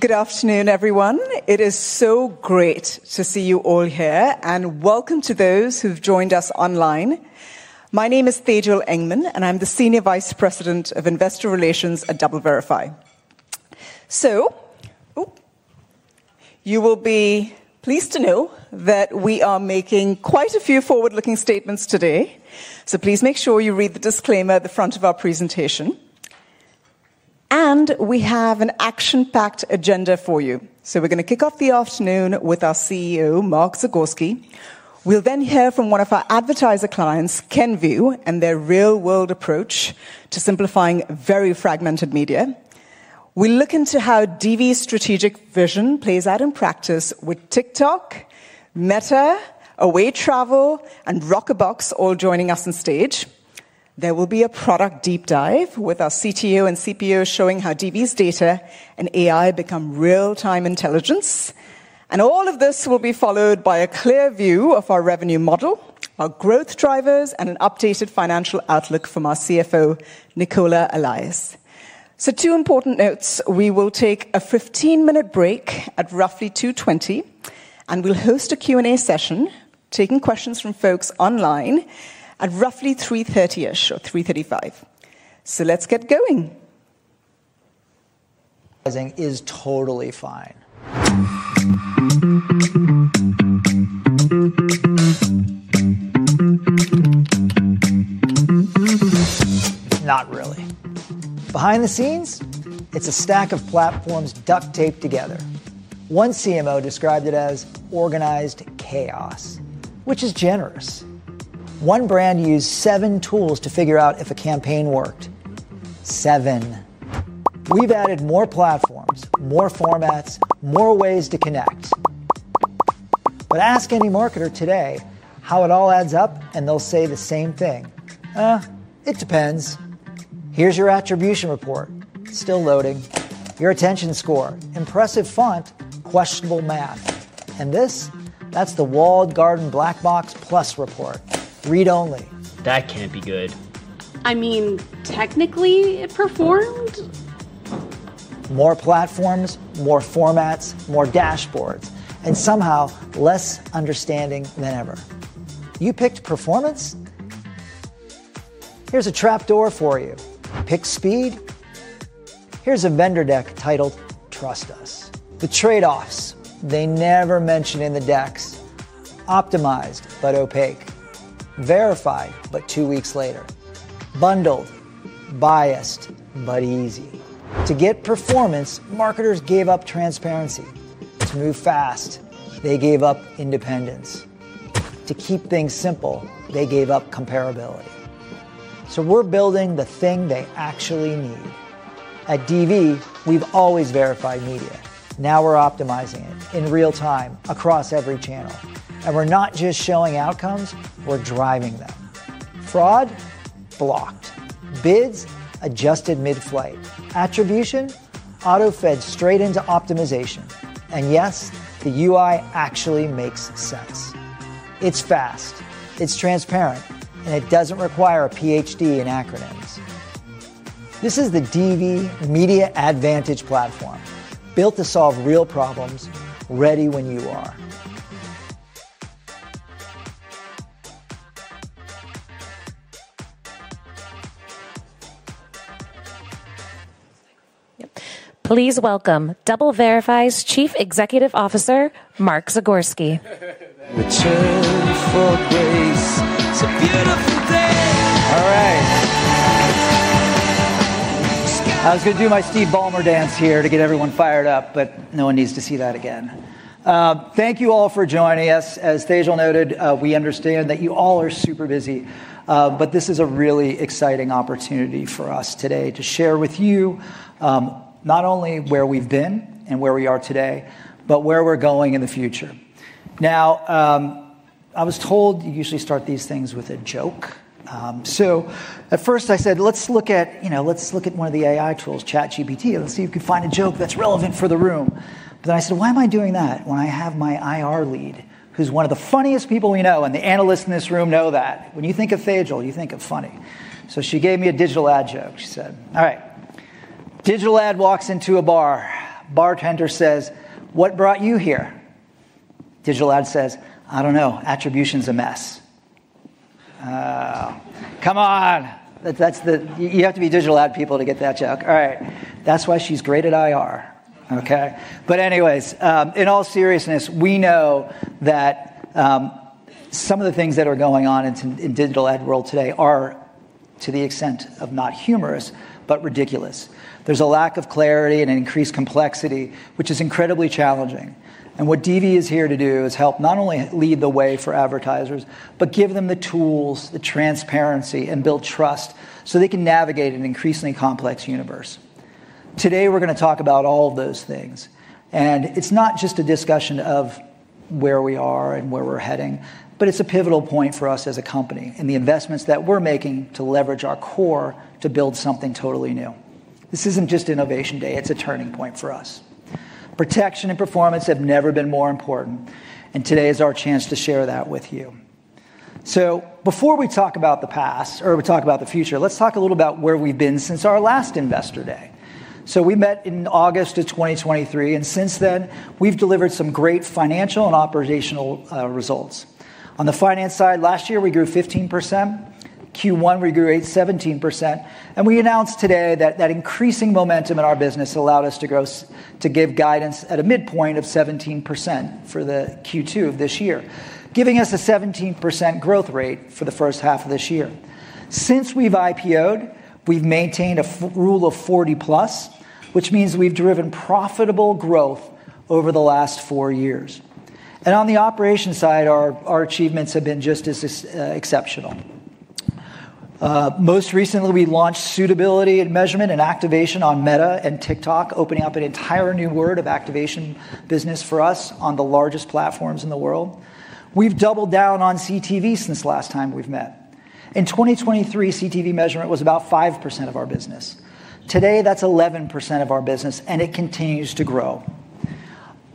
Good afternoon, everyone. It is so great to see you all here, and welcome to those who've joined us online. My name is Tejal Engman, and I'm the Senior Vice President of Investor Relations at DoubleVerify. You will be pleased to know that we are making quite a few forward-looking statements today, so please make sure you read the disclaimer at the front of our presentation. We have an action-packed agenda for you. We're going to kick off the afternoon with our CEO, Mark Zagorski. We'll then hear from one of our advertiser clients, Kenvue, and their real-world approach to simplifying very fragmented media. We'll look into how DV's strategic vision plays out in practice with TikTok, Meta, Away Travel, and Rockerbox all joining us on stage. There will be a product deep dive with our CTO and CPO showing how DV's data and AI become real-time intelligence. All of this will be followed by a clear view of our revenue model, our growth drivers, and an updated financial outlook from our CFO, Nicola Allais. Two important notes. We will take a 15-minute break at roughly 2:20 P.M., and we'll host a Q&A session taking questions from folks online at roughly 3:30 P.M. or 3:35 P.M. Let's get going. Is totally fine. Not really. Behind the scenes, it's a stack of platforms duct-taped together. One CMO described it as organized chaos, which is generous. One brand used seven tools to figure out if a campaign worked. Seven. We've added more platforms, more formats, more ways to connect. Ask any marketer today how it all adds up, and they'll say the same thing. It depends. Here's your attribution report. Still loading. Your attention score. Impressive font. Questionable math. This? That's the Walled Garden Black Box Plus report. Read only. That can't be good. I mean, technically, it performed. More platforms, more formats, more dashboards, and somehow less understanding than ever. You picked performance? Here's a trapdoor for you. Pick speed? Here's a vendor deck titled "Trust Us." The trade-offs they never mention in the decks: optimized, but opaque; verified, but two weeks later; bundled, biased, but easy. To get performance, marketers gave up transparency. To move fast, they gave up independence. To keep things simple, they gave up comparability. We are building the thing they actually need. At DV, we have always verified media. Now we are optimizing it in real time across every channel. We are not just showing outcomes; we are driving them. Fraud? Blocked. Bids? Adjusted mid-flight. Attribution? Auto-fed straight into optimization. Yes, the UI actually makes sense. It is fast, it is transparent, and it does not require a PhD in acronyms. This is the DV Media AdVantage Platform, built to solve real problems, ready when you are. Please welcome DoubleVerify's Chief Executive Officer, Mark Zagorski. All right. I was going to do my Steve Ballmer dance here to get everyone fired up, but no one needs to see that again. Thank you all for joining us. As Tejal noted, we understand that you all are super busy, but this is a really exciting opportunity for us today to share with you not only where we've been and where we are today, but where we're going in the future. Now, I was told you usually start these things with a joke. At first, I said, let's look at one of the AI tools, ChatGPT, and let's see if we can find a joke that's relevant for the room. But then I said, why am I doing that when I have my IR lead, who's one of the funniest people we know, and the analysts in this room know that? When you think of Tejal, you think of funny. So she gave me a digital ad joke. She said, all right, digital ad walks into a bar. Bartender says, what brought you here? Digital ad says, I don't know, attribution's a mess. Come on. You have to be digital ad people to get that joke. All right. That's why she's great at IR. Okay? Anyways, in all seriousness, we know that some of the things that are going on in the digital ad world today are, to the extent of not humorous, but ridiculous. There's a lack of clarity and increased complexity, which is incredibly challenging. What DV is here to do is help not only lead the way for advertisers, but give them the tools, the transparency, and build trust so they can navigate an increasingly complex universe. Today, we're going to talk about all of those things. It is not just a discussion of where we are and where we're heading, but it's a pivotal point for us as a company and the investments that we're making to leverage our core to build something totally new. This is not just Innovation Day. It's a turning point for us. Protection and performance have never been more important. Today is our chance to share that with you. Before we talk about the past or we talk about the future, let's talk a little about where we've been since our last Investor Day. We met in August of 2023, and since then, we've delivered some great financial and operational results. On the finance side, last year, we grew 15%. Q1, we grew 17%. We announced today that that increasing momentum in our business allowed us to give guidance at a midpoint of 17% for the Q2 of this year, giving us a 17% growth rate for the first half of this year. Since we've IPO'd, we've maintained a rule of 40+, which means we've driven profitable growth over the last four years. On the operations side, our achievements have been just as exceptional. Most recently, we launched suitability and measurement and activation on Meta and TikTok, opening up an entire new world of activation business for us on the largest platforms in the world. We've doubled down on CTV since the last time we've met. In 2023, CTV measurement was about 5% of our business. Today, that's 11% of our business, and it continues to grow.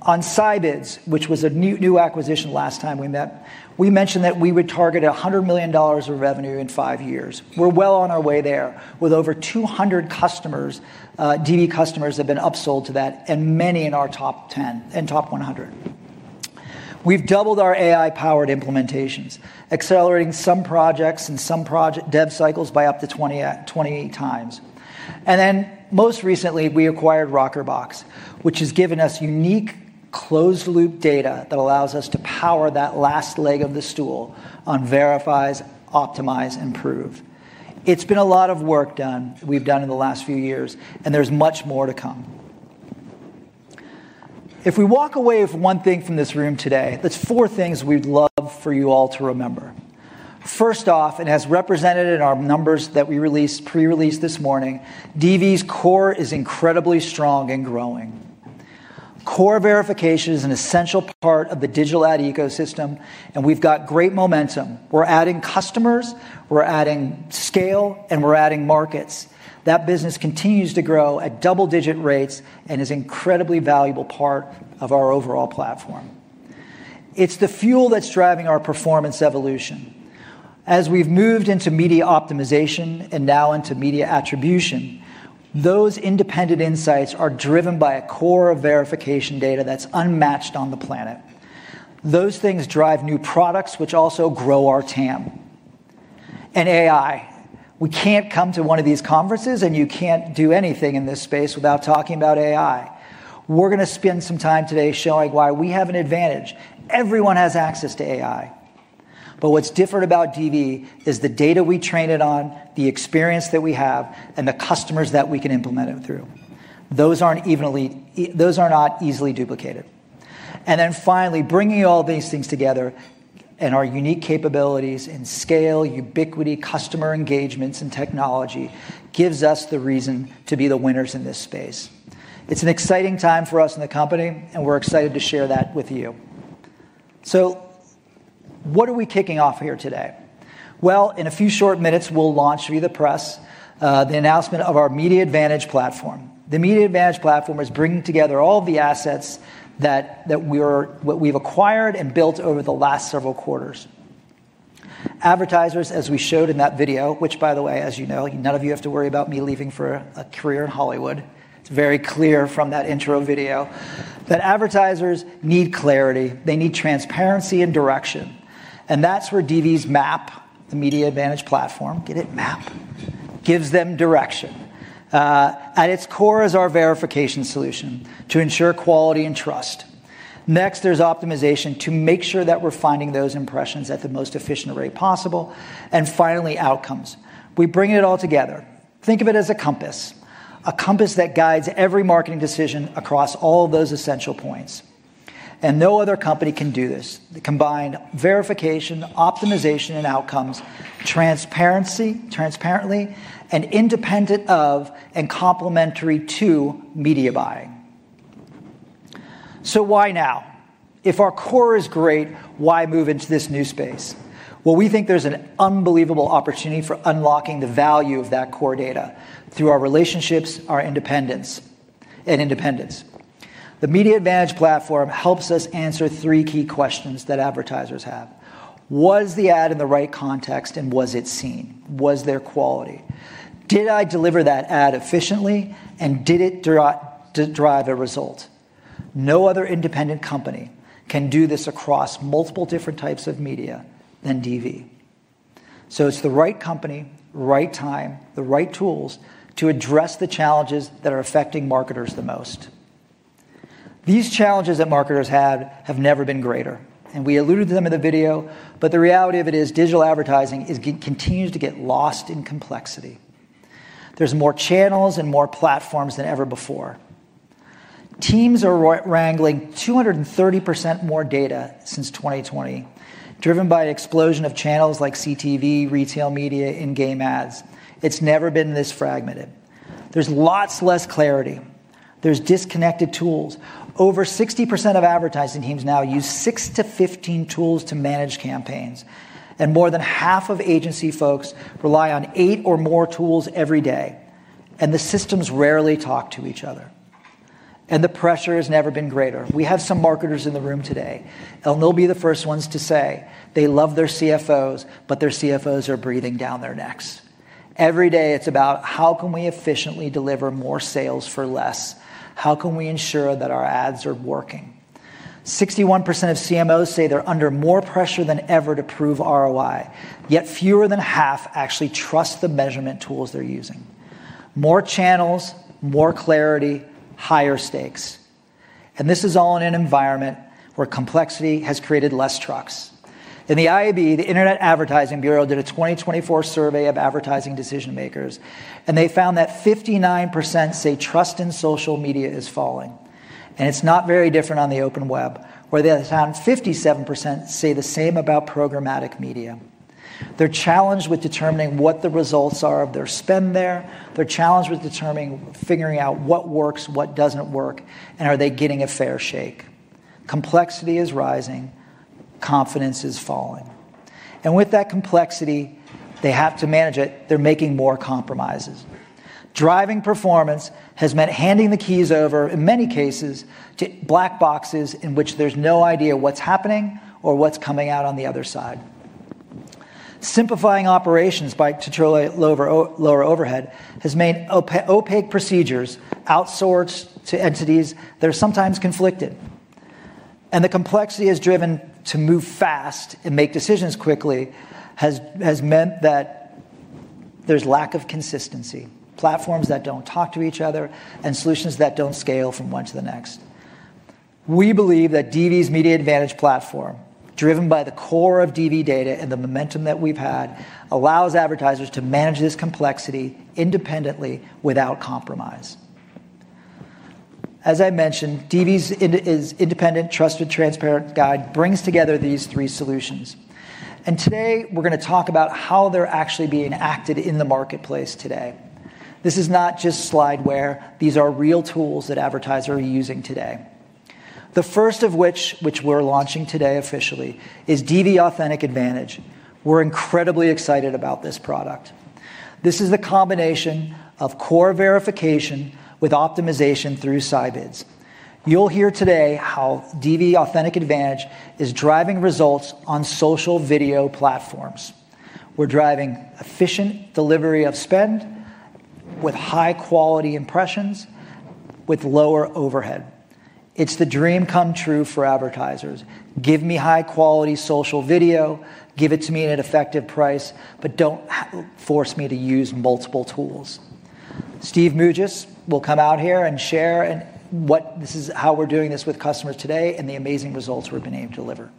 On Scibids, which was a new acquisition last time we met, we mentioned that we would target $100 million of revenue in five years. We're well on our way there with over 200 customers. DV customers have been upsold to that, and many in our top 10 and top 100. We've doubled our AI-powered implementations, accelerating some projects and some project dev cycles by up to 20x. Most recently, we acquired Rockerbox, which has given us unique closed-loop data that allows us to power that last leg of the stool on verifies, optimize, improve. It's been a lot of work done that we've done in the last few years, and there's much more to come. If we walk away with one thing from this room today, there's four things we'd love for you all to remember. First off, and as represented in our numbers that we released, pre-released this morning, DV's core is incredibly strong and growing. Core verification is an essential part of the digital ad ecosystem, and we've got great momentum. We're adding customers, we're adding scale, and we're adding markets. That business continues to grow at double-digit rates and is an incredibly valuable part of our overall platform. It's the fuel that's driving our performance evolution. As we've moved into media optimization and now into media attribution, those independent insights are driven by a core of verification data that's unmatched on the planet. Those things drive new products, which also grow our TAM. And AI. We can't come to one of these conferences, and you can't do anything in this space without talking about AI. We're going to spend some time today showing why we have an advantage. Everyone has access to AI. What's different about DV is the data we train it on, the experience that we have, and the customers that we can implement it through. Those aren't easily duplicated. Finally, bringing all these things together and our unique capabilities and scale, Ubiquity, customer engagements, and technology gives us the reason to be the winners in this space. It's an exciting time for us in the company, and we're excited to share that with you. What are we kicking off here today? In a few short minutes, we'll launch via the press the announcement of our Media AdVantage Platform. The Media AdVantage Platform is bringing together all of the assets that we've acquired and built over the last several quarters. Advertisers, as we showed in that video, which, by the way, as you know, none of you have to worry about me leaving for a career in Hollywood. It's very clear from that intro video that advertisers need clarity. They need transparency and direction. That is where DV's MAP, the Media AdVantage Platform, get it, MAP, gives them direction. At its core is our verification solution to ensure quality and trust. Next, there's optimization to make sure that we're finding those impressions at the most efficient rate possible. Finally, outcomes. We bring it all together. Think of it as a compass, a compass that guides every marketing decision across all of those essential points. No other company can do this. Combine verification, optimization, and outcomes, transparently, and independent of and complementary to media buying. So why now? If our core is great, why move into this new space? We think there's an unbelievable opportunity for unlocking the value of that core data through our relationships, our independence, and independence. The Media AdVantage Platform helps us answer three key questions that advertisers have. Was the ad in the right context and was it seen? Was there quality? Did I deliver that ad efficiently, and did it drive a result? No other independent company can do this across multiple different types of media than DV. It is the right company, right time, the right tools to address the challenges that are affecting marketers the most. These challenges that marketers have have never been greater. We alluded to them in the video, but the reality of it is digital advertising continues to get lost in complexity. There are more channels and more platforms than ever before. Teams are wrangling 230% more data since 2020, driven by an explosion of channels like CTV, retail media, and game ads. It has never been this fragmented. There is a lot less clarity. There are disconnected tools. Over 60% of advertising teams now use 6-15 tools to manage campaigns. More than half of agency folks rely on eight or more tools every day. The systems rarely talk to each other. The pressure has never been greater. We have some marketers in the room today, and they will be the first ones to say they love their CFOs, but their CFOs are breathing down their necks. Every day, it is about how can we efficiently deliver more sales for less? How can we ensure that our ads are working? 61% of CMOs say they're under more pressure than ever to prove ROI, yet fewer than half actually trust the measurement tools they're using. More channels, more clarity, higher stakes. This is all in an environment where complexity has created less trust. In the IAB, the Internet Advertising Bureau did a 2024 survey of advertising decision-makers, and they found that 59% say trust in social media is falling. It is not very different on the OpenWeb, where they found 57% say the same about programmatic media. They're challenged with determining what the results are of their spend there. They're challenged with determining, figuring out what works, what doesn't work, and are they getting a fair shake? Complexity is rising. Confidence is falling. With that complexity, they have to manage it. They're making more compromises. Driving performance has meant handing the keys over, in many cases, to black boxes in which there's no idea what's happening or what's coming out on the other side. Simplifying operations by too low an overhead has made opaque procedures outsourced to entities that are sometimes conflicted. The complexity has driven to move fast and make decisions quickly has meant that there's lack of consistency, platforms that do not talk to each other, and solutions that do not scale from one to the next. We believe that DV's Media AdVantage Platform, driven by the core of DV data and the momentum that we've had, allows advertisers to manage this complexity independently without compromise. As I mentioned, DV's independent, trusted, transparent guide brings together these three solutions. Today, we're going to talk about how they're actually being acted in the marketplace today. This is not just slideware. These are real tools that advertisers are using today. The first of which, which we're launching today officially, is DV Authentic AdVantage. We're incredibly excited about this product. This is the combination of core verification with optimization through Scibids. You'll hear today how DV Authentic AdVantage is driving results on social video platforms. We're driving efficient delivery of spend with high-quality impressions with lower overhead. It's the dream come true for advertisers. Give me high-quality social video. Give it to me at an effective price, but don't force me to use multiple tools. Steve Mougis will come out here and share how we're doing this with customers today and the amazing results we're being able to deliver.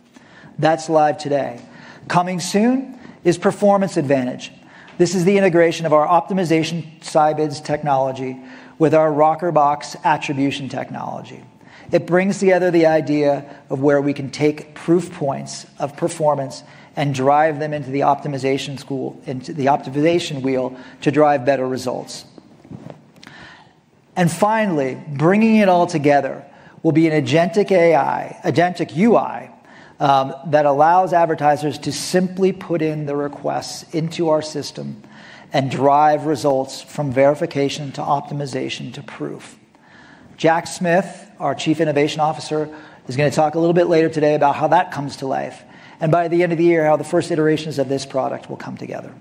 That's live today. Coming soon is Performance AdVantage. This is the integration of our optimization Scibids technology with our Rockerbox attribution technology. It brings together the idea of where we can take proof points of performance and drive them into the optimization wheel to drive better results. Finally, bringing it all together will be an agentic UI that allows advertisers to simply put in the requests into our system and drive results from verification to optimization to proof. Jack Smith, our Chief Innovation Officer, is going to talk a little bit later today about how that comes to life. By the end of the year, how the first iterations of this product will come together.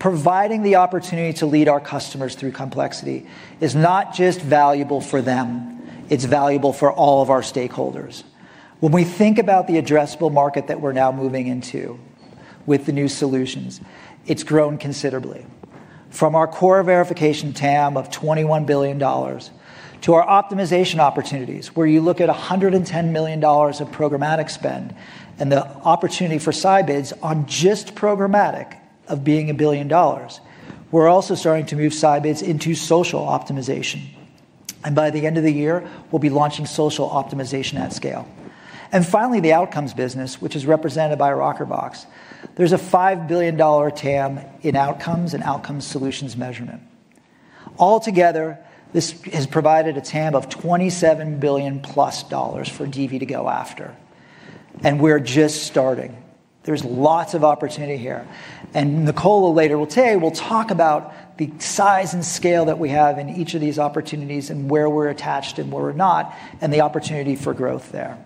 Providing the opportunity to lead our customers through complexity is not just valuable for them. It is valuable for all of our stakeholders. When we think about the addressable market that we are now moving into with the new solutions, it has grown considerably. From our core verification TAM of $21 billion to our optimization opportunities, where you look at $110 million of programmatic spend and the opportunity for Scibids on just programmatic of being a billion dollars, we're also starting to move Scibids into social optimization. By the end of the year, we'll be launching social optimization at scale. Finally, the outcomes business, which is represented by Rockerbox. There's a $5 billion TAM in outcomes and outcome solutions measurement. Altogether, this has provided a TAM of $27 billion for DV to go after. We're just starting. There's lots of opportunity here. Nicola later will tell you, we'll talk about the size and scale that we have in each of these opportunities and where we're attached and where we're not, and the opportunity for growth there.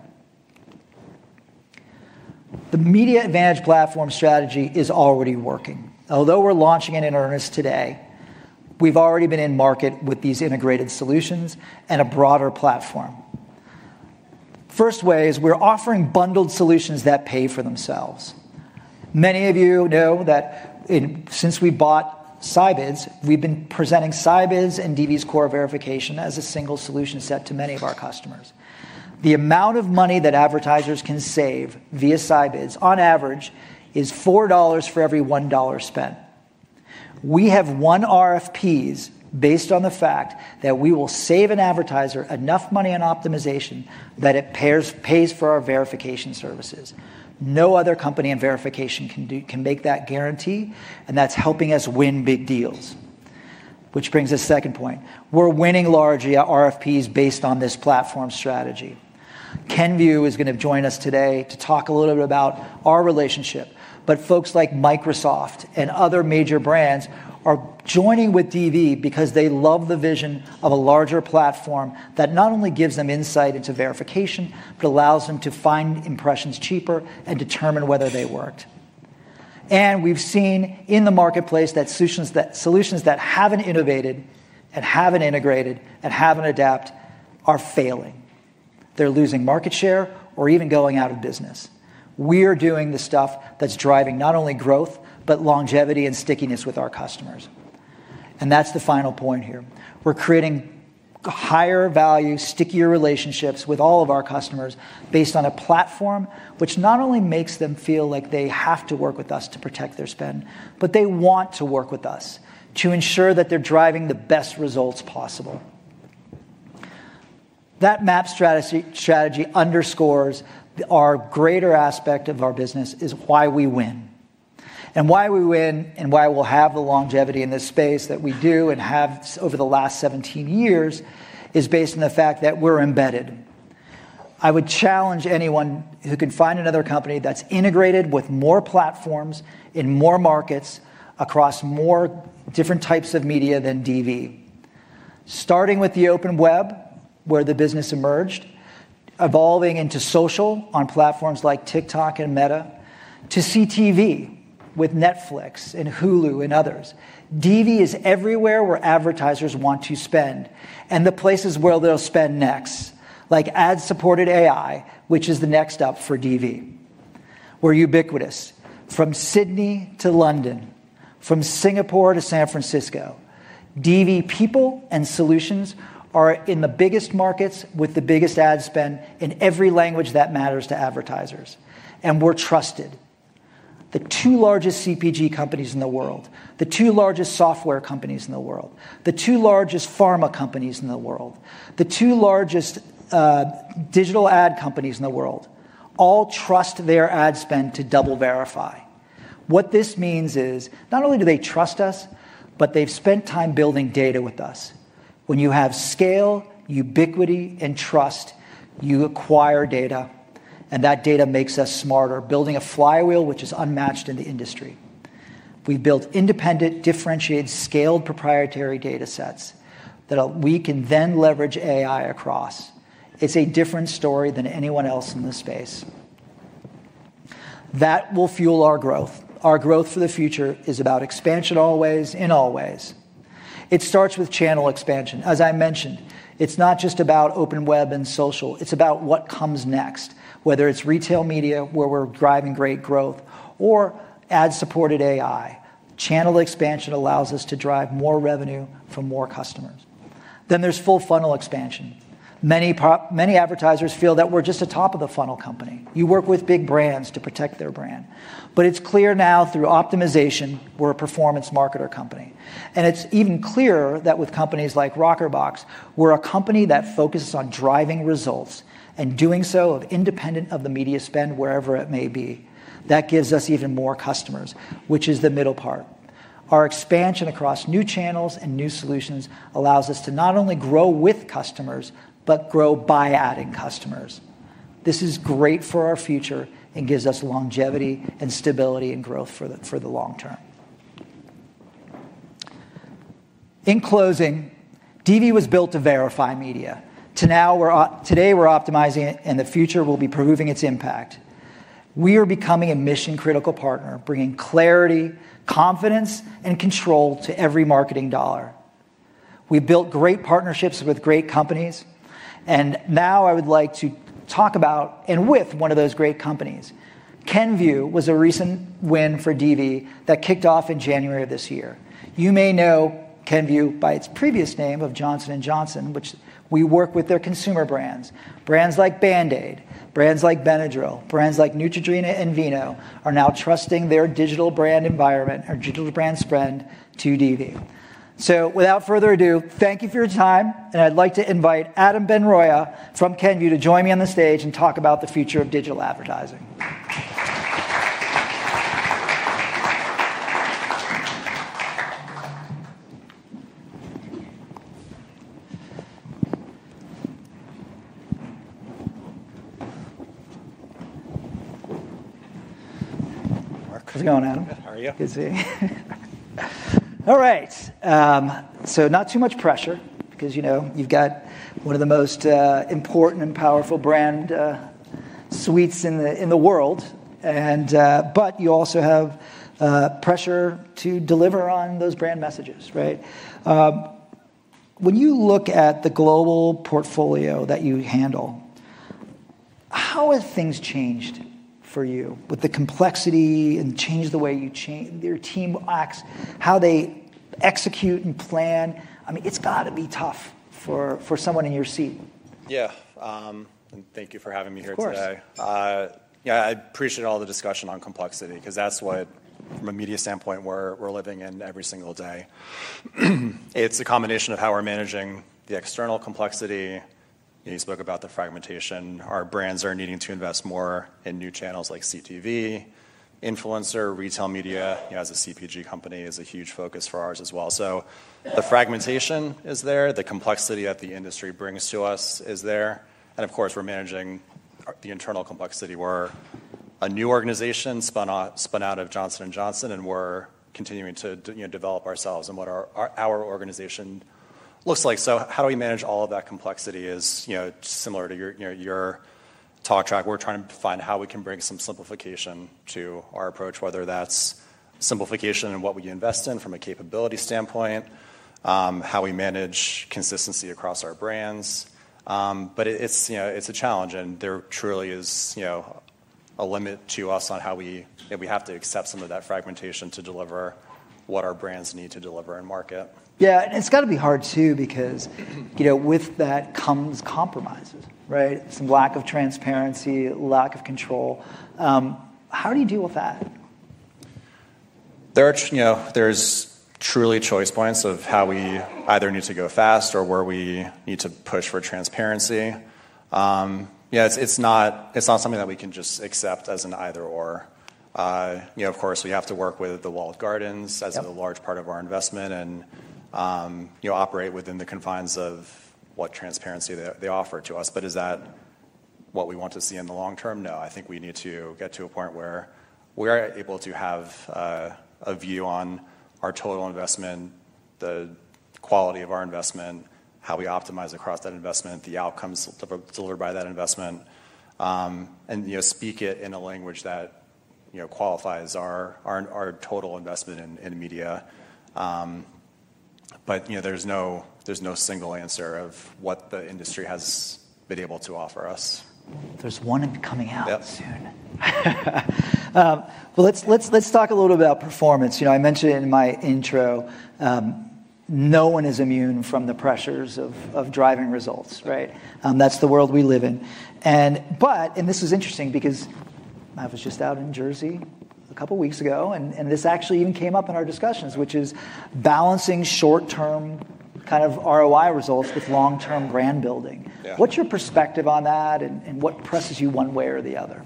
The Media AdVantage Platform strategy is already working. Although we're launching it in earnest today, we've already been in market with these integrated solutions and a broader platform. First way is we're offering bundled solutions that pay for themselves. Many of you know that since we bought Scibids, we've been presenting Scibids and DV's core verification as a single solution set to many of our customers. The amount of money that advertisers can save via Scibids on average is $4 for every $1 spent. We have won RFPs based on the fact that we will save an advertiser enough money on optimization that it pays for our verification services. No other company in verification can make that guarantee, and that's helping us win big deals, which brings us to the second point. We're winning large RFPs based on this platform strategy. Kenvue is going to join us today to talk a little bit about our relationship. Folks like Microsoft and other major brands are joining with DV because they love the vision of a larger platform that not only gives them insight into verification, but allows them to find impressions cheaper and determine whether they worked. We have seen in the marketplace that solutions that have not innovated and have not integrated and have not adapted are failing. They are losing market share or even going out of business. We are doing the stuff that is driving not only growth, but longevity and stickiness with our customers. That is the final point here. We are creating higher value, stickier relationships with all of our customers based on a platform which not only makes them feel like they have to work with us to protect their spend, but they want to work with us to ensure that they are driving the best results possible. That MAP strategy underscores our greater aspect of our business is why we win. Why we win and why we'll have the longevity in this space that we do and have over the last 17 years is based on the fact that we're embedded. I would challenge anyone who can find another company that's integrated with more platforms in more markets across more different types of media than DV. Starting with the OpenWeb, where the business emerged, evolving into social on platforms like TikTok and Meta, to CTV with Netflix and Hulu and others. DV is everywhere where advertisers want to spend and the places where they'll spend next, like ad-supported AI, which is the next up for DV. We're ubiquitous. From Sydney to London, from Singapore to San Francisco, DV people and solutions are in the biggest markets with the biggest ad spend in every language that matters to advertisers. We are trusted. The two largest CPG companies in the world, the two largest software companies in the world, the two largest pharma companies in the world, the two largest digital ad companies in the world all trust their ad spend to DoubleVerify. What this means is not only do they trust us, but they have spent time building data with us. When you have scale, ubiquity, and trust, you acquire data, and that data makes us smarter, building a flywheel which is unmatched in the industry. We have built independent, differentiated, scaled proprietary data sets that we can then leverage AI across. It is a different story than anyone else in the space. That will fuel our growth. Our growth for the future is about expansion always in all ways. It starts with channel expansion. As I mentioned, it's not just about OpenWeb and social. It's about what comes next, whether it's retail media, where we're driving great growth, or ad-supported AI. Channel expansion allows us to drive more revenue from more customers. There is full funnel expansion. Many advertisers feel that we're just the top of the funnel company. You work with big brands to protect their brand. It is clear now through optimization, we're a performance marketer company. It is even clearer that with companies like Rockerbox, we're a company that focuses on driving results and doing so independent of the media spend, wherever it may be. That gives us even more customers, which is the middle part. Our expansion across new channels and new solutions allows us to not only grow with customers, but grow by adding customers. This is great for our future and gives us longevity and stability and growth for the long term. In closing, DV was built to verify media. Today, we're optimizing it, and the future will be proving its impact. We are becoming a mission-critical partner, bringing clarity, confidence, and control to every marketing dollar. We've built great partnerships with great companies. I would like to talk about and with one of those great companies. Kenvue was a recent win for DV that kicked off in January of this year. You may know Kenvue by its previous name of Johnson & Johnson, which we work with their consumer brands. Brands like Band-Aid, brands like Benadryl, brands like Neutrogena and Aveeno are now trusting their digital brand environment, their digital brand spend to DoubleVerify. Without further ado, thank you for your time. I'd like to invite Adam Benaroya from Kenvue to join me on the stage and talk about the future of digital advertising. How's it going, Adam? Good. How are you? Good to see you. All right. Not too much pressure because you've got one of the most important and powerful brand suites in the world. You also have pressure to deliver on those brand messages, right? When you look at the global portfolio that you handle, how have things changed for you with the complexity and changed the way your team acts, how they execute and plan? I mean, it's got to be tough for someone in your seat. Yeah. Thank you for having me here today. Of course. Yeah, I appreciate all the discussion on complexity because that's what, from a media standpoint, we're living in every single day. It's a combination of how we're managing the external complexity. You spoke about the fragmentation. Our brands are needing to invest more in new channels like CTV, influencer, retail media. As a CPG company, it's a huge focus for ours as well. The fragmentation is there. The complexity that the industry brings to us is there. Of course, we're managing the internal complexity. We're a new organization spun out of Johnson & Johnson, and we're continuing to develop ourselves and what our organization looks like. How do we manage all of that complexity is similar to your talk track. We're trying to find how we can bring some simplification to our approach, whether that's simplification in what we invest in from a capability standpoint, how we manage consistency across our brands. It's a challenge, and there truly is a limit to us on how we have to accept some of that fragmentation to deliver what our brands need to deliver and market. Yeah. It's got to be hard too because with that comes compromises, right? Some lack of transparency, lack of control. How do you deal with that? There's truly choice points of how we either need to go fast or where we need to push for transparency. Yeah, it's not something that we can just accept as an either/or. Of course, we have to work with the Walled Gardens as a large part of our investment and operate within the confines of what transparency they offer to us. Is that what we want to see in the long term? No. I think we need to get to a point where we are able to have a view on our total investment, the quality of our investment, how we optimize across that investment, the outcomes delivered by that investment, and speak it in a language that qualifies our total investment in media. There is no single answer of what the industry has been able to offer us. There is one coming out soon. Let's talk a little bit about performance. I mentioned it in my intro. No one is immune from the pressures of driving results, right? That's the world we live in. This is interesting because I was just out in New Jersey a couple of weeks ago, and this actually even came up in our discussions, which is balancing short-term kind of ROI results with long-term brand building. What's your perspective on that, and what presses you one way or the other?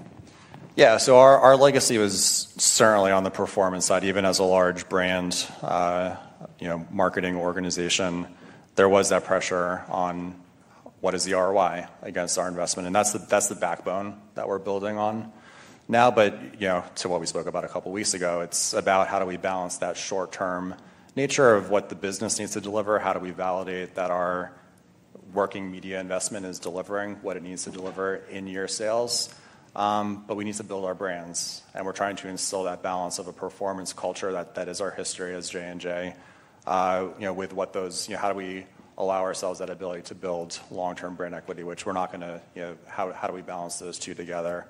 Yeah. Our legacy was certainly on the performance side. Even as a large brand marketing organization, there was that pressure on what is the ROI against our investment. That's the backbone that we're building on now. To what we spoke about a couple of weeks ago, it's about how do we balance that short-term nature of what the business needs to deliver? How do we validate that our working media investment is delivering what it needs to deliver in your sales? We need to build our brands. We're trying to instill that balance of a performance culture that is our history as J&J with how do we allow ourselves that ability to build long-term brand equity, which we're not going to. How do we balance those two together?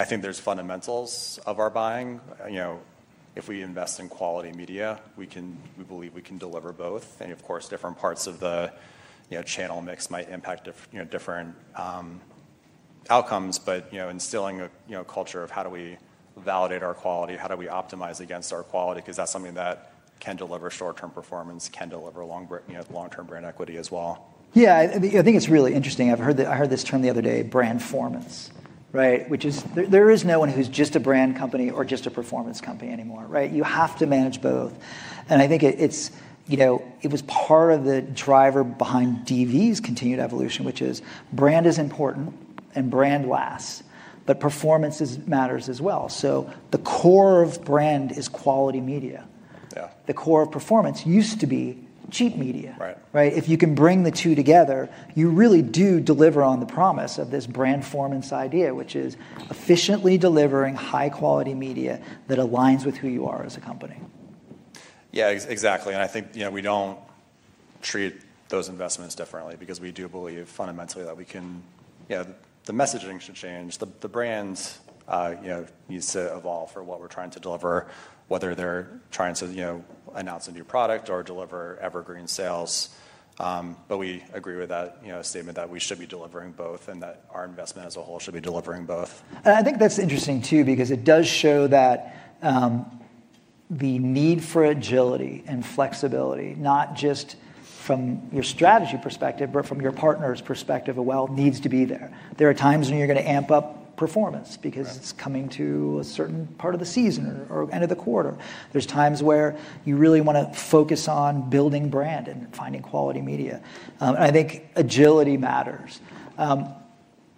I think there's fundamentals of our buying. If we invest in quality media, we believe we can deliver both. Of course, different parts of the channel mix might impact different outcomes. Instilling a culture of how do we validate our quality, how do we optimize against our quality, because that's something that can deliver short-term performance, can deliver long-term brand equity as well. Yeah. I think it's really interesting. I heard this term the other day, brandformance, right? There is no one who's just a brand company or just a performance company anymore, right? You have to manage both. I think it was part of the driver behind DV's continued evolution, which is brand is important and brand lasts, but performance matters as well. The core of brand is quality media. The core of performance used to be cheap media, right? If you can bring the two together, you really do deliver on the promise of this brandformance idea, which is efficiently delivering high-quality media that aligns with who you are as a company. Yeah, exactly. I think we do not treat those investments differently because we do believe fundamentally that the messaging should change. The brand needs to evolve for what we are trying to deliver, whether they are trying to announce a new product or deliver evergreen sales. We agree with that statement that we should be delivering both and that our investment as a whole should be delivering both. I think that's interesting too because it does show that the need for agility and flexibility, not just from your strategy perspective, but from your partner's perspective, needs to be there. There are times when you're going to amp up performance because it's coming to a certain part of the season or end of the quarter. There are times where you really want to focus on building brand and finding quality media. I think agility matters.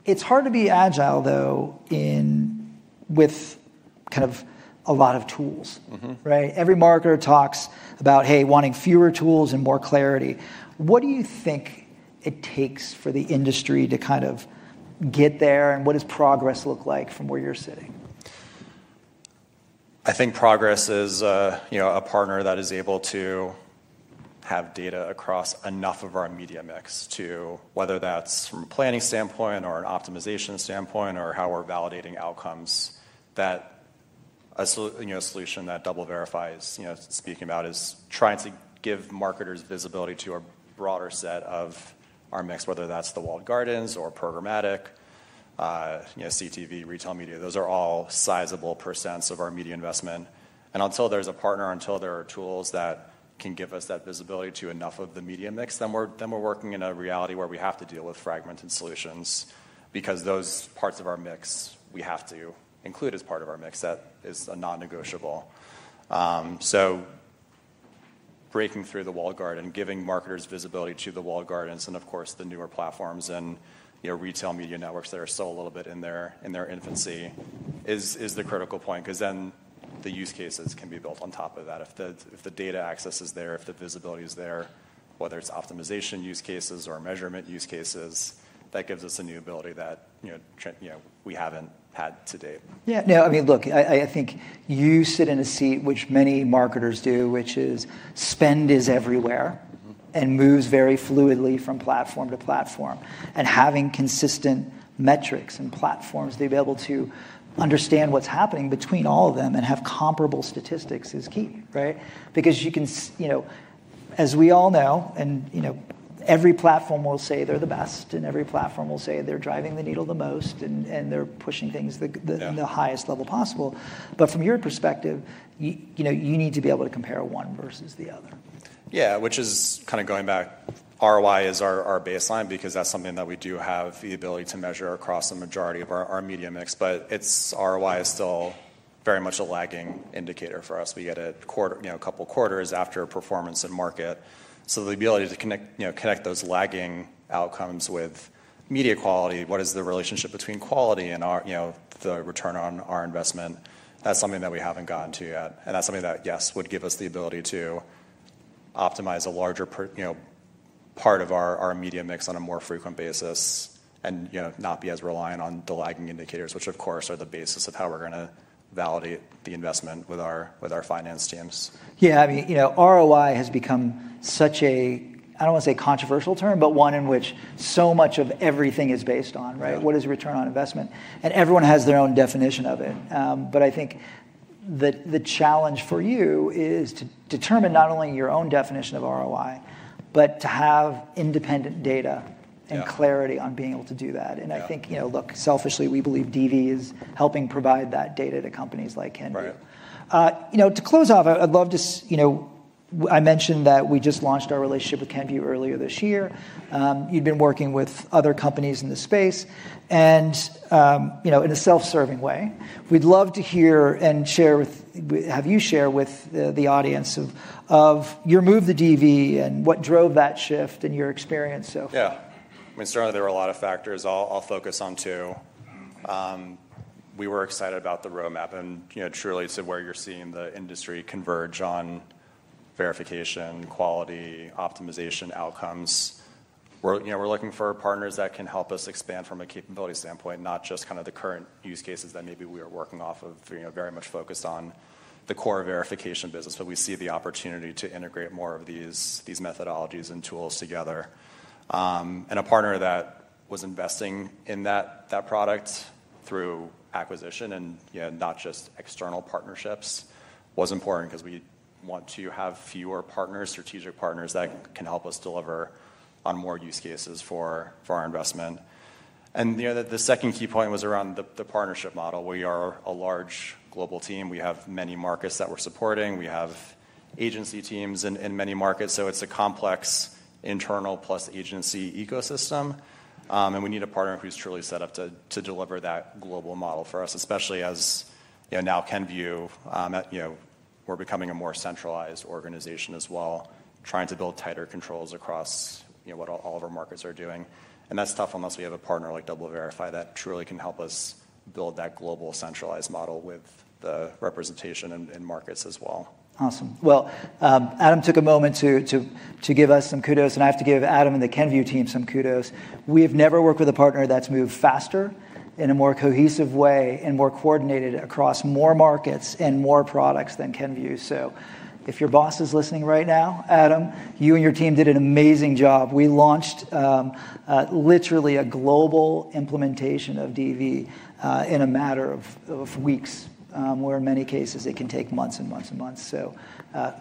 It's hard to be agile, though, with kind of a lot of tools, right? Every marketer talks about, hey, wanting fewer tools and more clarity. What do you think it takes for the industry to kind of get there? What does progress look like from where you're sitting? I think progress is a partner that is able to have data across enough of our media mix to, whether that's from a planning standpoint or an optimization standpoint or how we're validating outcomes, that a solution that DoubleVerify is speaking about is trying to give marketers visibility to a broader set of our mix, whether that's the Walled Gardens or programmatic, CTV, retail media. Those are all sizable percents of our media investment. Until there's a partner, until there are tools that can give us that visibility to enough of the media mix, we're working in a reality where we have to deal with fragmented solutions because those parts of our mix we have to include as part of our mix. That is a non-negotiable. Breaking through the Walled Garden, giving marketers visibility to the Walled Gardens and, of course, the newer platforms and retail media networks that are still a little bit in their infancy is the critical point because then the use cases can be built on top of that. If the data access is there, if the visibility is there, whether it's optimization use cases or measurement use cases, that gives us a new ability that we have not had to date. Yeah. No, I mean, look, I think you sit in a seat, which many marketers do, which is spend is everywhere and moves very fluidly from platform to platform. Having consistent metrics and platforms to be able to understand what's happening between all of them and have comparable statistics is key, right? Because you can, as we all know, and every platform will say they're the best, and every platform will say they're driving the needle the most, and they're pushing things to the highest level possible. From your perspective, you need to be able to compare one vs the other. Yeah, which is kind of going back. ROI is our baseline because that's something that we do have the ability to measure across the majority of our media mix. ROI is still very much a lagging indicator for us. We get a couple of quarters after performance and market. The ability to connect those lagging outcomes with media quality, what is the relationship between quality and the return on our investment? That's something that we haven't gotten to yet. That is something that, yes, would give us the ability to optimize a larger part of our media mix on a more frequent basis and not be as reliant on the lagging indicators, which, of course, are the basis of how we are going to validate the investment with our finance teams. Yeah. I mean, ROI has become such a, I do not want to say controversial term, but one in which so much of everything is based on, right? What is return on investment? Everyone has their own definition of it. I think the challenge for you is to determine not only your own definition of ROI, but to have independent data and clarity on being able to do that. I think, look, selfishly, we believe DV is helping provide that data to companies like Kenvue. To close off, I'd love to, I mentioned that we just launched our relationship with Kenvue earlier this year. You've been working with other companies in the space. In a self-serving way, we'd love to hear and share with, have you share with the audience of your move to DV and what drove that shift and your experience so far. Yeah. I mean, certainly there are a lot of factors. I'll focus on two. We were excited about the roadmap and truly to where you're seeing the industry converge on verification, quality, optimization, outcomes. We're looking for partners that can help us expand from a capability standpoint, not just kind of the current use cases that maybe we are working off of, very much focused on the core verification business, but we see the opportunity to integrate more of these methodologies and tools together. A partner that was investing in that product through acquisition and not just external partnerships was important because we want to have fewer partners, strategic partners that can help us deliver on more use cases for our investment. The second key point was around the partnership model. We are a large global team. We have many markets that we're supporting. We have agency teams in many markets. It is a complex internal plus agency ecosystem. We need a partner who's truly set up to deliver that global model for us, especially as now Kenvue, we're becoming a more centralized organization as well, trying to build tighter controls across what all of our markets are doing. That is tough unless we have a partner like DoubleVerify that truly can help us build that global centralized model with the representation in markets as well. Awesome. Adam took a moment to give us some kudos. I have to give Adam and the Kenvue team some kudos. We have never worked with a partner that's moved faster in a more cohesive way and more coordinated across more markets and more products than Kenvue. If your boss is listening right now, Adam, you and your team did an amazing job. We launched literally a global implementation of DV in a matter of weeks, where in many cases, it can take months and months and months.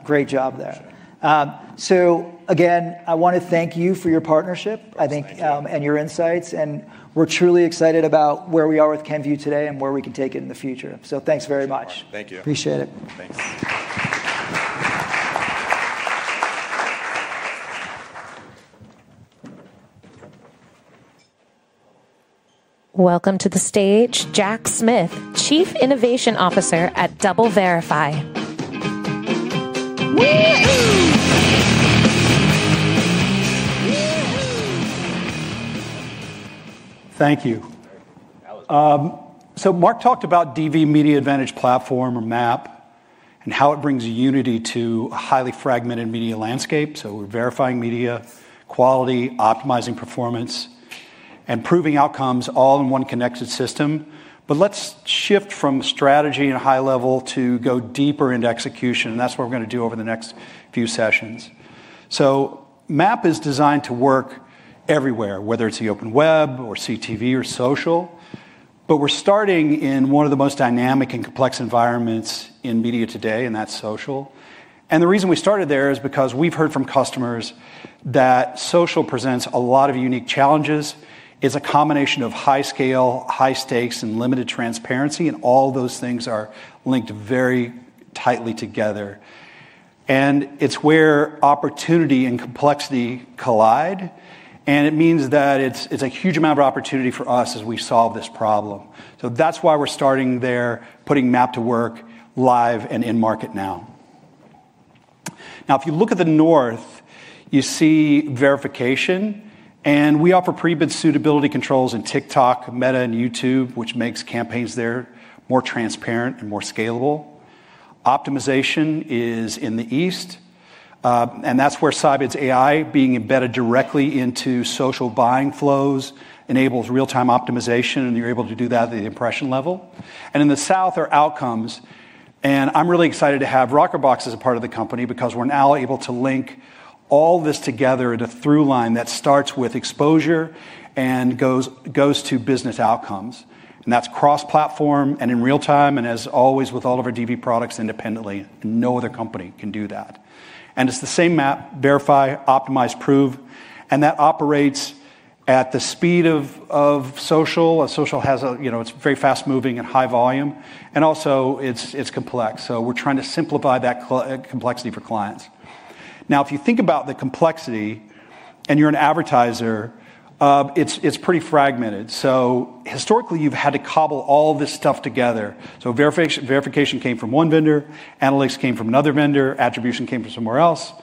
Great job there. Again, I want to thank you for your partnership, I think, and your insights. We are truly excited about where we are with Kenvue today and where we can take it in the future. Thanks very much. Thank you. Appreciate it. Thanks. Welcome to the stage, Jack Smith, Chief Innovation Officer at DoubleVerify. Thank you. Mark talked about DV Media AdVantage Platform or MAP and how it brings unity to a highly fragmented media landscape. We are verifying media quality, optimizing performance, and proving outcomes all in one connected system. Let's shift from strategy and high level to go deeper into execution. That is what we are going to do over the next few sessions. MAP is designed to work everywhere, whether it is the OpenWeb, CTV, or social. We are starting in one of the most dynamic and complex environments in media today, and that is social. The reason we started there is because we have heard from customers that social presents a lot of unique challenges. It is a combination of high scale, high stakes, and limited transparency. All those things are linked very tightly together. It is where opportunity and complexity collide. It means that it is a huge amount of opportunity for us as we solve this problem. That is why we are starting there, putting MAP to work live and in market now. If you look at the north, you see verification. We offer pre-bid suitability controls in TikTok, Meta, and YouTube, which makes campaigns there more transparent and more scalable. Optimization is in the east. That is where Scibids AI, being embedded directly into social buying flows, enables real-time optimization. You are able to do that at the impression level. In the south are outcomes. I am really excited to have Rockerbox as a part of the company because we are now able to link all this together in a through line that starts with exposure and goes to business outcomes. That is cross-platform and in real time. As always, with all of our DV products independently, no other company can do that. It's the same MAP: verify, optimize, prove. That operates at the speed of social. Social is very fast-moving and high volume. Also, it's complex. We're trying to simplify that complexity for clients. Now, if you think about the complexity and you're an advertiser, it's pretty fragmented. Historically, you've had to cobble all this stuff together. Verification came from one vendor, analytics came from another vendor, attribution came from somewhere else.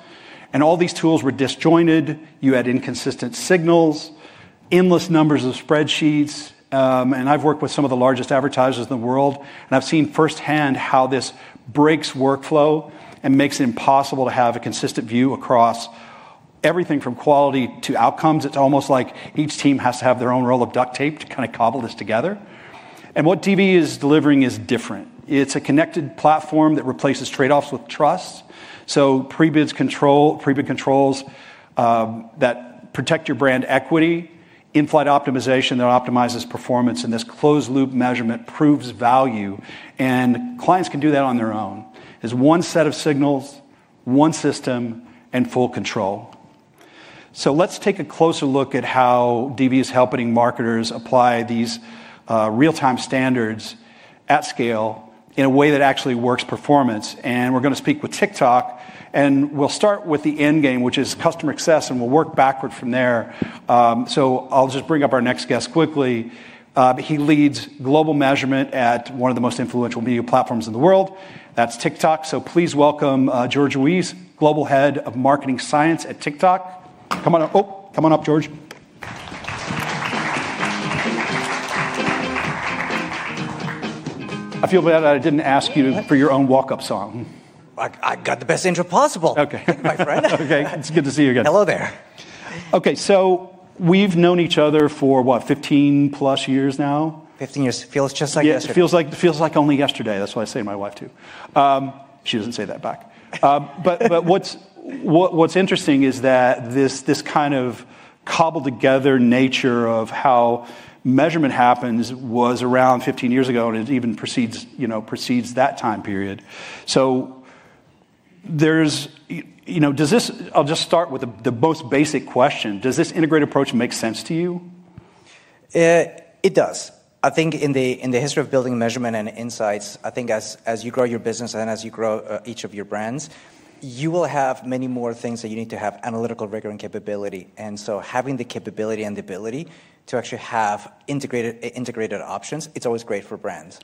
All these tools were disjointed. You had inconsistent signals, endless numbers of spreadsheets. I've worked with some of the largest advertisers in the world. I've seen firsthand how this breaks workflow and makes it impossible to have a consistent view across everything from quality to outcomes. It's almost like each team has to have their own roll of duct tape to kind of cobble this together. What DV is delivering is different. It's a connected platform that replaces trade-offs with trust. Pre-bid controls that protect your brand equity, in-flight optimization that optimizes performance. This closed-loop measurement proves value. Clients can do that on their own. It's one set of signals, one system, and full control. Let's take a closer look at how DV is helping marketers apply these real-time standards at scale in a way that actually works performance. We're going to speak with TikTok. We'll start with the end game, which is customer access, and we'll work backward from there. I'll just bring up our next guest quickly. He leads global measurement at one of the most influential media platforms in the world. That's TikTok. Please welcome Jorge Ruiz, Global Head of Marketing Science at TikTok. Come on up, Jorge. I feel bad I did not ask you for your own walk-up song. I got the best intro possible, my friend. Okay. It is good to see you again. Hello there. Okay. We have known each other for, what, 15-plus years now? Fifteen years. Feels just like yesterday. It feels like only yesterday. That is what I say to my wife too. She does not say that back. What is interesting is that this kind of cobbled-together nature of how measurement happens was around 15 years ago and it even precedes that time period. I will just start with the most basic question. Does this integrated approach make sense to you? It does. I think in the history of building measurement and insights, I think as you grow your business and as you grow each of your brands, you will have many more things that you need to have analytical rigor and capability. And so having the capability and the ability to actually have integrated options, it's always great for brands.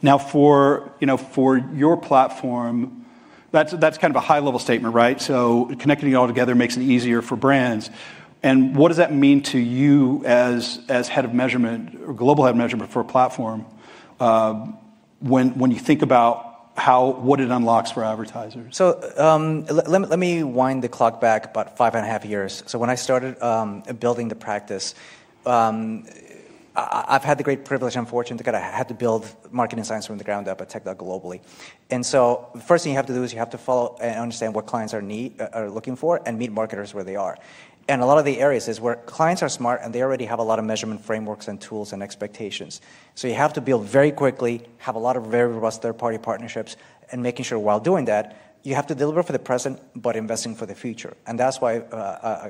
Now, for your platform, that's kind of a high-level statement, right? Connecting it all together makes it easier for brands. What does that mean to you as Head of Measurement or Global Head of Measurement for a platform when you think about what it unlocks for advertisers? Let me wind the clock back about 5.5 years. When I started building the practice, I've had the great privilege and fortune to have to build marketing science from the ground up at TikTok globally. The first thing you have to do is you have to follow and understand what clients are looking for and meet marketers where they are. A lot of the areas is where clients are smart and they already have a lot of measurement frameworks and tools and expectations. You have to build very quickly, have a lot of very robust third-party partnerships, and making sure while doing that, you have to deliver for the present but investing for the future. That is why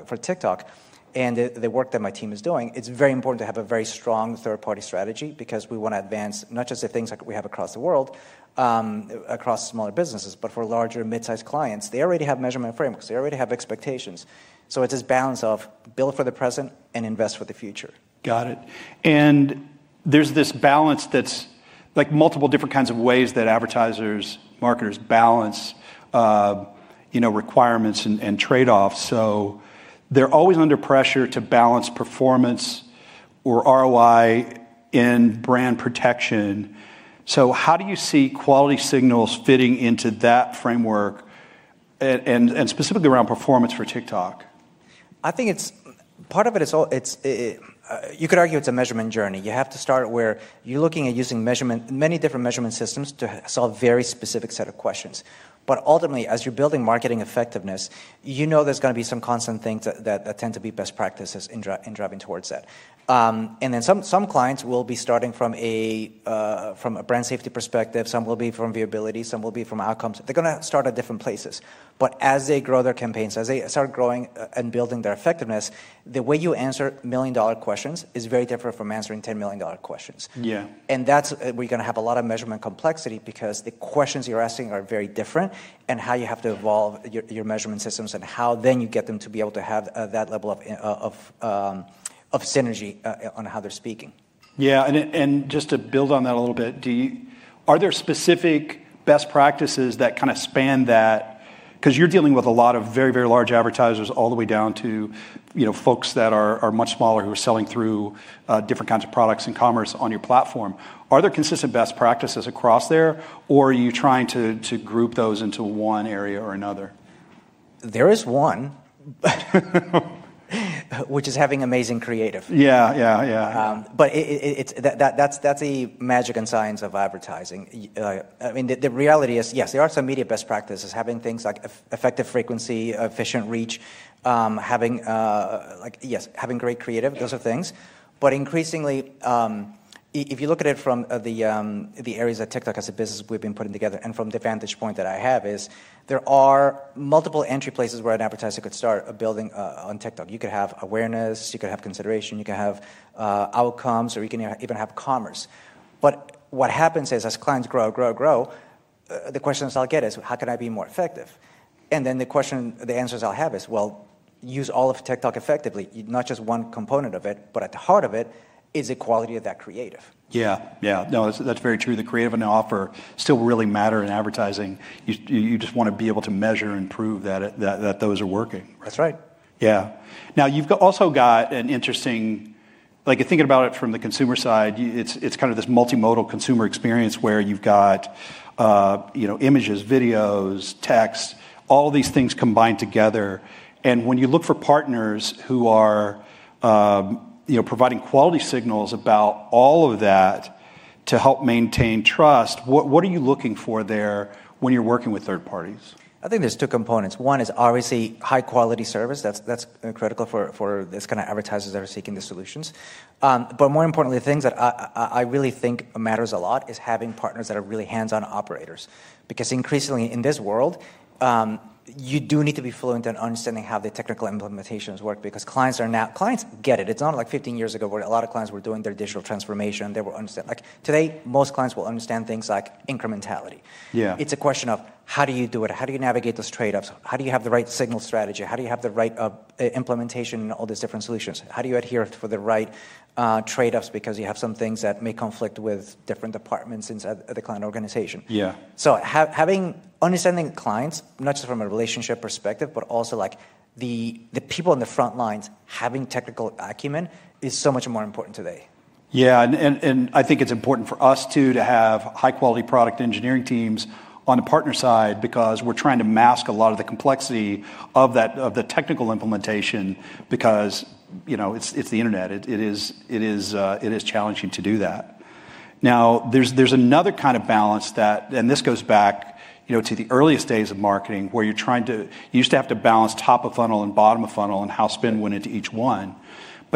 for TikTok and the work that my team is doing, it is very important to have a very strong third-party strategy because we want to advance not just the things that we have across the world, across smaller businesses, but for larger mid-sized clients. They already have measurement frameworks. They already have expectations. It's this balance of build for the present and invest for the future. Got it. There's this balance that's like multiple different kinds of ways that advertisers, marketers balance requirements and trade-offs. They're always under pressure to balance performance or ROI and brand protection. How do you see quality signals fitting into that framework and specifically around performance for TikTok? I think part of it, you could argue it's a measurement journey. You have to start where you're looking at using many different measurement systems to solve a very specific set of questions. Ultimately, as you're building marketing effectiveness, you know there's going to be some constant things that tend to be best practices in driving towards that. Then some clients will be starting from a brand safety perspective. Some will be from viewability. Some will be from outcomes. They're going to start at different places. As they grow their campaigns, as they start growing and building their effectiveness, the way you answer million-dollar questions is very different from answering $10 million questions. That's where you're going to have a lot of measurement complexity because the questions you're asking are very different and how you have to evolve your measurement systems and how then you get them to be able to have that level of synergy on how they're speaking. Yeah. Just to build on that a little bit, are there specific best practices that kind of span that? Because you're dealing with a lot of very, very large advertisers all the way down to folks that are much smaller who are selling through different kinds of products and commerce on your platform. Are there consistent best practices across there, or are you trying to group those into one area or another? There is one, which is having amazing creative. Yeah, yeah, yeah. That is the magic and science of advertising. I mean, the reality is, yes, there are some media best practices, having things like effective frequency, efficient reach, yes, having great creative, those are things. Increasingly, if you look at it from the areas that TikTok as a business group has been putting together and from the vantage point that I have, there are multiple entry places where an advertiser could start building on TikTok. You could have awareness. You could have consideration. You could have outcomes, or you can even have commerce. What happens is as clients grow, grow, grow, the questions I will get is, how can I be more effective? The answers I'll have is, use all of TikTok effectively, not just one component of it, but at the heart of it is the quality of that creative. Yeah. Yeah. No, that's very true. The creative and the offer still really matter in advertising. You just want to be able to measure and prove that those are working. That's right. Yeah. You have also got an interesting thinking about it from the consumer side, it's kind of this multimodal consumer experience where you have images, videos, text, all these things combined together. When you look for partners who are providing quality signals about all of that to help maintain trust, what are you looking for there when you are working with third parties? I think there are two components. One is obviously high-quality service. That's critical for these kind of advertisers that are seeking the solutions. More importantly, the things that I really think matters a lot is having partners that are really hands-on operators. Because increasingly in this world, you do need to be fluent in understanding how the technical implementations work because clients get it. It's not like 15 years ago where a lot of clients were doing their digital transformation. Today, most clients will understand things like incrementality. It's a question of how do you do it? How do you navigate those trade-offs? How do you have the right signal strategy? How do you have the right implementation in all these different solutions? How do you adhere for the right trade-offs because you have some things that may conflict with different departments inside the client organization? So understanding clients, not just from a relationship perspective, but also the people on the front lines having technical acumen is so much more important today. Yeah. I think it's important for us too to have high-quality product engineering teams on the partner side because we're trying to mask a lot of the complexity of the technical implementation because it's the internet. It is challenging to do that. Now, there's another kind of balance that, and this goes back to the earliest days of marketing where you used to have to balance top of funnel and bottom of funnel and how spend went into each one.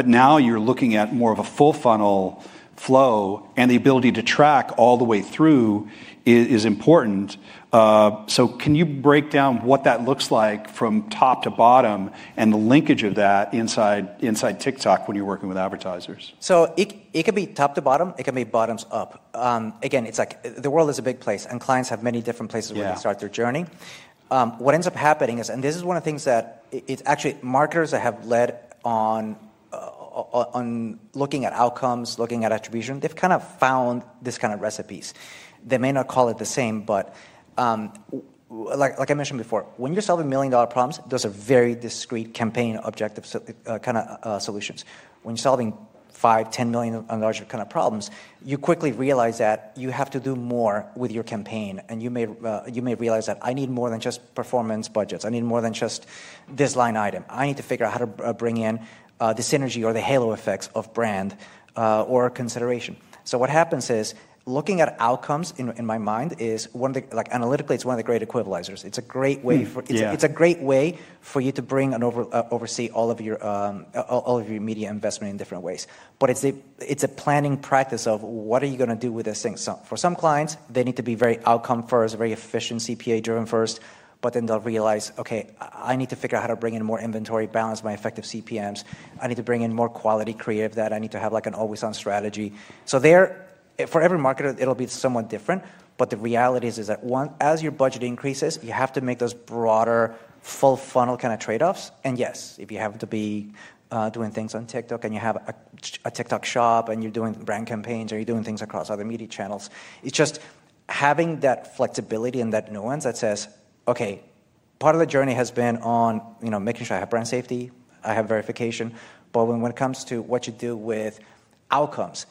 Now you're looking at more of a full funnel flow, and the ability to track all the way through is important. Can you break down what that looks like from top to bottom and the linkage of that inside TikTok when you're working with advertisers? It could be top to bottom. It can be bottoms up. Again, the world is a big place, and clients have many different places where they start their journey. What ends up happening is, and this is one of the things that actually marketers that have led on looking at outcomes, looking at attribution, they've kind of found these kind of recipes. They may not call it the same, but like I mentioned before, when you're solving million-dollar problems, those are very discrete campaign objective kind of solutions. When you're solving $5 million, $10 million and larger kind of problems, you quickly realize that you have to do more with your campaign. You may realize that I need more than just performance budgets. I need more than just this line item. I need to figure out how to bring in the synergy or the halo effects of brand or consideration. What happens is looking at outcomes in my mind is analytically, it's one of the great equalizers. It's a great way for you to bring and oversee all of your media investment in different ways. It's a planning practice of what are you going to do with this thing. For some clients, they need to be very outcome-first, very efficient, CPA-driven first, but then they'll realize, okay, I need to figure out how to bring in more inventory, balance my effective CPMs. I need to bring in more quality creative that I need to have like an always-on strategy. For every marketer, it'll be somewhat different. The reality is that as your budget increases, you have to make those broader full funnel kind of trade-offs. Yes, if you happen to be doing things on TikTok and you have a TikTok shop and you're doing brand campaigns or you're doing things across other media channels, it's just having that flexibility and that nuance that says, okay, part of the journey has been on making sure I have brand safety. I have verification. When it comes to what you do with outcomes,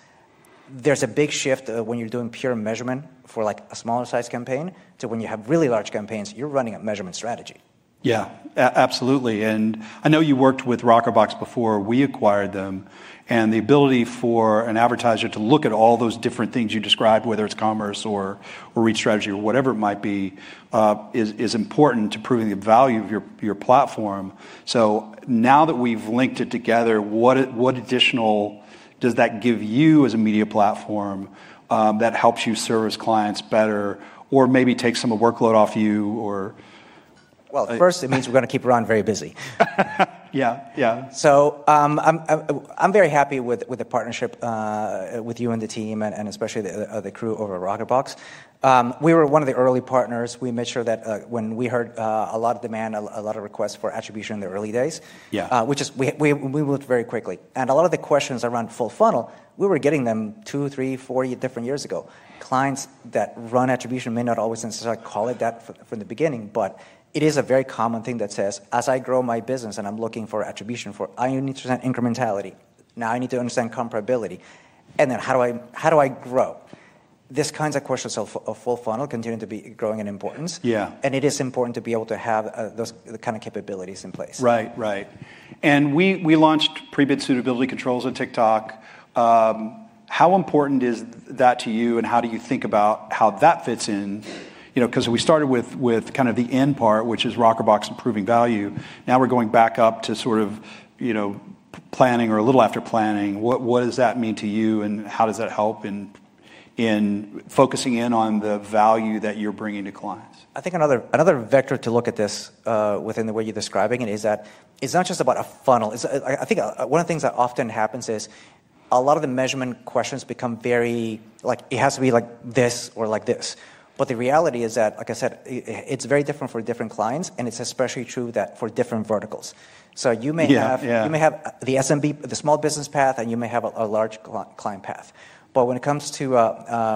there's a big shift when you're doing pure measurement for a smaller-sized campaign to when you have really large campaigns, you're running a measurement strategy. Yeah, absolutely. I know you worked with Rockerbox before we acquired them. The ability for an advertiser to look at all those different things you described, whether it's commerce or reach strategy or whatever it might be, is important to proving the value of your platform. Now that we've linked it together, what additional does that give you as a media platform that helps you service clients better or maybe take some of the workload off you? First, it means we're going to keep around very busy. Yeah. Yeah. I'm very happy with the partnership with you and the team and especially the crew over at Rockerbox. We were one of the early partners. We made sure that when we heard a lot of demand, a lot of requests for attribution in the early days, we moved very quickly. A lot of the questions around full funnel, we were getting them two, three, four different years ago. Clients that run attribution may not always necessarily call it that from the beginning, but it is a very common thing that says, as I grow my business and I'm looking for attribution for, I need to understand incrementality. Now I need to understand comparability. How do I grow? These kinds of questions of full funnel continue to be growing in importance. It is important to be able to have those kind of capabilities in place. Right, right. We launched Pre-Bid Suitability Controls at TikTok. How important is that to you and how do you think about how that fits in? We started with kind of the end part, which is Rockerbox improving value. Now we're going back up to sort of planning or a little after planning. What does that mean to you and how does that help in focusing in on the value that you're bringing to clients? I think another vector to look at this within the way you're describing it is that it's not just about a funnel. I think one of the things that often happens is a lot of the measurement questions become very like it has to be like this or like this. The reality is that, like I said, it's very different for different clients, and it's especially true for different verticals. You may have the SMB, the small business path, and you may have a large client path. When it comes to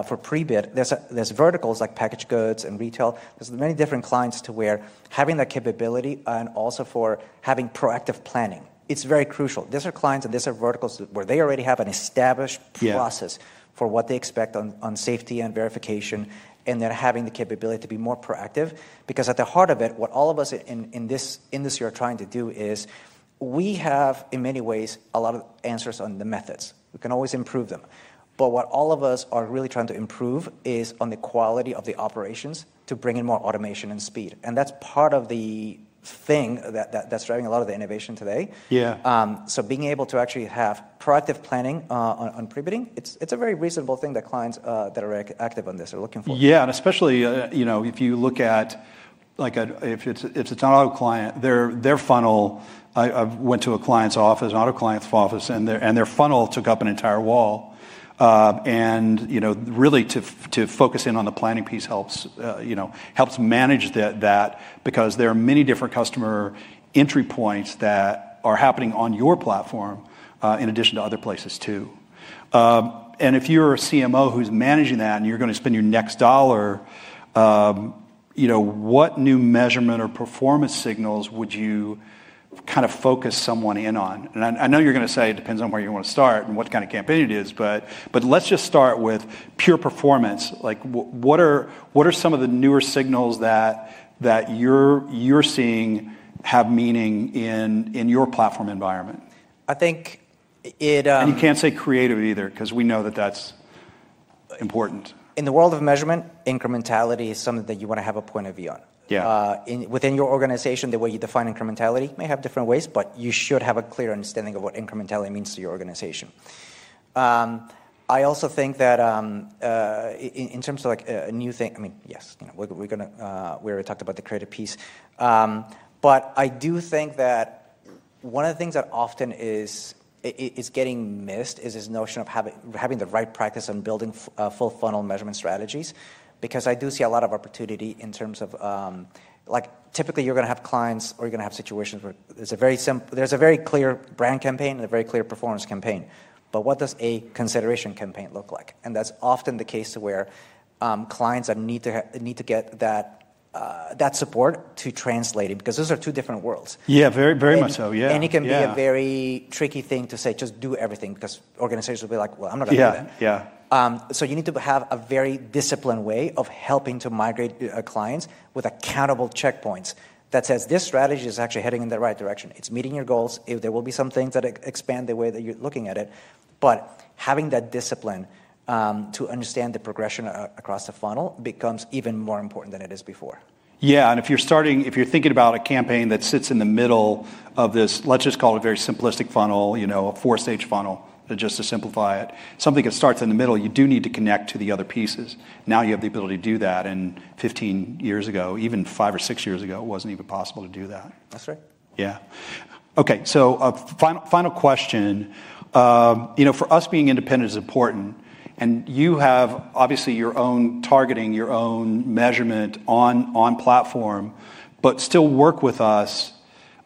for Pre-Bid, there's verticals like packaged goods and retail. There are many different clients to where having that capability and also for having proactive planning, it's very crucial. These are clients and these are verticals where they already have an established process for what they expect on safety and verification, and they're having the capability to be more proactive. Because at the heart of it, what all of us in this year are trying to do is we have, in many ways, a lot of answers on the methods. We can always improve them. What all of us are really trying to improve is on the quality of the operations to bring in more automation and speed. That is part of the thing that is driving a lot of the innovation today. Being able to actually have proactive planning on Pre-Bidding, it is a very reasonable thing that clients that are active on this are looking for. Yeah. Especially if you look at if it's an auto client, their funnel, I went to a client's office, an auto client's office, and their funnel took up an entire wall. Really to focus in on the planning piece helps manage that because there are many different customer entry points that are happening on your platform in addition to other places too. If you're a CMO who's managing that and you're going to spend your next dollar, what new measurement or performance signals would you kind of focus someone in on? I know you're going to say it depends on where you want to start and what kind of campaign it is, but let's just start with pure performance. What are some of the newer signals that you're seeing have meaning in your platform environment? I think it. You can't say creative either because we know that that's important. In the world of measurement, incrementality is something that you want to have a point of view on. Within your organization, the way you define incrementality may have different ways, but you should have a clear understanding of what incrementality means to your organization. I also think that in terms of a new thing, I mean, yes, we already talked about the creative piece. I do think that one of the things that often is getting missed is this notion of having the right practice on building full funnel measurement strategies because I do see a lot of opportunity in terms of typically you're going to have clients or you're going to have situations where there's a very clear brand campaign and a very clear performance campaign. What does a consideration campaign look like? That is often the case where clients need to get that support to translate it because those are two different worlds. Yeah, very much so. Yeah. It can be a very tricky thing to say, just do everything because organizations will be like, well, I'm not going to do that. You need to have a very disciplined way of helping to migrate clients with accountable checkpoints that say this strategy is actually heading in the right direction. It is meeting your goals. There will be some things that expand the way that you are looking at it. Having that discipline to understand the progression across the funnel becomes even more important than it was before. Yeah. If you are thinking about a campaign that sits in the middle of this, let's just call it a very simplistic funnel, a four-stage funnel just to simplify it. Something that starts in the middle, you do need to connect to the other pieces. Now you have the ability to do that. 15 years ago, even five or six years ago, it was not even possible to do that. That is right. Yeah. Okay. Final question. For us, being independent is important. You have obviously your own targeting, your own measurement on platform, but still work with us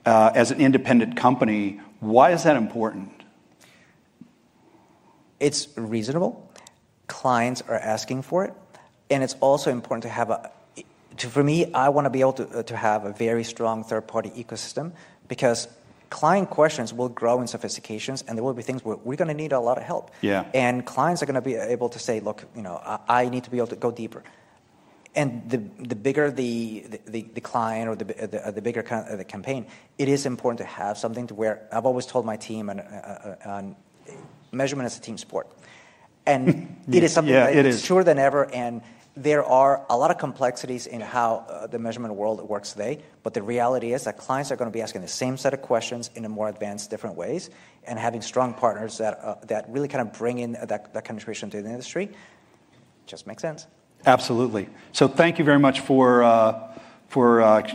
as an independent company. Why is that important? It is reasonable. Clients are asking for it. It is also important to have a, for me, I want to be able to have a very strong third-party ecosystem because client questions will grow in sophistication, and there will be things where we are going to need a lot of help. Clients are going to be able to say, look, I need to be able to go deeper. The bigger the client or the bigger the campaign, it is important to have something to where I've always told my team measurement is a team sport. It is something that is truer than ever. There are a lot of complexities in how the measurement world works today. The reality is that clients are going to be asking the same set of questions in more advanced different ways and having strong partners that really kind of bring in that kind of tradition to the industry. It just makes sense. Absolutely. Thank you very much for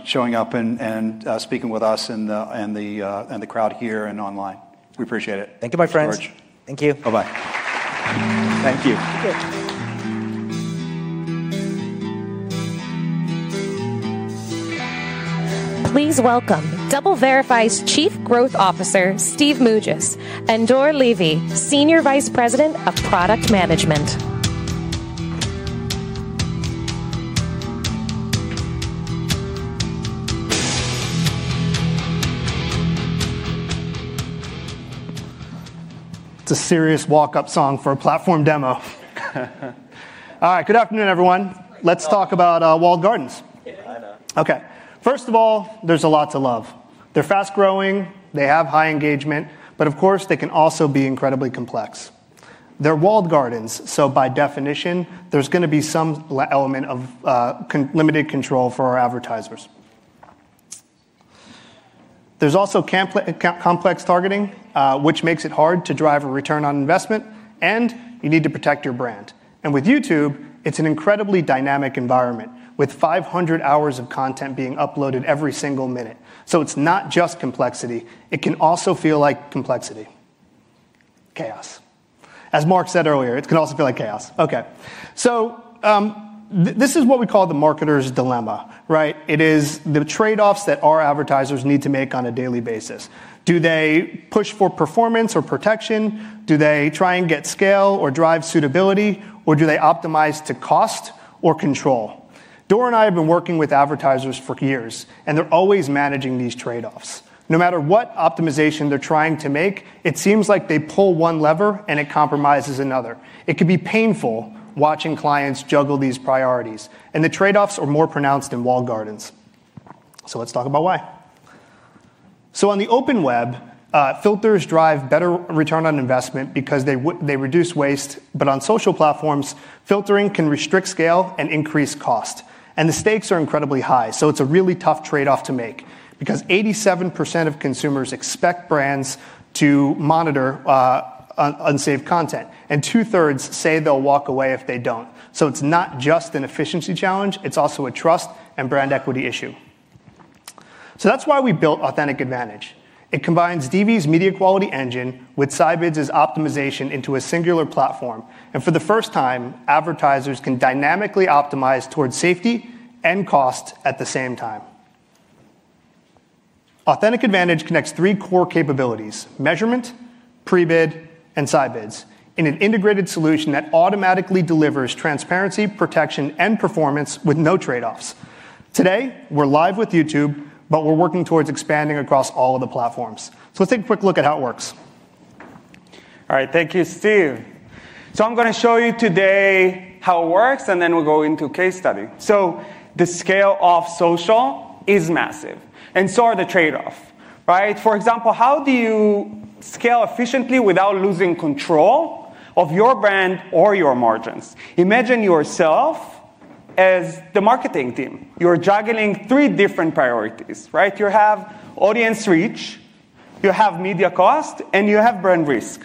showing up and speaking with us and the crowd here and online. We appreciate it. Thank you, my friends. Thank you. Bye-bye. Thank you. Please welcome DoubleVerify's Chief Growth Officer, Steve Mougis, and Dor Levy, Senior Vice President of Product Management. It's a serious walk-up song for a platform demo. All right. Good afternoon, everyone. Let's talk about Walled Gardens. Okay. First of all, there's a lot to love. They're fast-growing. They have high engagement. Of course, they can also be incredibly complex. They're Walled Gardens. By definition, there's going to be some element of limited control for our advertisers. There's also complex targeting, which makes it hard to drive a return on investment. You need to protect your brand. With YouTube, it's an incredibly dynamic environment with 500 hours of content being uploaded every single minute. It's not just complexity. It can also feel like complexity. Chaos. As Mark said earlier, it can also feel like chaos. This is what we call the marketers' dilemma, right? It is the trade-offs that our advertisers need to make on a daily basis. Do they push for performance or protection? Do they try and get scale or drive suitability? Or do they optimize to cost or control? Dor and I have been working with advertisers for years, and they're always managing these trade-offs. No matter what optimization they're trying to make, it seems like they pull one lever and it compromises another. It could be painful watching clients juggle these priorities. The trade-offs are more pronounced in Walled Gardens. Let's talk about why. On the OpenWeb, filters drive better return on investment because they reduce waste. On social platforms, filtering can restrict scale and increase cost. The stakes are incredibly high. It's a really tough trade-off to make because 87% of consumers expect brands to monitor unsaved content. 2/3 say they'll walk away if they don't. It's not just an efficiency challenge. It's also a trust and brand equity issue. That's why we built Authentic AdVantage. It combines DV's media quality engine with Scibids' optimization into a singular platform. For the first time, advertisers can dynamically optimize towards safety and cost at the same time. Authentic AdVantage connects three core capabilities: measurement, Pre-Bid, and Scibids in an integrated solution that automatically delivers transparency, protection, and performance with no trade-offs. Today, we're live with YouTube, but we're working towards expanding across all of the platforms. Let's take a quick look at how it works. All right. Thank you, Steve. I'm going to show you today how it works, and then we'll go into a case study. The scale of social is massive. And so are the trade-offs, right? For example, how do you scale efficiently without losing control of your brand or your margins? Imagine yourself as the marketing team. You're juggling three different priorities, right? You have audience reach, you have media cost, and you have brand risk.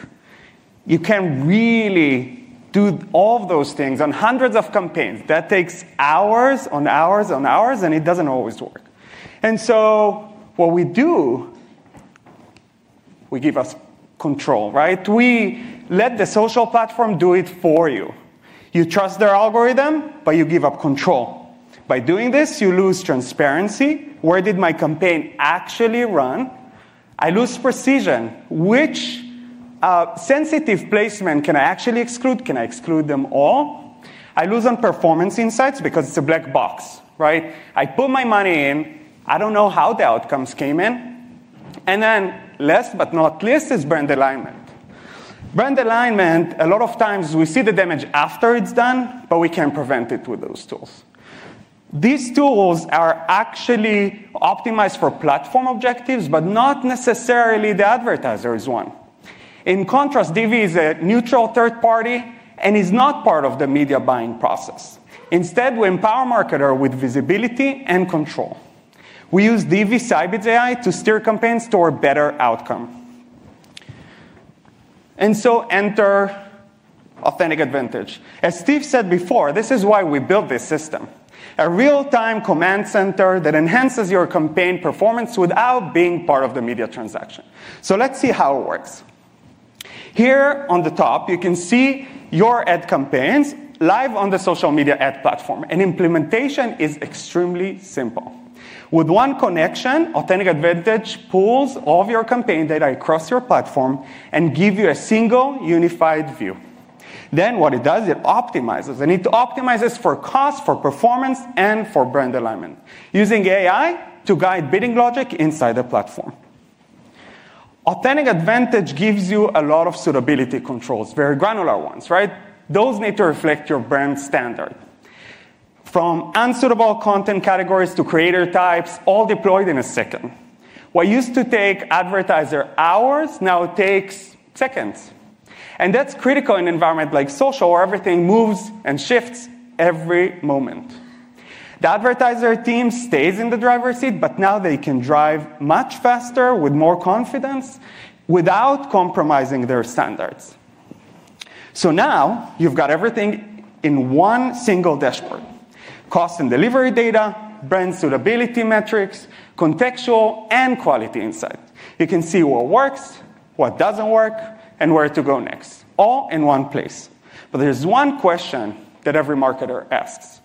You can really do all of those things on hundreds of campaigns. That takes hours on hours on hours, and it doesn't always work. What we do, we give us control, right? We let the social platform do it for you. You trust their algorithm, but you give up control. By doing this, you lose transparency. Where did my campaign actually run? I lose precision. Which sensitive placement can I actually exclude? Can I exclude them all? I lose on performance insights because it's a black box, right? I put my money in. I don't know how the outcomes came in. Last but not least is brand alignment. Brand alignment, a lot of times we see the damage after it's done, but we can prevent it with those tools. These tools are actually optimized for platform objectives, but not necessarily the advertiser's one. In contrast, DV is a neutral third party and is not part of the media buying process. Instead, we empower marketers with visibility and control. We use DV Scibids AI to steer campaigns toward better outcome. Enter Authentic AdVantage. As Steve said before, this is why we built this system: a real-time command center that enhances your campaign performance without being part of the media transaction. Let's see how it works. Here on the top, you can see your ad campaigns live on the social media ad platform. Implementation is extremely simple. With one connection, Authentic AdVantage pulls all of your campaign data across your platform and gives you a single unified view. Then what it does, it optimizes. It optimizes for cost, for performance, and for brand alignment, using AI to guide bidding logic inside the platform. Authentic AdVantage gives you a lot of suitability controls, very granular ones, right? Those need to reflect your brand standard. From unsuitable content categories to creator types, all deployed in a second. What used to take advertiser hours now takes seconds. That is critical in an environment like social where everything moves and shifts every moment. The advertiser team stays in the driver's seat, but now they can drive much faster with more confidence without compromising their standards. Now you have got everything in one single dashboard: cost and delivery data, brand suitability metrics, contextual, and quality insight. You can see what works, what does not work, and where to go next, all in one place. There is one question that every marketer asks: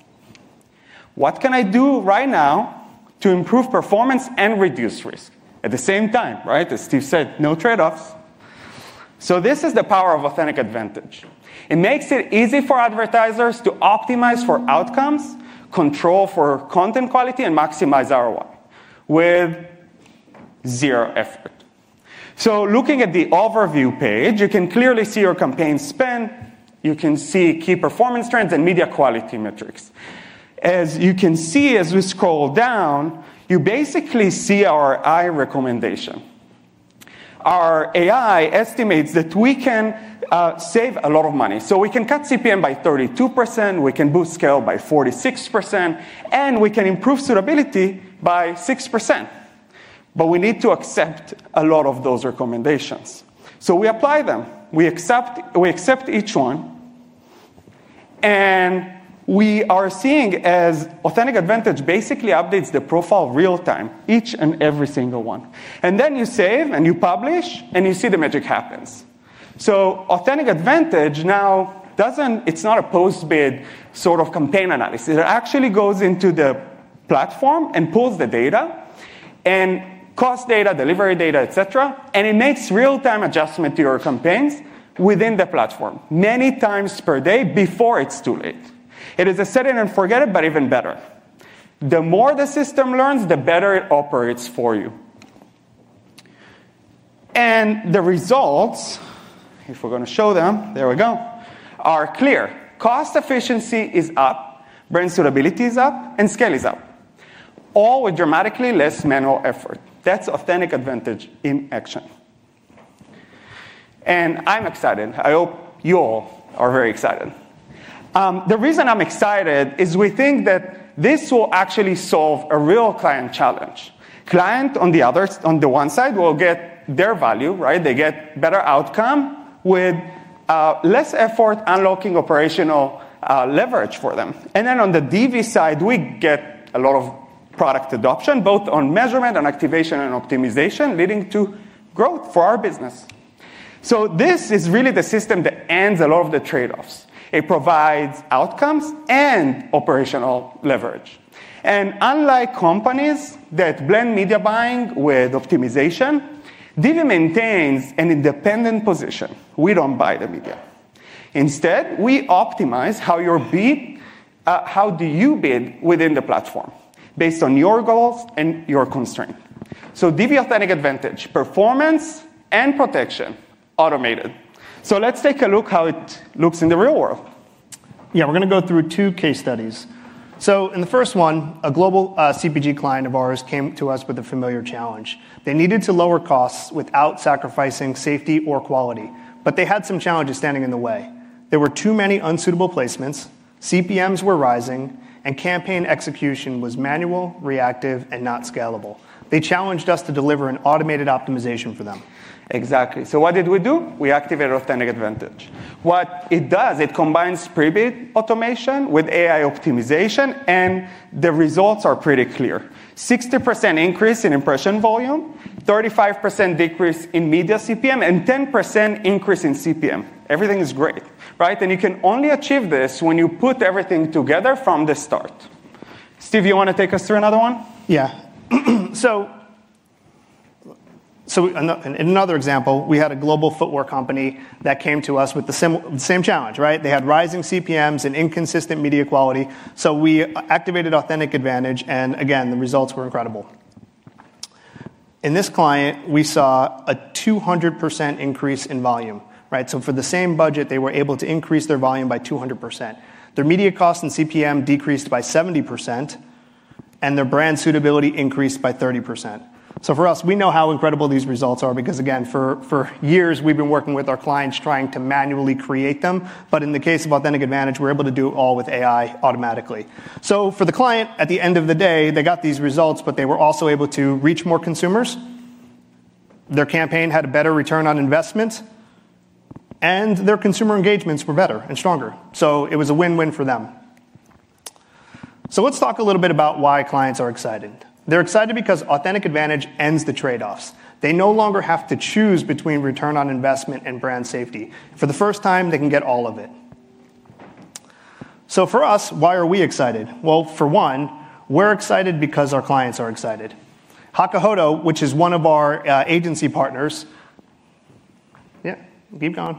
What can I do right now to improve performance and reduce risk? At the same time, right? As Steve said, no trade-offs. This is the power of Authentic AdVantage. It makes it easy for advertisers to optimize for outcomes, control for content quality, and maximize ROI with zero effort. Looking at the overview page, you can clearly see your campaign spend. You can see key performance trends and media quality metrics. As you can see, as we scroll down, you basically see our AI recommendation. Our AI estimates that we can save a lot of money. We can cut CPM by 32%. We can boost scale by 46%, and we can improve suitability by 6%. We need to accept a lot of those recommendations. We apply them. We accept each one. We are seeing as Authentic AdVantage basically updates the profile in real time, each and every single one. You save and you publish, and you see the magic happens. Authentic AdVantage now does not—it is not a post-bid sort of campaign analysis. It actually goes into the platform and pulls the data and cost data, delivery data, et cetera. It makes real-time adjustment to your campaigns within the platform many times per day before it is too late. It is a set-it-and-forget-it, but even better. The more the system learns, the better it operates for you. The results, if we are going to show them, there we go, are clear. Cost efficiency is up, brand suitability is up, and scale is up, all with dramatically less manual effort. That's Authentic AdVantage in action. I'm excited. I hope you all are very excited. The reason I'm excited is we think that this will actually solve a real client challenge. Client on the other side will get their value, right? They get better outcome with less effort unlocking operational leverage for them. On the DV side, we get a lot of product adoption, both on measurement and activation and optimization, leading to growth for our business. This is really the system that ends a lot of the trade-offs. It provides outcomes and operational leverage. Unlike companies that blend media buying with optimization, DV maintains an independent position. We do not buy the media. Instead, we optimize how you bid, how do you bid within the platform based on your goals and your constraint. DV Authentic AdVantage: performance and protection automated. Let's take a look at how it looks in the real world. Yeah, we're going to go through two case studies. In the first one, a global CPG client of ours came to us with a familiar challenge. They needed to lower costs without sacrificing safety or quality. They had some challenges standing in the way. There were too many unsuitable placements, CPMs were rising, and campaign execution was manual, reactive, and not scalable. They challenged us to deliver an automated optimization for them. Exactly. What did we do? We activated Authentic AdVantage. What it does, it combines Pre-Bid automation with AI optimization, and the results are pretty clear: 60% increase in impression volume, 35% decrease in media CPM, and 10% increase in CPM. Everything is great, right? You can only achieve this when you put everything together from the start. Steve, you want to take us through another one? Yeah. In another example, we had a global footwear company that came to us with the same challenge, right? They had rising CPMs and inconsistent media quality. We activated Authentic AdVantage, and again, the results were incredible. In this client, we saw a 200% increase in volume, right? For the same budget, they were able to increase their volume by 200%. Their media costs and CPM decreased by 70%, and their brand suitability increased by 30%. For us, we know how incredible these results are because, again, for years, we've been working with our clients trying to manually create them. In the case of Authentic AdVantage, we're able to do it all with AI automatically. For the client, at the end of the day, they got these results, but they were also able to reach more consumers. Their campaign had a better return on investment, and their consumer engagements were better and stronger. It was a win-win for them. Let's talk a little bit about why clients are excited. They're excited because Authentic AdVantage ends the trade-offs. They no longer have to choose between return on investment and brand safety. For the first time, they can get all of it. For us, why are we excited? For one, we're excited because our clients are excited. Hakuhodo, which is one of our agency partners—yeah, keep going.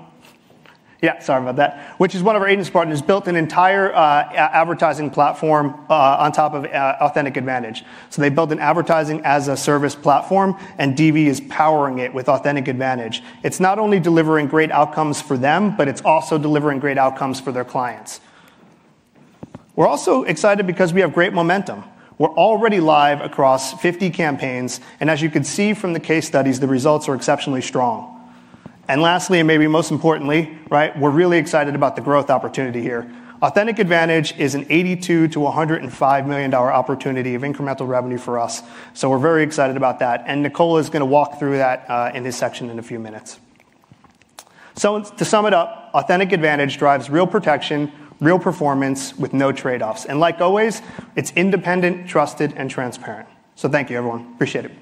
Yeah, sorry about that. Which is one of our agency partners, built an entire advertising platform on top of Authentic AdVantage. They built an advertising-as-a-service platform, and DoubleVerify is powering it with Authentic AdVantage. It's not only delivering great outcomes for them, but it's also delivering great outcomes for their clients. We're also excited because we have great momentum. We're already live across 50 campaigns. As you can see from the case studies, the results are exceptionally strong. Lastly, and maybe most importantly, right, we're really excited about the growth opportunity here. Authentic AdVantage is an $82 million-$105 million opportunity of incremental revenue for us. We're very excited about that. Nicola is going to walk through that in his section in a few minutes. To sum it up, Authentic AdVantage drives real protection, real performance with no trade-offs. Like always, it's independent, trusted, and transparent. Thank you, everyone. Appreciate it.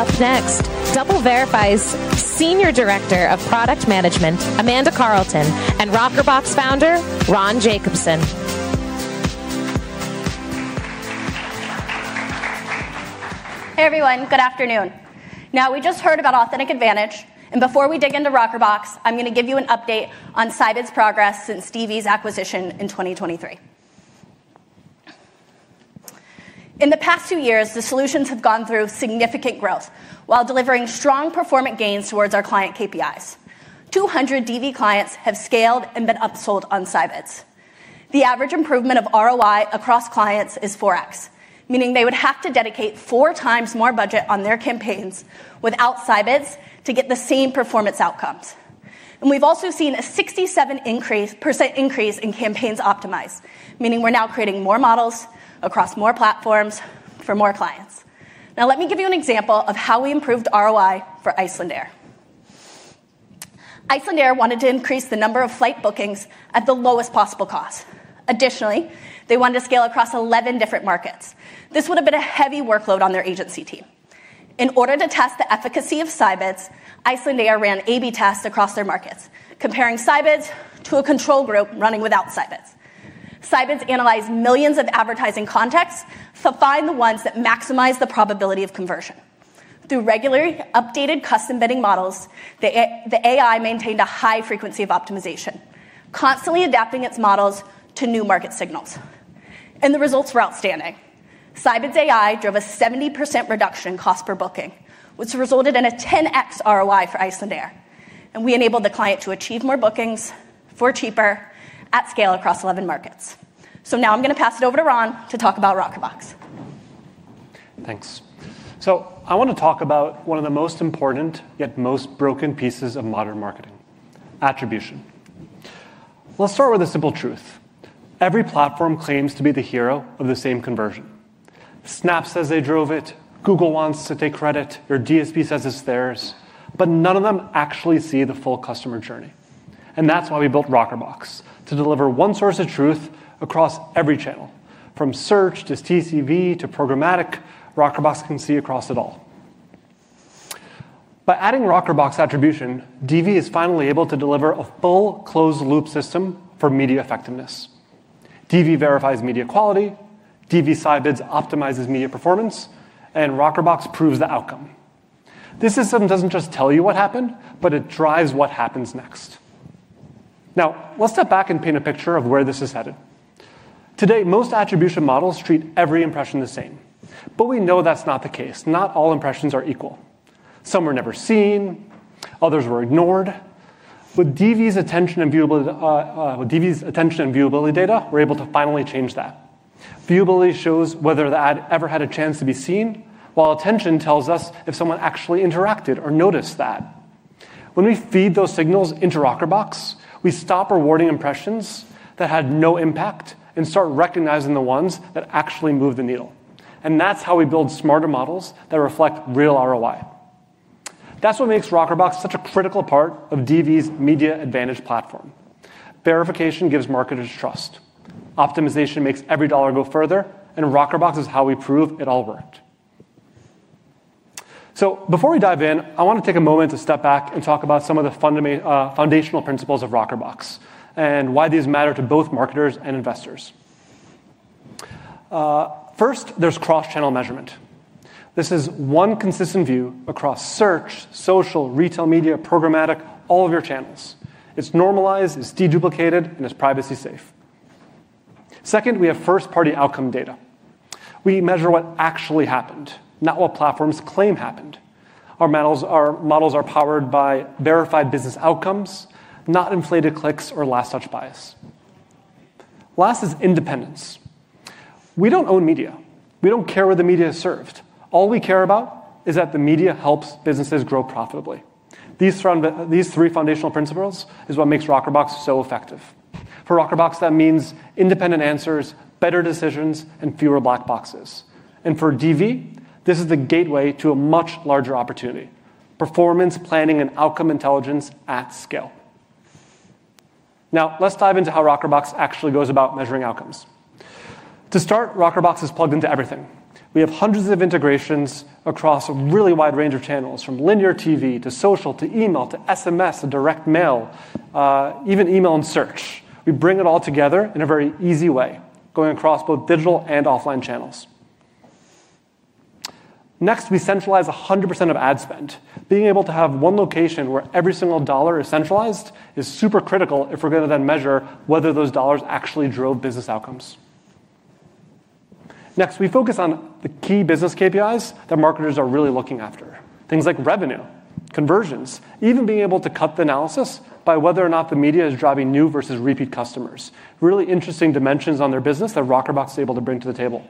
Up next, DoubleVerify's Senior Director of Product Management, Amanda Carlton, and Rockerbox founder, Ron Jacobson. Hey, everyone. Good afternoon. Now, we just heard about Authentic AdVantage. Before we dig into Rockerbox, I'm going to give you an update on Scibids' progress since DV's acquisition in 2023. In the past two years, the solutions have gone through significant growth while delivering strong performance gains towards our client KPIs. 200 DV clients have scaled and been upsold on Scibids. The average improvement of ROI across clients is 4x, meaning they would have to dedicate 4x more budget on their campaigns without Scibids to get the same performance outcomes. We've also seen a 67% increase in campaigns optimized, meaning we're now creating more models across more platforms for more clients. Now, let me give you an example of how we improved ROI for Icelandair. Icelandair wanted to increase the number of flight bookings at the lowest possible cost. Additionally, they wanted to scale across 11 different markets. This would have been a heavy workload on their agency team. In order to test the efficacy of Scibids, Icelandair ran A/B tests across their markets, comparing Scibids to a control group running without Scibids. Scibids analyzed millions of advertising contexts to find the ones that maximize the probability of conversion. Through regularly updated custom bidding models, the AI maintained a high frequency of optimization, constantly adapting its models to new market signals. The results were outstanding. Scibids AI drove a 70% reduction in cost per booking, which resulted in a 10x ROI for Icelandair. We enabled the client to achieve more bookings for cheaper at scale across 11 markets. Now I am going to pass it over to Ron to talk about Rockerbox. Thanks. I want to talk about one of the most important, yet most broken pieces of modern marketing: attribution. Let's start with a simple truth. Every platform claims to be the hero of the same conversion. Snap says they drove it. Google wants to take credit. Your DSP says it's theirs. None of them actually see the full customer journey. That's why we built Rockerbox: to deliver one source of truth across every channel, from search to CTV to programmatic. Rockerbox can see across it all. By adding Rockerbox attribution, DV is finally able to deliver a full closed-loop system for media effectiveness. DV verifies media quality. DV Scibids optimizes media performance. Rockerbox proves the outcome. This system doesn't just tell you what happened, it drives what happens next. Now, let's step back and paint a picture of where this is headed. Today, most attribution models treat every impression the same. We know that's not the case. Not all impressions are equal. Some were never seen. Others were ignored. With DV's attention and viewability data, we're able to finally change that. Viewability shows whether the ad ever had a chance to be seen, while attention tells us if someone actually interacted or noticed that. When we feed those signals into Rockerbox, we stop rewarding impressions that had no impact and start recognizing the ones that actually moved the needle. That is how we build smarter models that reflect real ROI. That is what makes Rockerbox such a critical part of DV's Media AdVantage Platform. Verification gives marketers trust. Optimization makes every dollar go further. Rockerbox is how we prove it all worked. Before we dive in, I want to take a moment to step back and talk about some of the foundational principles of Rockerbox and why these matter to both marketers and investors. First, there's cross-channel measurement. This is one consistent view across search, social, retail media, programmatic, all of your channels. It's normalized, it's deduplicated, and it's privacy-safe. Second, we have first-party outcome data. We measure what actually happened, not what platforms claim happened. Our models are powered by verified business outcomes, not inflated clicks or last-touch bias. Last is independence. We don't own media. We don't care where the media is served. All we care about is that the media helps businesses grow profitably. These three foundational principles are what make Rockerbox so effective. For Rockerbox, that means independent answers, better decisions, and fewer black boxes. For DV, this is the gateway to a much larger opportunity: performance planning and outcome intelligence at scale. Now, let's dive into how Rockerbox actually goes about measuring outcomes. To start, Rockerbox is plugged into everything. We have hundreds of integrations across a really wide range of channels, from linear TV to social to email to SMS to direct mail, even email and search. We bring it all together in a very easy way, going across both digital and offline channels. Next, we centralize 100% of ad spend. Being able to have one location where every single dollar is centralized is super critical if we're going to then measure whether those dollars actually drove business outcomes. Next, we focus on the key business KPIs that marketers are really looking after: things like revenue, conversions, even being able to cut the analysis by whether or not the media is driving new vs repeat customers. Really interesting dimensions on their business that Rockerbox is able to bring to the table.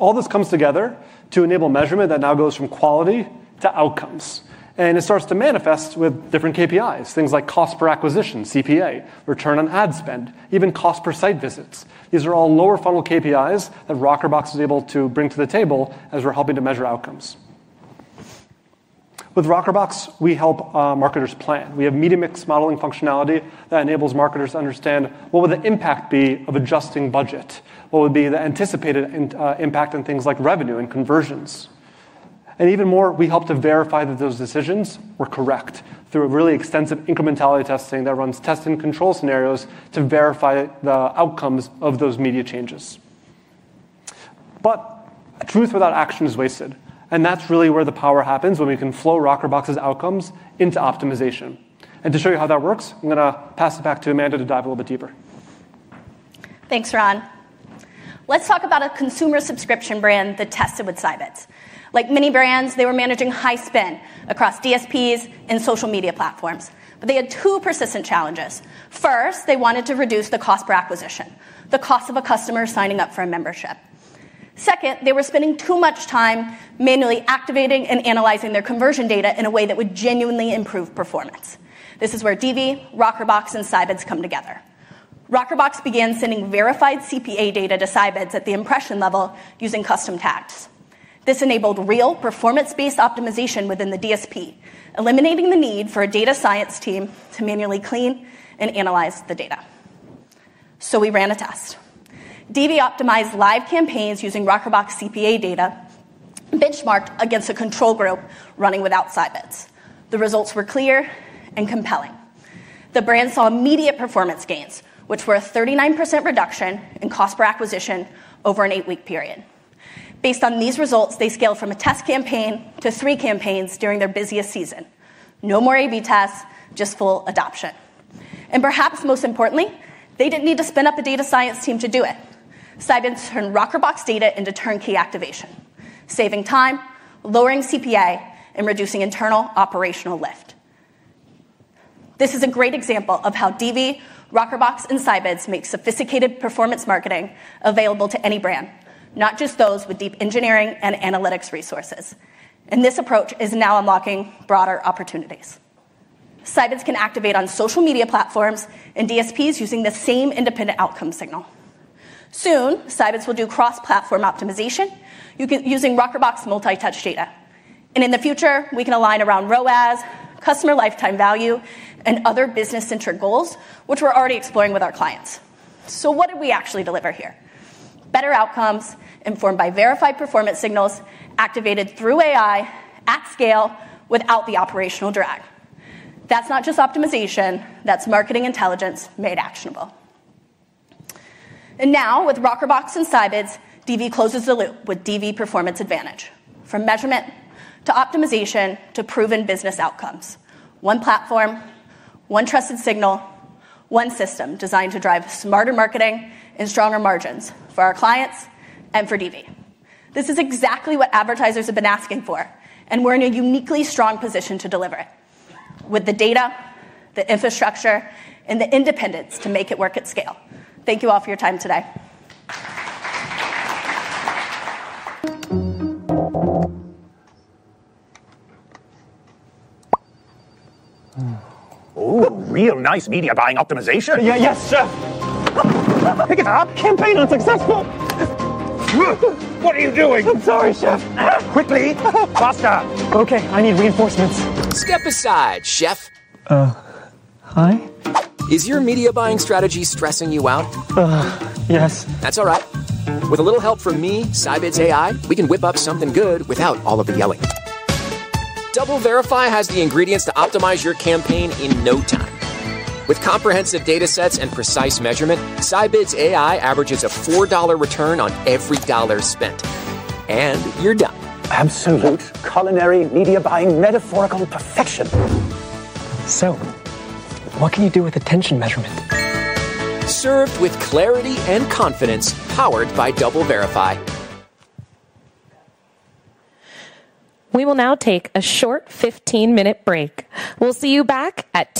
All this comes together to enable measurement that now goes from quality to outcomes. It starts to manifest with different KPIs, things like cost per acquisition, CPA, return on ad spend, even cost per site visits. These are all lower-funnel KPIs that Rockerbox is able to bring to the table as we're helping to measure outcomes. With Rockerbox, we help marketers plan. We have media mix modeling functionality that enables marketers to understand what would the impact be of adjusting budget, what would be the anticipated impact on things like revenue and conversions. Even more, we help to verify that those decisions were correct through a really extensive incrementality testing that runs test and control scenarios to verify the outcomes of those media changes. Truth without action is wasted. That's really where the power happens when we can flow Rockerbox's outcomes into optimization. To show you how that works, I'm going to pass it back to Amanda to dive a little bit deeper. Thanks, Ron. Let's talk about a consumer subscription brand that tested with Scibids. Like many brands, they were managing high spend across DSPs and social media platforms. They had two persistent challenges. First, they wanted to reduce the cost per acquisition, the cost of a customer signing up for a membership. Second, they were spending too much time manually activating and analyzing their conversion data in a way that would genuinely improve performance. This is where DV, Rockerbox, and Scibids come together. Rockerbox began sending verified CPA data to Scibids at the impression level using custom tags. This enabled real performance-based optimization within the DSP, eliminating the need for a data science team to manually clean and analyze the data. We ran a test. DV optimized live campaigns using Rockerbox CPA data benchmarked against a control group running without Scibids. The results were clear and compelling. The brand saw immediate performance gains, which were a 39% reduction in cost per acquisition over an eight-week period. Based on these results, they scaled from a test campaign to three campaigns during their busiest season. No more A/B tests, just full adoption. Perhaps most importantly, they did not need to spin up a data science team to do it. Scibids turned Rockerbox data into turnkey activation, saving time, lowering CPA, and reducing internal operational lift. This is a great example of how DV, Rockerbox, and Scibids make sophisticated performance marketing available to any brand, not just those with deep engineering and analytics resources. This approach is now unlocking broader opportunities. Scibids can activate on social media platforms and DSPs using the same independent outcome signal. Soon, Scibids will do cross-platform optimization using Rockerbox multi-touch data. In the future, we can align around ROAS, customer lifetime value, and other business-centered goals, which we're already exploring with our clients. What did we actually deliver here? Better outcomes informed by verified performance signals activated through AI at scale without the operational drag. That is not just optimization. That is marketing intelligence made actionable. Now, with Rockerbox and Scibids, DV closes the loop with DV Performance AdVantage, from measurement to optimization to proven business outcomes. One platform, one trusted signal, one system designed to drive smarter marketing and stronger margins for our clients and for DV. This is exactly what advertisers have been asking for. We are in a uniquely strong position to deliver it with the data, the infrastructure, and the independence to make it work at scale. Thank you all for your time today. Ooh, real nice media buying optimization. Yeah, yes, Chef. Pick it up. Campaign unsuccessful. What are you doing? I'm sorry, Chef. Quickly. Faster. Okay. I need reinforcements. Step aside, Chef. Hi? Is your media buying strategy stressing you out? Yes. That's all right. With a little help from me, Scibids AI, we can whip up something good without all of the yelling. DoubleVerify has the ingredients to optimize your campaign in no time. With comprehensive data sets and precise measurement, Scibids AI averages a $4 return on every dollar spent. And you're done. Absolute culinary media buying metaphorical perfection. What can you do with attention measurement? Served with clarity and confidence powered by DoubleVerify. We will now take a short 15-minute break. We'll see you back at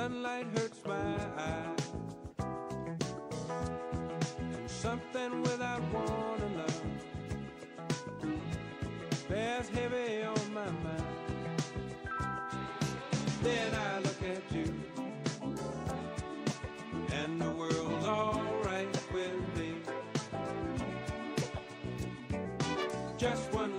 2:30 P.M. We're all sensitive people with so much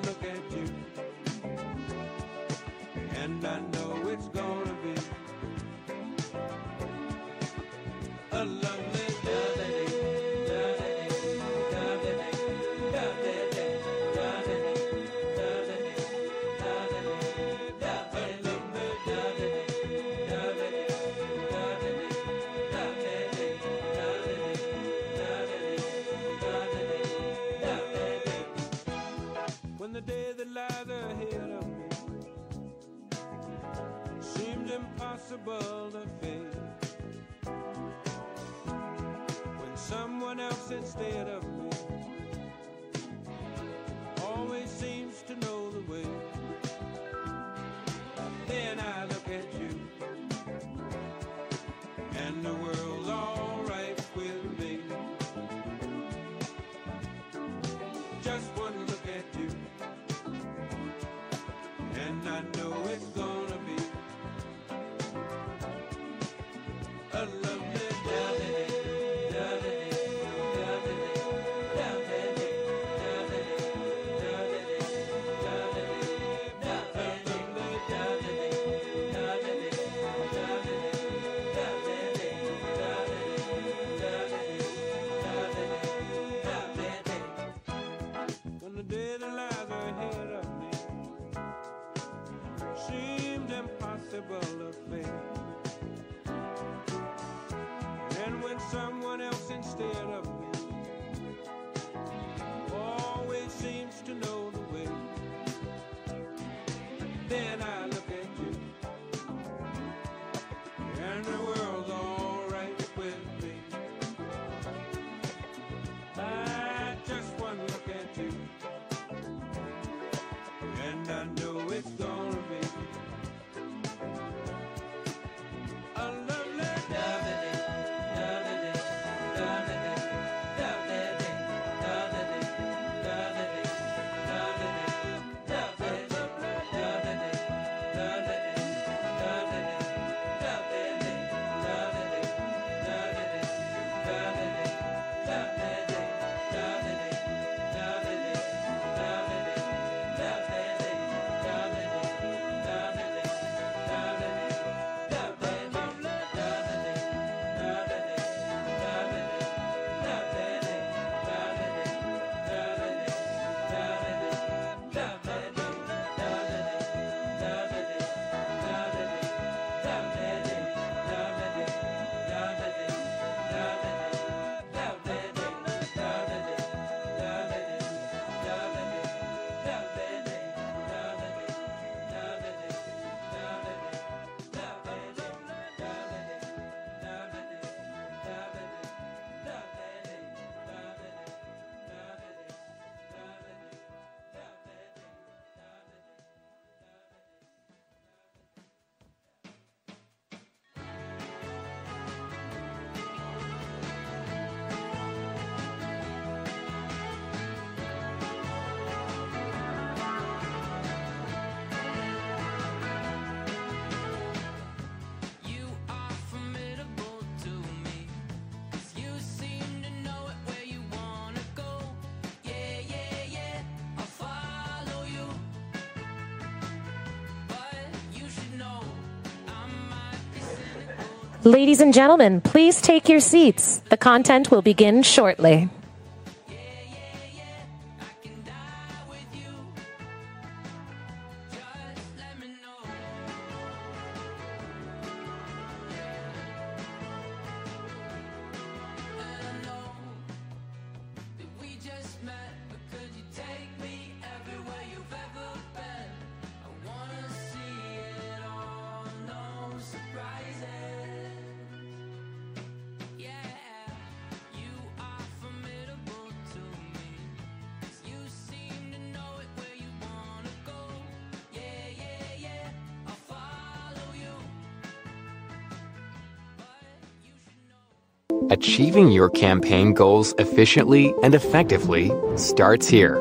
Yeah, yeah, yeah, I can die with you. Just let me know. I know that we just met, but could you take me everywhere you've ever been? I wanna see it all, no surprises. Yeah, yeah, you are formidable to me 'cause you seem to know it where you wanna go. Yeah, yeah, yeah, I'll follow you. You should know. Achieving your campaign goals efficiently and effectively starts here.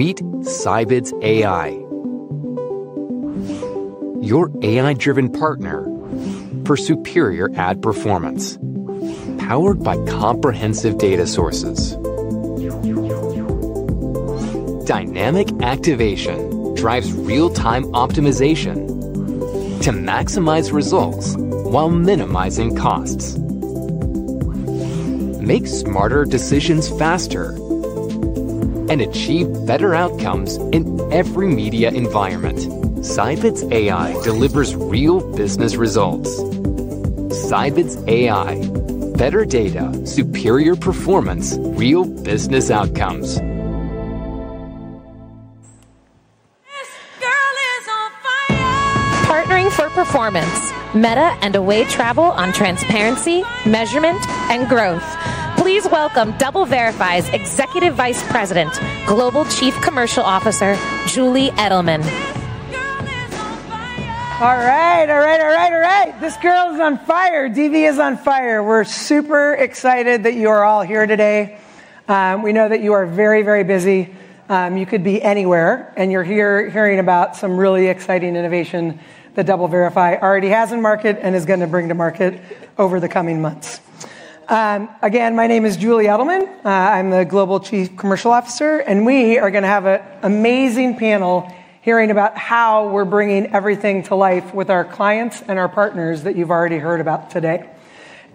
Meet Scibids AI, your AI-driven partner for superior ad performance, powered by comprehensive data sources. Dynamic activation drives real-time optimization to maximize results while minimizing costs. Make smarter decisions faster and achieve better outcomes in every media environment. Scibids AI delivers real business results. Scibids AI: better data, superior performance, real business outcomes. This girl is on fire. Partnering for performance, Meta, and Away Travel on transparency, measurement, and growth. Please welcome DoubleVerify's Executive Vice President, Global Chief Commercial Officer, Julie Eddleman. This girl is on fire. All right, all right, all right, all right. This girl is on fire. DV is on fire. We're super excited that you are all here today. We know that you are very, very busy. You could be anywhere, and you're here hearing about some really exciting innovation that DoubleVerify already has in market and is going to bring to market over the coming months. Again, my name is Julie Eddleman. I'm the Global Chief Commercial Officer, and we are going to have an amazing panel hearing about how we're bringing everything to life with our clients and our partners that you've already heard about today.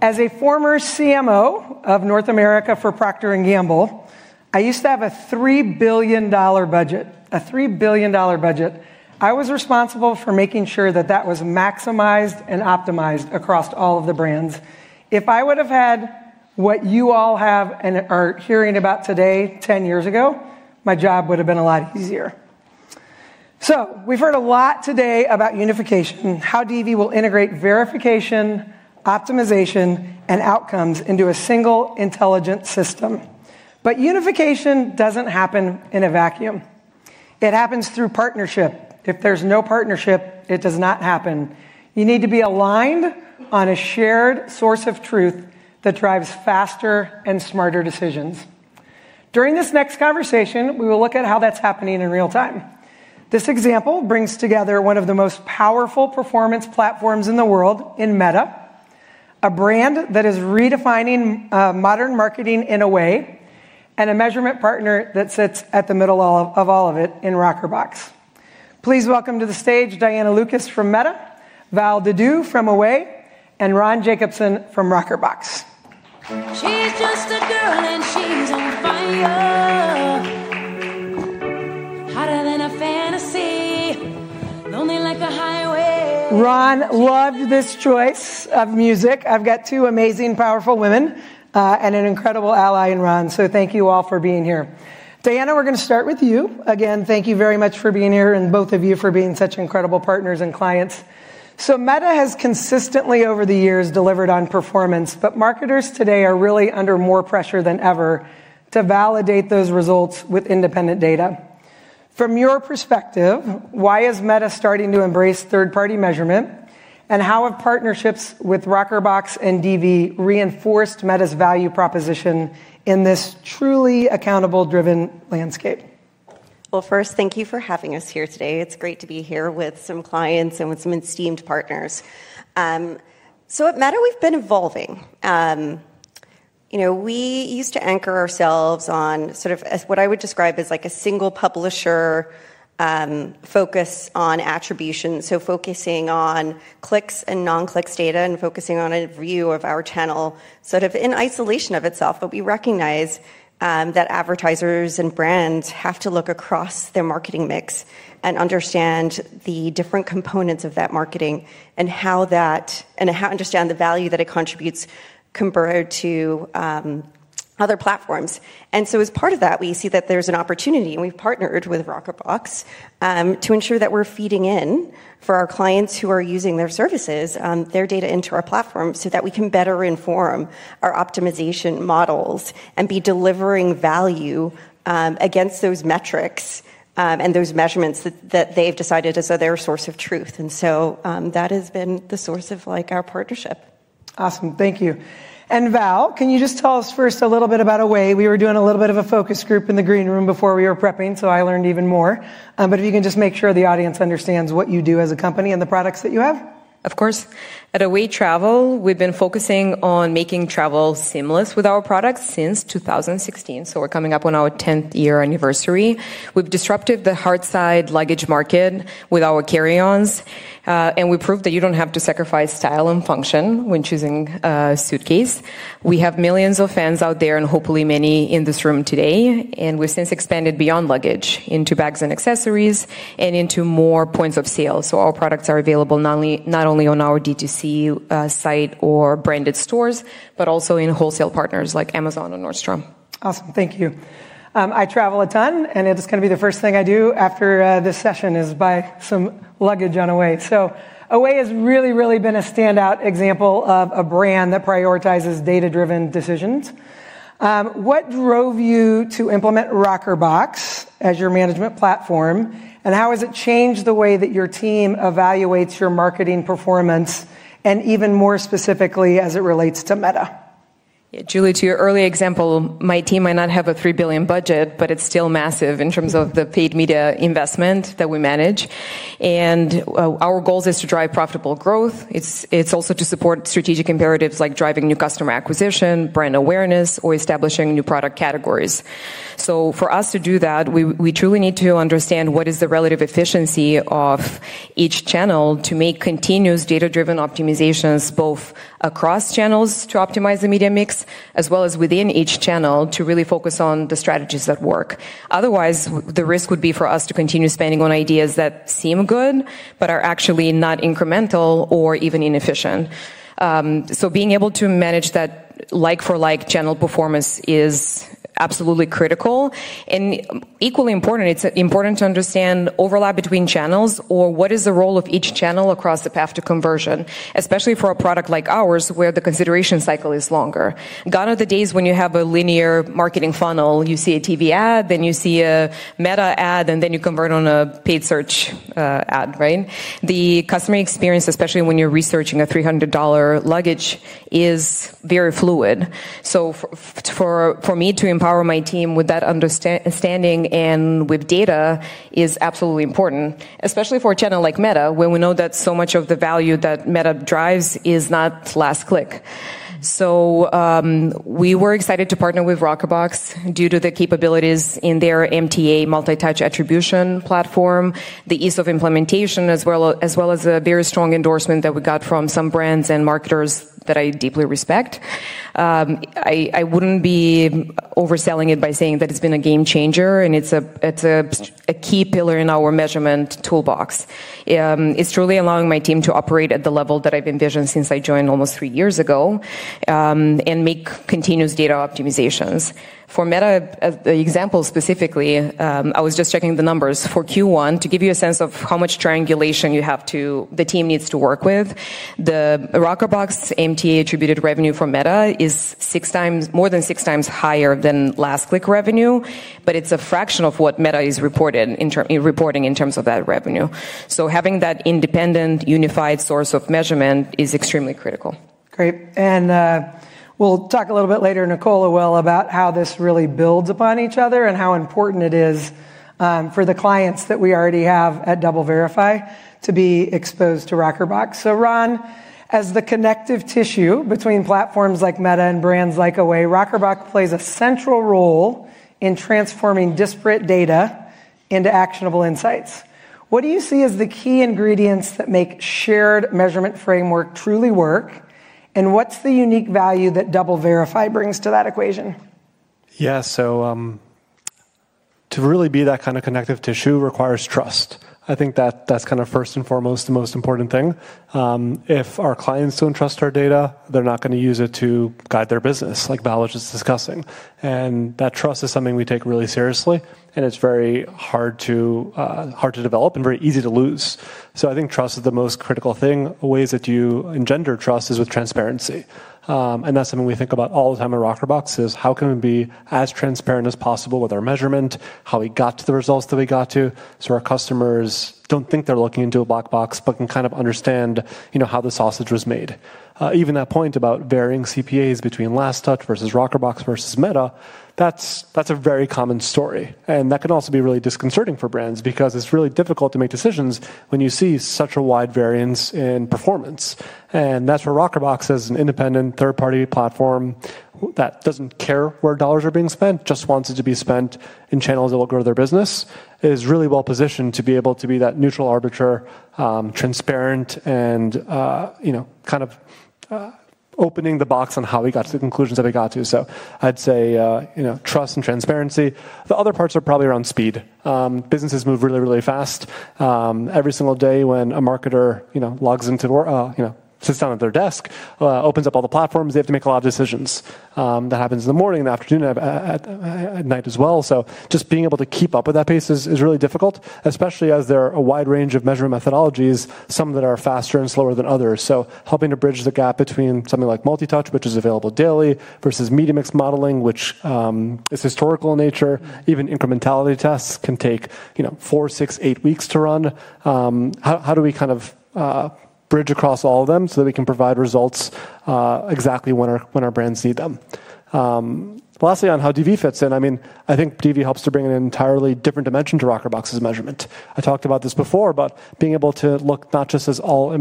As a former CMO of North America for Procter & Gamble, I used to have a $3 billion budget, a $3 billion budget. I was responsible for making sure that that was maximized and optimized across all of the brands. If I would have had what you all have and are hearing about today 10 years ago, my job would have been a lot easier. We have heard a lot today about unification, how DV will integrate verification, optimization, and outcomes into a single intelligent system. Unification does not happen in a vacuum. It happens through partnership. If there's no partnership, it does not happen. You need to be aligned on a shared source of truth that drives faster and smarter decisions. During this next conversation, we will look at how that's happening in real time. This example brings together one of the most powerful performance platforms in the world in Meta, a brand that is redefining modern marketing in a way, and a measurement partner that sits at the middle of all of it in Rockerbox. Please welcome to the stage Diana Lucas from Meta, Val Dediu from Away, and Ron Jacobson from Rockerbox. She's just a girl and she's on fire, hotter than a fantasy, lonely like a highway. Ron loved this choice of music. I've got two amazing, powerful women and an incredible ally in Ron. Thank you all for being here. Diana, we're going to start with you. Again, thank you very much for being here and both of you for being such incredible partners and clients. Meta has consistently over the years delivered on performance, but marketers today are really under more pressure than ever to validate those results with independent data. From your perspective, why is Meta starting to embrace third-party measurement, and how have partnerships with Rockerbox and DV reinforced Meta's value proposition in this truly accountable-driven landscape? First, thank you for having us here today. It's great to be here with some clients and with some esteemed partners. At Meta, we've been evolving. We used to anchor ourselves on sort of what I would describe as like a single publisher focus on attribution, so focusing on clicks and non-clicks data and focusing on a view of our channel sort of in isolation of itself. We recognize that advertisers and brands have to look across their marketing mix and understand the different components of that marketing and how to understand the value that it contributes compared to other platforms. As part of that, we see that there's an opportunity, and we've partnered with Rockerbox to ensure that we're feeding in for our clients who are using their services, their data into our platform so that we can better inform our optimization models and be delivering value against those metrics and those measurements that they've decided as their source of truth. That has been the source of our partnership. Awesome. Thank you. Val, can you just tell us first a little bit about Away? We were doing a little bit of a focus group in the green room before we were prepping, so I learned even more. If you can just make sure the audience understands what you do as a company and the products that you have. Of course. At Away Travel, we've been focusing on making travel seamless with our products since 2016. We are coming up on our 10th year anniversary. We've disrupted the hard-side luggage market with our carry-ons, and we proved that you do not have to sacrifice style and function when choosing a suitcase. We have millions of fans out there and hopefully many in this room today. We have since expanded beyond luggage into bags and accessories and into more points of sale. Our products are available not only on our DTC site or branded stores, but also in wholesale partners like Amazon and Nordstrom. Awesome. Thank you. I travel a ton, and it's going to be the first thing I do after this session is buy some luggage on Away. Away has really, really been a standout example of a brand that prioritizes data-driven decisions. What drove you to implement Rockerbox as your management platform, and how has it changed the way that your team evaluates your marketing performance and even more specifically as it relates to Meta? Julie, to your early example, my team might not have a $3 billion budget, but it's still massive in terms of the paid media investment that we manage. Our goal is to drive profitable growth. It's also to support strategic imperatives like driving new customer acquisition, brand awareness, or establishing new product categories. For us to do that, we truly need to understand what is the relative efficiency of each channel to make continuous data-driven optimizations both across channels to optimize the media mix as well as within each channel to really focus on the strategies that work. Otherwise, the risk would be for us to continue spending on ideas that seem good but are actually not incremental or even inefficient. Being able to manage that like-for-like channel performance is absolutely critical. Equally important, it's important to understand overlap between channels or what is the role of each channel across the path to conversion, especially for a product like ours where the consideration cycle is longer. Gone are the days when you have a linear marketing funnel. You see a TV ad, then you see a Meta ad, and then you convert on a paid search ad, right? The customer experience, especially when you're researching a $300 luggage, is very fluid. For me to empower my team with that understanding and with data is absolutely important, especially for a channel like Meta when we know that so much of the value that Meta drives is not last click. We were excited to partner with Rockerbox due to the capabilities in their MTA multi-touch attribution platform, the ease of implementation, as well as a very strong endorsement that we got from some brands and marketers that I deeply respect. I would not be overselling it by saying that it's been a game changer, and it's a key pillar in our measurement toolbox. It's truly allowing my team to operate at the level that I've envisioned since I joined almost three years ago and make continuous data optimizations. For Meta, the example specifically, I was just checking the numbers for Q1 to give you a sense of how much triangulation the team needs to work with. The Rockerbox MTA attributed revenue from Meta is more than 6x higher than last click revenue, but it's a fraction of what Meta is reporting in terms of that revenue. Having that independent, unified source of measurement is extremely critical. Great. We will talk a little bit later, Nicole will, about how this really builds upon each other and how important it is for the clients that we already have at DoubleVerify to be exposed to Rockerbox. Ron, as the connective tissue between platforms like Meta and brands like Away, Rockerbox plays a central role in transforming disparate data into actionable insights. What do you see as the key ingredients that make shared measurement framework truly work, and what's the unique value that DoubleVerify brings to that equation? Yeah, to really be that kind of connective tissue requires trust. I think that that's kind of first and foremost, the most important thing. If our clients don't trust our data, they're not going to use it to guide their business, like Val was just discussing. That trust is something we take really seriously, and it's very hard to develop and very easy to lose. I think trust is the most critical thing. Ways that you engender trust is with transparency. That's something we think about all the time at Rockerbox is how can we be as transparent as possible with our measurement, how we got to the results that we got to, so our customers do not think they're looking into a black box but can kind of understand how the sausage was made. Even that point about varying CPAs between Last Touch vs Rockerbox vs Meta, that's a very common story. That can also be really disconcerting for brands because it's really difficult to make decisions when you see such a wide variance in performance. That is where Rockerbox, as an independent third-party platform that does not care where dollars are being spent, just wants it to be spent in channels that will grow their business, is really well positioned to be able to be that neutral arbiter, transparent, and kind of opening the box on how we got to the conclusions that we got to. I would say trust and transparency. The other parts are probably around speed. Businesses move really, really fast. Every single day when a marketer logs into or sits down at their desk, opens up all the platforms, they have to make a lot of decisions. That happens in the morning, in the afternoon, at night as well. Just being able to keep up with that pace is really difficult, especially as there are a wide range of measurement methodologies, some that are faster and slower than others. Helping to bridge the gap between something like multi-touch, which is available daily, vs media mix modeling, which is historical in nature, even incrementality tests can take four, six, eight weeks to run. How do we kind of bridge across all of them so that we can provide results exactly when our brands need them? Lastly, on how DV fits in, I mean, I think DV helps to bring an entirely different dimension to Rockerbox's measurement. I talked about this before, but being able to look not just at all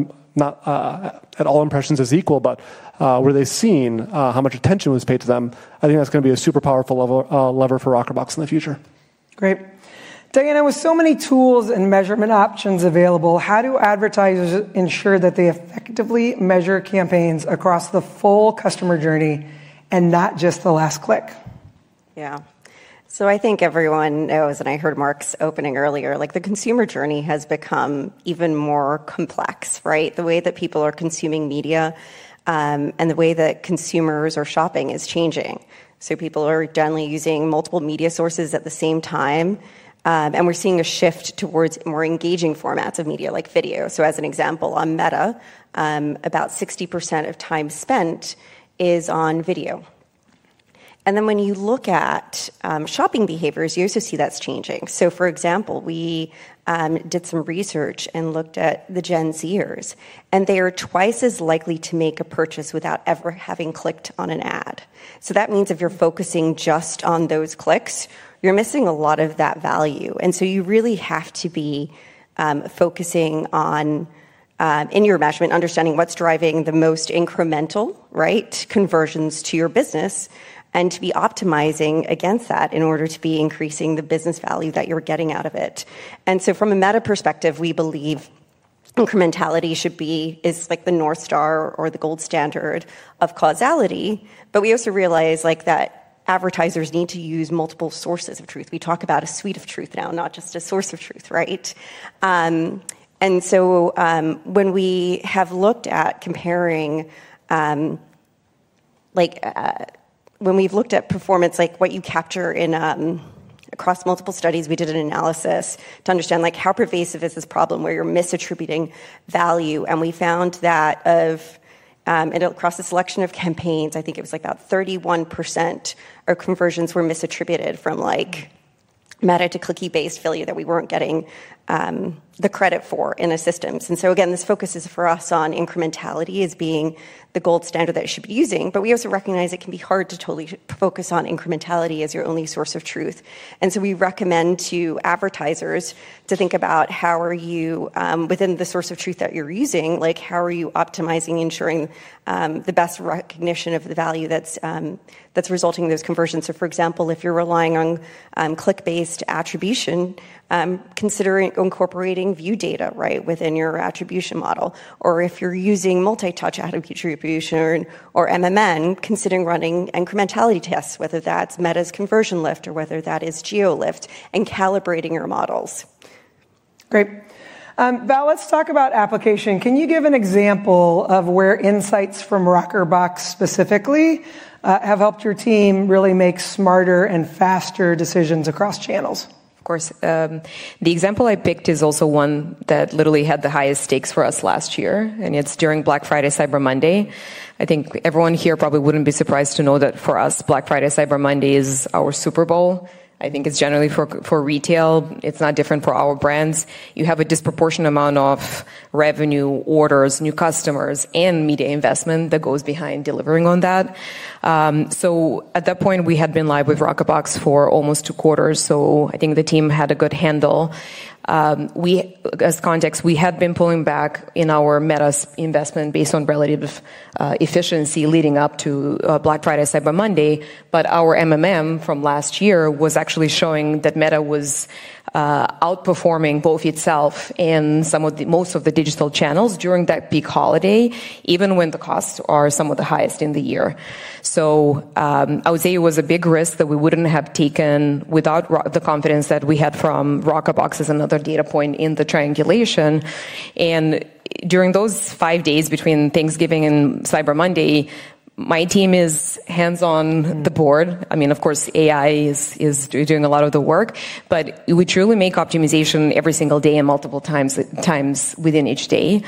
impressions as equal, but were they seen, how much attention was paid to them, I think that's going to be a super powerful lever for Rockerbox in the future. Great. Diana, with so many tools and measurement options available, how do advertisers ensure that they effectively measure campaigns across the full customer journey and not just the last click? Yeah. I think everyone knows, and I heard Mark's opening earlier, the consumer journey has become even more complex, right? The way that people are consuming media and the way that consumers are shopping is changing. People are generally using multiple media sources at the same time, and we're seeing a shift towards more engaging formats of media like video. As an example, on Meta, about 60% of time spent is on video. When you look at shopping behaviors, you also see that's changing. For example, we did some research and looked at the Gen Zers, and they are twice as likely to make a purchase without ever having clicked on an ad. That means if you're focusing just on those clicks, you're missing a lot of that value. You really have to be focusing on, in your measurement, understanding what's driving the most incremental conversions to your business and to be optimizing against that in order to be increasing the business value that you're getting out of it. From a Meta perspective, we believe incrementality should be like the North Star or the gold standard of causality. We also realize that advertisers need to use multiple sources of truth. We talk about a suite of truth now, not just a source of truth, right? When we have looked at comparing, when we've looked at performance, like what you capture across multiple studies, we did an analysis to understand how pervasive is this problem where you're misattributing value. We found that across a selection of campaigns, I think it was about 31% of conversions were misattributed from Meta to click-based failure that we were not getting the credit for in the systems. This focus is for us on incrementality as being the gold standard that you should be using. We also recognize it can be hard to totally focus on incrementality as your only source of truth. We recommend to advertisers to think about how you, within the source of truth that you are using, how you are optimizing, ensuring the best recognition of the value that is resulting in those conversions. For example, if you are relying on click-based attribution, consider incorporating view data within your attribution model. If you're using multi-touch attribution or MMN, considering running incrementality tests, whether that's Meta's conversion lift or whether that is GeoLift and calibrating your models. Great. Val, let's talk about application. Can you give an example of where insights from Rockerbox specifically have helped your team really make smarter and faster decisions across channels? Of course. The example I picked is also one that literally had the highest stakes for us last year, and it's during Black Friday Cyber Monday. I think everyone here probably wouldn't be surprised to know that for us, Black Friday Cyber Monday is our Super Bowl. I think it's generally for retail. It's not different for our brands. You have a disproportionate amount of revenue, orders, new customers, and media investment that goes behind delivering on that. At that point, we had been live with Rockerbox for almost two quarters, so I think the team had a good handle. As context, we had been pulling back in our Meta investment based on relative efficiency leading up to Black Friday Cyber Monday, but our from last year was actually showing that Meta was outperforming both itself and most of the digital channels during that peak holiday, even when the costs are some of the highest in the year. I would say it was a big risk that we would not have taken without the confidence that we had from Rockerbox as another data point in the triangulation. During those five days between Thanksgiving and Cyber Monday, my team is hands-on the board. I mean, of course, AI is doing a lot of the work, but we truly make optimization every single day and multiple times within each day.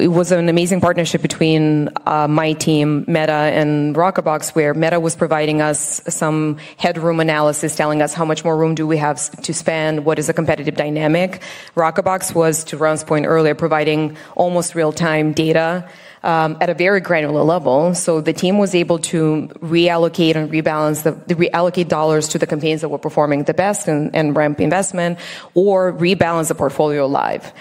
It was an amazing partnership between my team, Meta, and Rockerbox, where Meta was providing us some headroom analysis, telling us how much more room do we have to spend, what is a competitive dynamic. Rockerbox was, to Ron's point earlier, providing almost real-time data at a very granular level. The team was able to reallocate and rebalance the reallocate dollars to the campaigns that were performing the best and ramp investment or rebalance the portfolio live.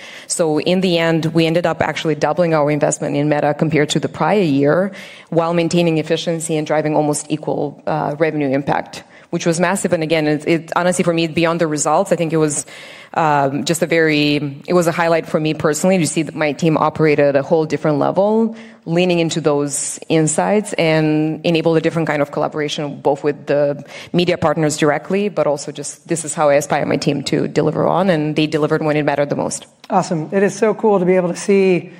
In the end, we ended up actually doubling our investment in Meta compared to the prior year while maintaining efficiency and driving almost equal revenue impact, which was massive. And again, honestly, for me, beyond the results, I think it was just a very, it was a highlight for me personally to see that my team operated at a whole different level, leaning into those insights and enabled a different kind of collaboration both with the media partners directly, but also just this is how I aspire my team to deliver on, and they delivered when it mattered the most. Awesome. It is so cool to be able to see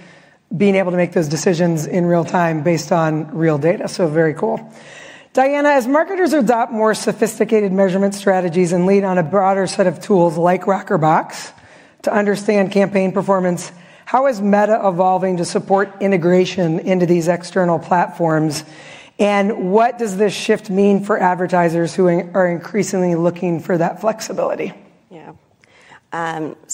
being able to make those decisions in real time based on real data. So very cool. Diana, as marketers adopt more sophisticated measurement strategies and lean on a broader set of tools like Rockerbox to understand campaign performance, how is Meta evolving to support integration into these external platforms? And what does this shift mean for advertisers who are increasingly looking for that flexibility? Yeah.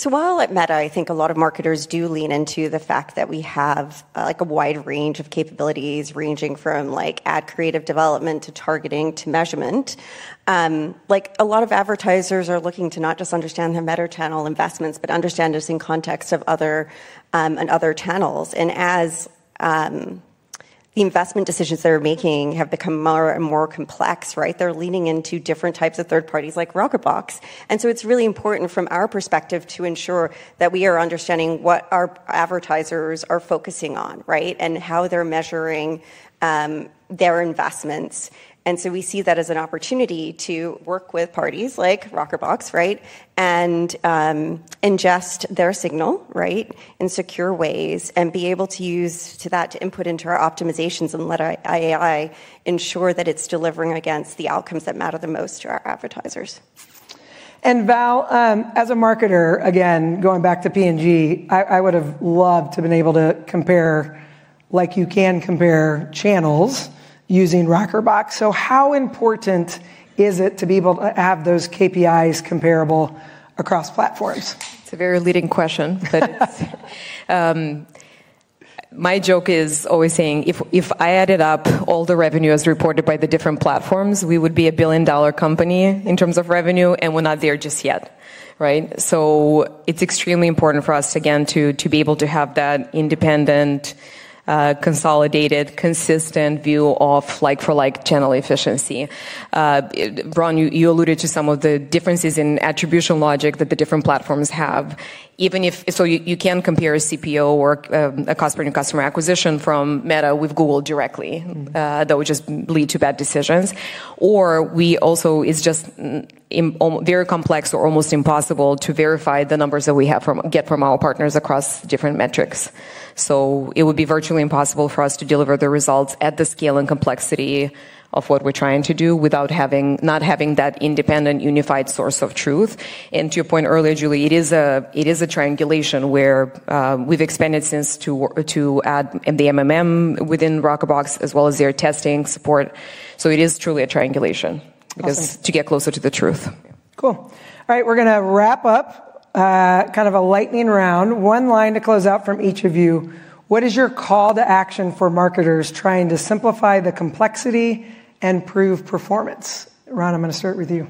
While at Meta, I think a lot of marketers do lean into the fact that we have a wide range of capabilities ranging from ad creative development to targeting to measurement. A lot of advertisers are looking to not just understand their Meta channel investments, but understand this in context of other channels. As the investment decisions they're making have become more and more complex, they're leaning into different types of third parties like Rockerbox. It is really important from our perspective to ensure that we are understanding what our advertisers are focusing on and how they're measuring their investments. We see that as an opportunity to work with parties like Rockerbox and ingest their signal in secure ways and be able to use that to input into our optimizations and let AI ensure that it's delivering against the outcomes that matter the most to our advertisers. Val, as a marketer, again, going back to P&G, I would have loved to have been able to compare like you can compare channels using Rockerbox. How important is it to be able to have those KPIs comparable across platforms? It's a very leading question, but my joke is always saying if I added up all the revenues reported by the different platforms, we would be a billion-dollar company in terms of revenue, and we're not there just yet. It is extremely important for us, again, to be able to have that independent, consolidated, consistent view of like-for-like channel efficiency. Ron, you alluded to some of the differences in attribution logic that the different platforms have. You cannot compare a CPO or a cost-per-new customer acquisition from Meta with Google directly. That would just lead to bad decisions. It is just very complex or almost impossible to verify the numbers that we get from our partners across different metrics. It would be virtually impossible for us to deliver the results at the scale and complexity of what we are trying to do without not having that independent, unified source of truth. To your point earlier, Julie, it is a triangulation where we have expanded since to add the MMN within Rockerbox as well as their testing support. It is truly a triangulation to get closer to the truth. Cool. All right. We're going to wrap up kind of a lightning round. One line to close out from each of you. What is your call to action for marketers trying to simplify the complexity and prove performance? Ron, I'm going to start with you.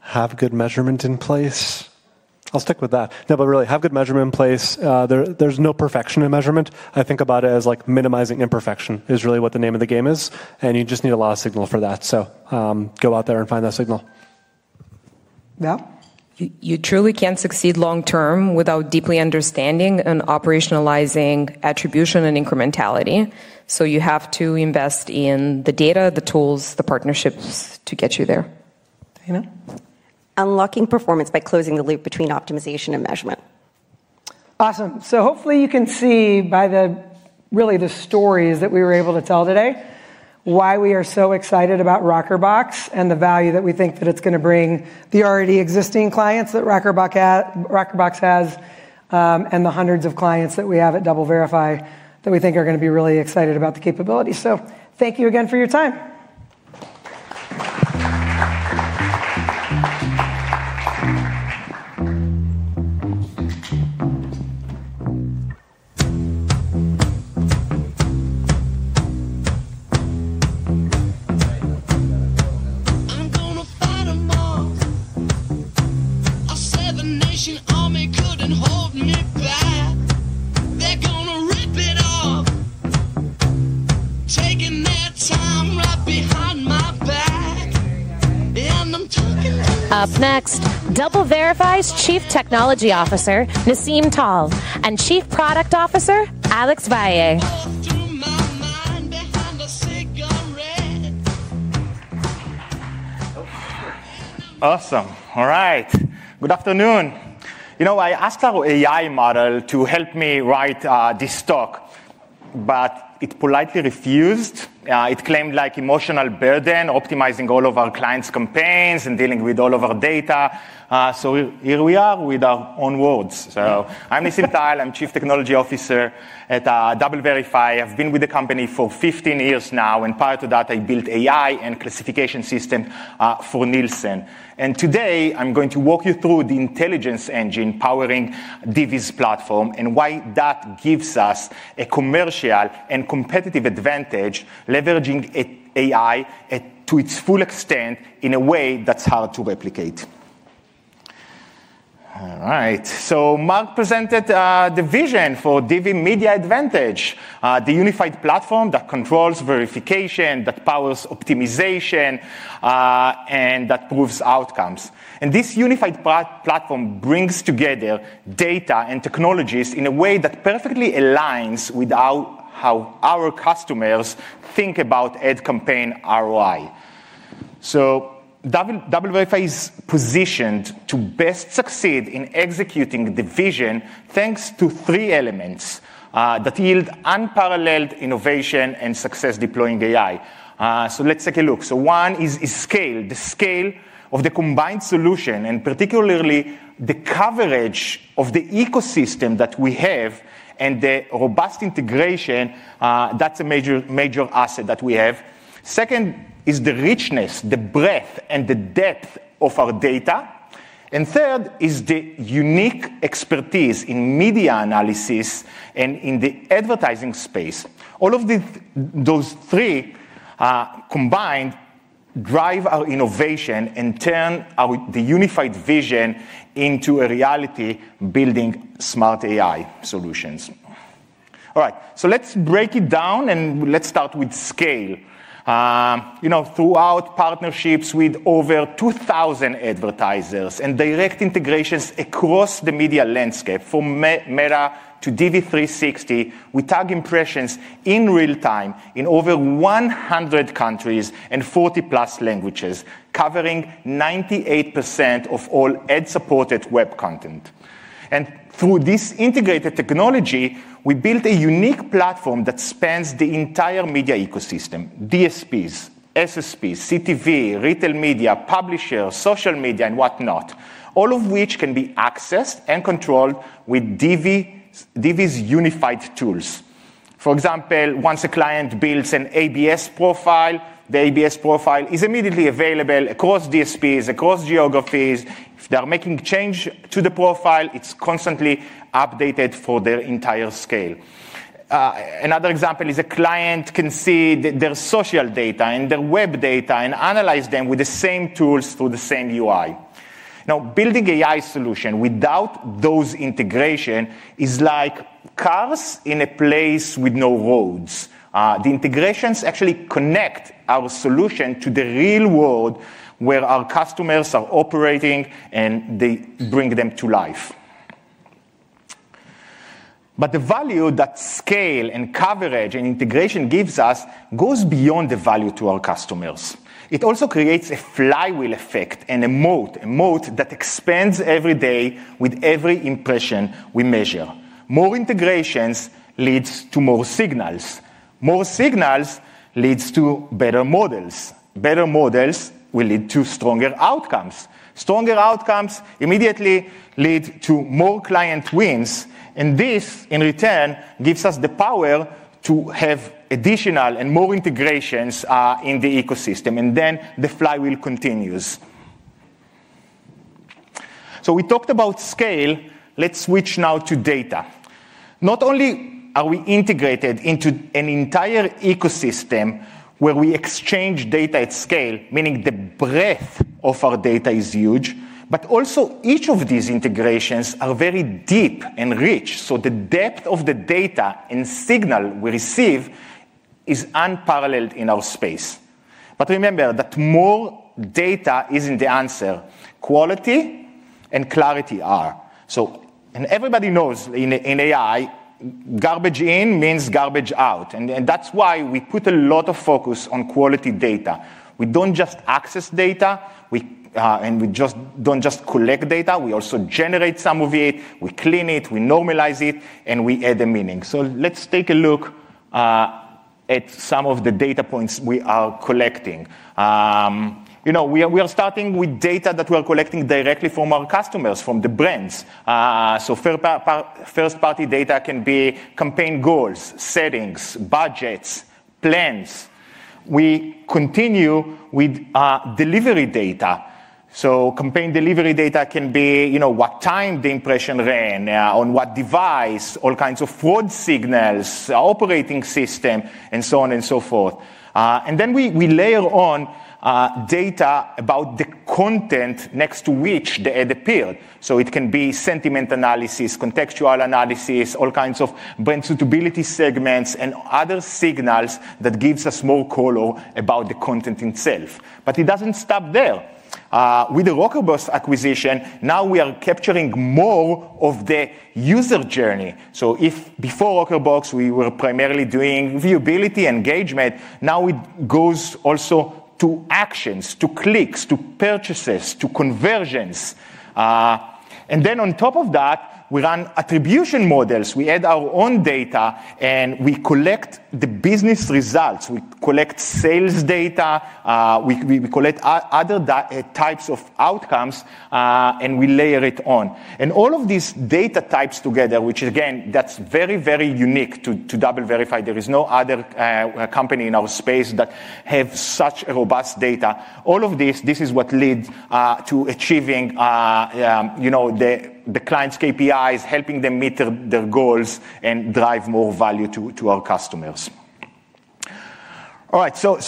Have good measurement in place. I'll stick with that. No, but really, have good measurement in place. There's no perfection in measurement. I think about it as minimizing imperfection is really what the name of the game is. You just need a lot of signal for that. Go out there and find that signal. You truly can't succeed long-term without deeply understanding and operationalizing attribution and incrementality. You have to invest in the data, the tools, the partnerships to get you there. Diana? Unlocking performance by closing the loop between optimization and measurement. Awesome. Hopefully you can see by really the stories that we were able to tell today why we are so excited about Rockerbox and the value that we think that it is going to bring the already existing clients that Rockerbox has and the hundreds of clients that we have at DoubleVerify that we think are going to be really excited about the capability. Thank you again for your time. I'm going to fight them off. I said the nation army could not hold me back. They're going to rip it off, taking their time right behind my back. And I'm talking to you. Up next, DoubleVerify's Chief Technology Officer, Nisim Tal, and Chief Product Officer, Alex Valle. Awesome. All right. Good afternoon. You know, I asked our AI model to help me write this talk, but it politely refused. It claimed emotional burden, optimizing all of our clients' campaigns and dealing with all of our data. So here we are with our own words. I'm Nisim Tal. I'm Chief Technology Officer at DoubleVerify. I've been with the company for 15 years now. Prior to that, I built AI and classification systems for Nielsen. Today, I'm going to walk you through the intelligence engine powering DV's platform and why that gives us a commercial and competitive advantage, leveraging AI to its full extent in a way that's hard to replicate. All right. Mark presented the vision for DV Media AdVantage, the unified platform that controls verification, that powers optimization, and that proves outcomes. This unified platform brings together data and technologies in a way that perfectly aligns with how our customers think about ad campaign ROI. DoubleVerify is positioned to best succeed in executing the vision thanks to three elements that yield unparalleled innovation and success deploying AI. Let's take a look. One is scale, the scale of the combined solution and particularly the coverage of the ecosystem that we have and the robust integration. That's a major asset that we have. Second is the richness, the breadth, and the depth of our data. Third is the unique expertise in media analysis and in the advertising space. All of those three combined drive our innovation and turn the unified vision into a reality building smart AI solutions. All right. Let's break it down and let's start with scale. Throughout partnerships with over 2,000 advertisers and direct integrations across the media landscape from Meta to DV360, we tag impressions in real time in over 100 countries and 40+ languages, covering 98% of all ad-supported web content. Through this integrated technology, we built a unique platform that spans the entire media ecosystem: DSPs, SSPs, CTV, retail media, publishers, social media, and whatnot, all of which can be accessed and controlled with DV's unified tools. For example, once a client builds an ABS profile, the ABS profile is immediately available across DSPs, across geographies. If they're making a change to the profile, it's constantly updated for their entire scale. Another example is a client can see their social data and their web data and analyze them with the same tools through the same UI. Now, building an AI solution without those integrations is like cars in a place with no roads. The integrations actually connect our solution to the real world where our customers are operating, and they bring them to life. The value that scale and coverage and integration gives us goes beyond the value to our customers. It also creates a flywheel effect and a moat that expands every day with every impression we measure. More integrations lead to more signals. More signals lead to better models. Better models will lead to stronger outcomes. Stronger outcomes immediately lead to more client wins. This, in return, gives us the power to have additional and more integrations in the ecosystem. The flywheel continues. We talked about scale. Let's switch now to data. Not only are we integrated into an entire ecosystem where we exchange data at scale, meaning the breadth of our data is huge, but also each of these integrations are very deep and rich. The depth of the data and signal we receive is unparalleled in our space. Remember that more data is not the answer. Quality and clarity are. Everybody knows in AI, garbage in means garbage out. That is why we put a lot of focus on quality data. We do not just access data, and we do not just collect data. We also generate some of it. We clean it. We normalize it. We add a meaning. Let's take a look at some of the data points we are collecting. We are starting with data that we are collecting directly from our customers, from the brands. First-party data can be campaign goals, settings, budgets, plans. We continue with delivery data. Campaign delivery data can be what time the impression ran, on what device, all kinds of fraud signals, operating system, and so on and so forth. Then we layer on data about the content next to which the ad appeared. It can be sentiment analysis, contextual analysis, all kinds of brand suitability segments, and other signals that give us more color about the content itself. It does not stop there. With the Rockerbox acquisition, now we are capturing more of the user journey. Before Rockerbox, we were primarily doing viewability engagement. Now it goes also to actions, to clicks, to purchases, to conversions. On top of that, we run attribution models. We add our own data, and we collect the business results. We collect sales data. We collect other types of outcomes, and we layer it on. All of these data types together, which, again, that's very, very unique to DoubleVerify. There is no other company in our space that has such robust data. All of this, this is what leads to achieving the clients' KPIs, helping them meet their goals and drive more value to our customers. All right. You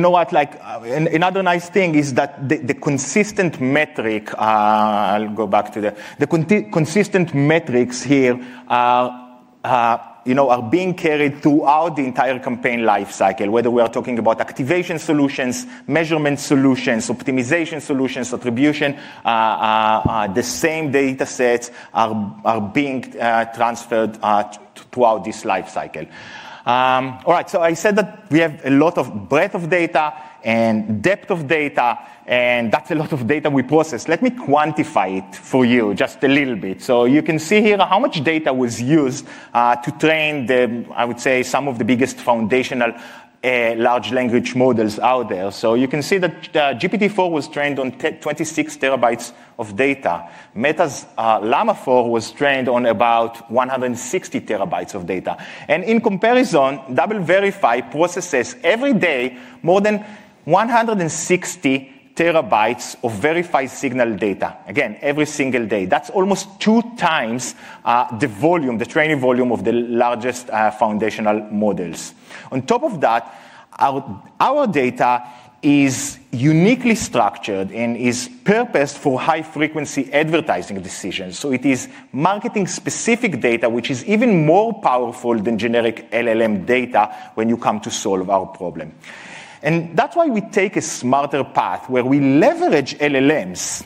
know what? Another nice thing is that the consistent metric, I'll go back to the consistent metrics here, are being carried throughout the entire campaign lifecycle, whether we are talking about activation solutions, measurement solutions, optimization solutions, attribution. The same data sets are being transferred throughout this lifecycle. All right. I said that we have a lot of breadth of data and depth of data. That's a lot of data we process. Let me quantify it for you just a little bit. You can see here how much data was used to train, I would say, some of the biggest foundational large language models out there. You can see that GPT-4 was trained on 26 TB of data. Meta's Llama 4 was trained on about 160 terabytes of data. In comparison, DoubleVerify processes every day more than 160 TB of verified signal data. Again, every single day. That is almost 2x the training volume of the largest foundational models. On top of that, our data is uniquely structured and is purposed for high-frequency advertising decisions. It is marketing-specific data, which is even more powerful than generic LLM data when you come to solve our problem. That is why we take a smarter path where we leverage LLMs,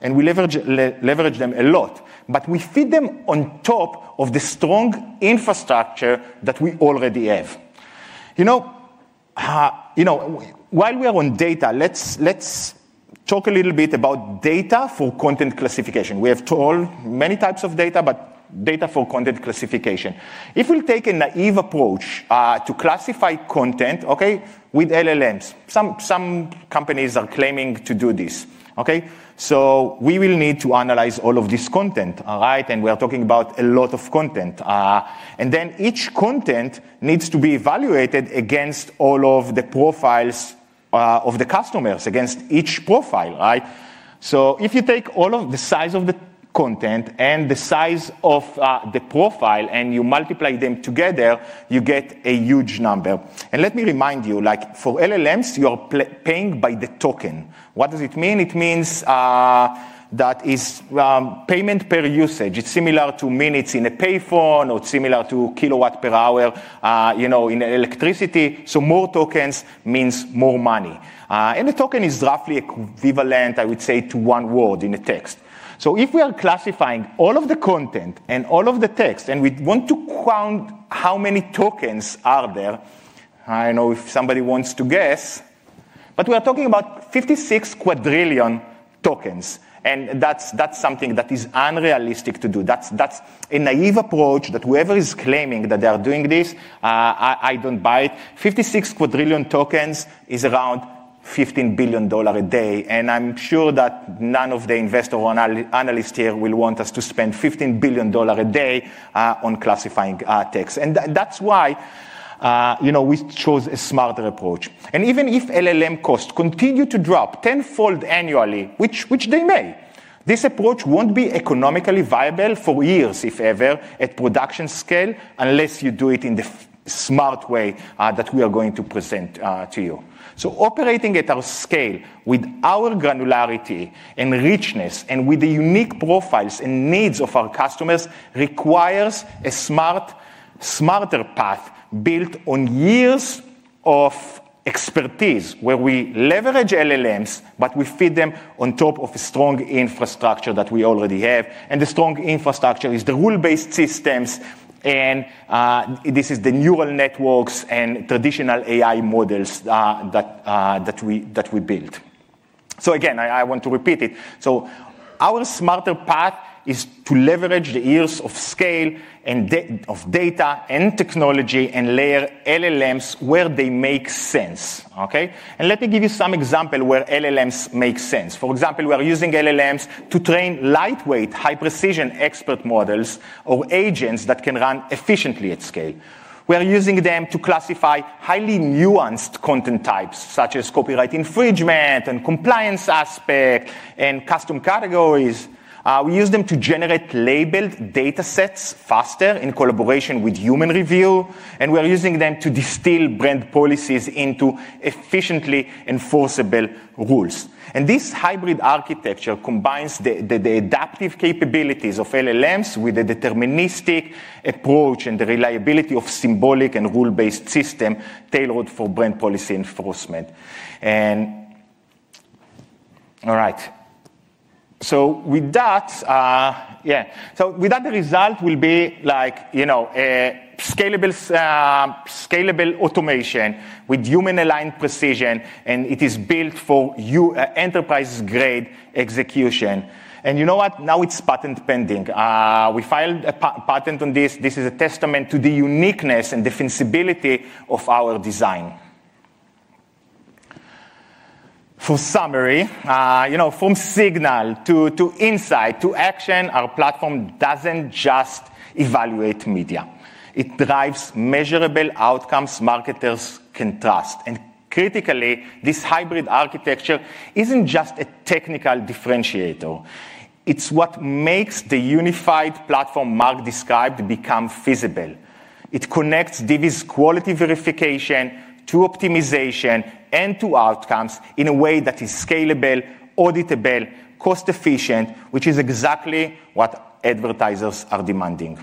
and we leverage them a lot, but we feed them on top of the strong infrastructure that we already have. While we are on data, let's talk a little bit about data for content classification. We have many types of data, but data for content classification. If we take a naive approach to classify content with LLMs, some companies are claiming to do this. We will need to analyze all of this content. We are talking about a lot of content. Then each content needs to be evaluated against all of the profiles of the customers, against each profile. If you take all of the size of the content and the size of the profile and you multiply them together, you get a huge number. Let me remind you, for LLMs, you are paying by the token. What does it mean? It means that it's payment per usage. It's similar to minutes in a payphone or similar to kilowatt per hour in electricity. More tokens means more money. The token is roughly equivalent, I would say, to one word in a text. If we are classifying all of the content and all of the text, and we want to count how many tokens are there, I know if somebody wants to guess, but we are talking about 56 quadrillion tokens. That's something that is unrealistic to do. That's a naive approach that whoever is claiming that they are doing this, I don't buy it. 56 quadrillion tokens is around $15 billion a day. I am sure that none of the investors or analysts here will want us to spend $15 billion a day on classifying text. That is why we chose a smarter approach. Even if LLM costs continue to drop tenfold annually, which they may, this approach will not be economically viable for years, if ever, at production scale unless you do it in the smart way that we are going to present to you. Operating at our scale with our granularity and richness and with the unique profiles and needs of our customers requires a smarter path built on years of expertise where we leverage LLMs, but we feed them on top of a strong infrastructure that we already have. The strong infrastructure is the rule-based systems. This is the neural networks and traditional AI models that we built. I want to repeat it. Our smarter path is to leverage the years of scale and of data and technology and layer LLMs where they make sense. Let me give you some examples where LLMs make sense. For example, we are using LLMs to train lightweight, high-precision expert models or agents that can run efficiently at scale. We are using them to classify highly nuanced content types such as copyright infringement and compliance aspect and custom categories. We use them to generate labeled data sets faster in collaboration with human review. We are using them to distill brand policies into efficiently enforceable rules. This hybrid architecture combines the adaptive capabilities of LLMs with the deterministic approach and the reliability of symbolic and rule-based systems tailored for brand policy enforcement. All right. With that, the result will be scalable automation with human-aligned precision. It is built for enterprise-grade execution. You know what? Now it is patent pending. We filed a patent on this. This is a testament to the uniqueness and defensibility of our design. For summary, from signal to insight to action, our platform does not just evaluate media. It drives measurable outcomes marketers can trust. Critically, this hybrid architecture is not just a technical differentiator. It is what makes the unified platform Mark described become feasible. It connects DV's quality verification to optimization and to outcomes in a way that is scalable, auditable, cost-efficient, which is exactly what advertisers are demanding.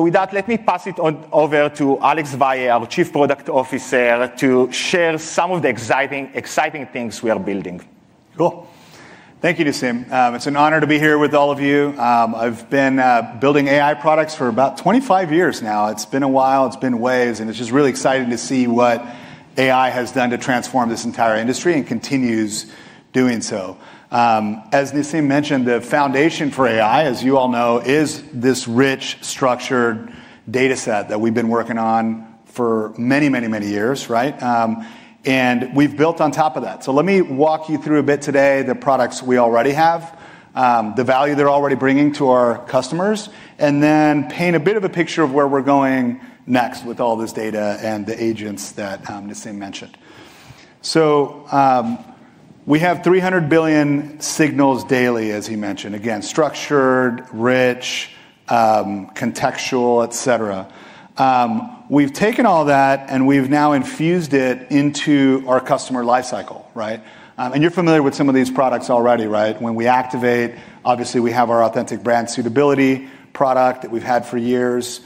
With that, let me pass it over to Alex Valle, our Chief Product Officer, to share some of the exciting things we are building. Cool. Thank you, Nisim. It's an honor to be here with all of you. I've been building AI products for about 25 years now. It's been a while. It's been ways. It's just really exciting to see what AI has done to transform this entire industry and continues doing so. As Nisim mentioned, the foundation for AI, as you all know, is this rich, structured data set that we've been working on for many, many, many years. We've built on top of that. Let me walk you through a bit today the products we already have, the value they're already bringing to our customers, and then paint a bit of a picture of where we're going next with all this data and the agents that Nisim mentioned. We have 300 billion signals daily, as he mentioned. Again, structured, rich, contextual, et cetera. We've taken all that, and we've now infused it into our customer lifecycle. You're familiar with some of these products already. When we activate, obviously, we have our Authentic Brand Suitability product that we've had for years.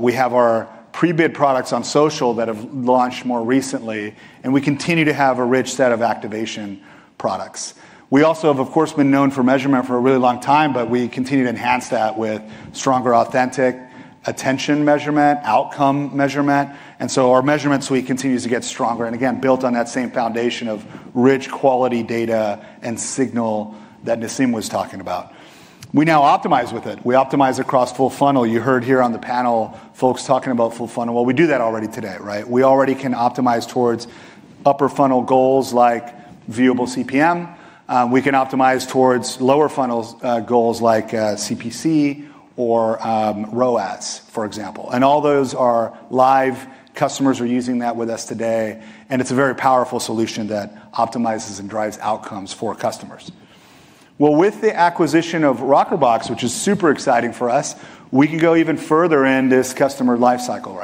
We have our pre-bid products on social that have launched more recently. We continue to have a rich set of activation products. We also have, of course, been known for measurement for a really long time. We continue to enhance that with stronger authentic attention measurement, outcome measurement. Our measurement suite continues to get stronger and, again, built on that same foundation of rich quality data and signal that Nisim was talking about. We now optimize with it. We optimize across full funnel. You heard here on the panel folks talking about full funnel. We do that already today. We already can optimize towards upper funnel goals like viewable CPM. We can optimize towards lower funnel goals like CPC or ROAS, for example. All those are live. Customers are using that with us today. It is a very powerful solution that optimizes and drives outcomes for customers. With the acquisition of Rockerbox, which is super exciting for us, we can go even further in this customer lifecycle.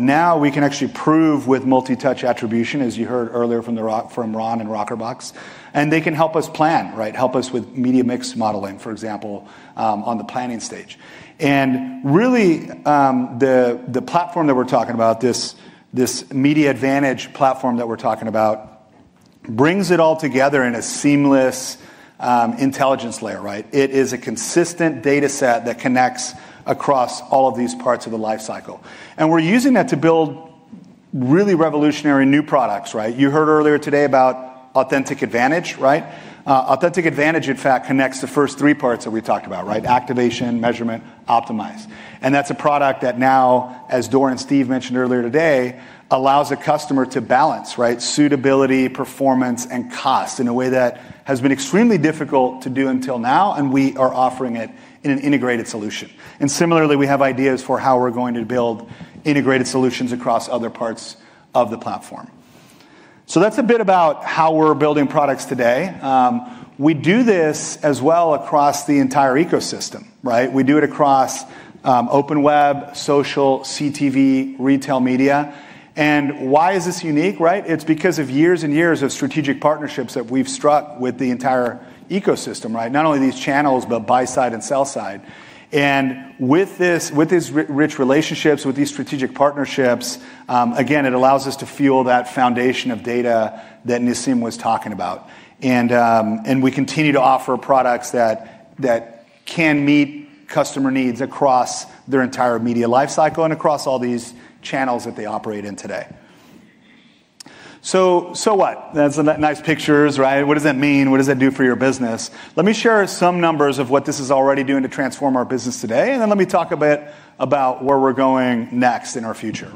Now we can actually prove with multi-touch attribution, as you heard earlier from Ron and Rockerbox. They can help us plan, help us with media mix modeling, for example, on the planning stage. Really, the platform that we are talking about, this DV Media AdVantage Platform that we are talking about, brings it all together in a seamless intelligence layer. It is a consistent data set that connects across all of these parts of the lifecycle. We are using that to build really revolutionary new products. You heard earlier today about Authentic AdVantage. Authentic AdVantage, in fact, connects the first three parts that we talked about: activation, measurement, optimize. That is a product that now, as Dor and Steve mentioned earlier today, allows a customer to balance suitability, performance, and cost in a way that has been extremely difficult to do until now. We are offering it in an integrated solution. Similarly, we have ideas for how we are going to build integrated solutions across other parts of the platform. That is a bit about how we are building products today. We do this as well across the entire ecosystem. We do it across OpenWeb, social, CTV, retail media. Why is this unique? It's because of years and years of strategic partnerships that we've struck with the entire ecosystem, not only these channels, but buy-side and sell-side. With these rich relationships, with these strategic partnerships, again, it allows us to fuel that foundation of data that Nisim was talking about. We continue to offer products that can meet customer needs across their entire media lifecycle and across all these channels that they operate in today. What? That's nice pictures. What does that mean? What does that do for your business? Let me share some numbers of what this is already doing to transform our business today. Let me talk a bit about where we're going next in our future.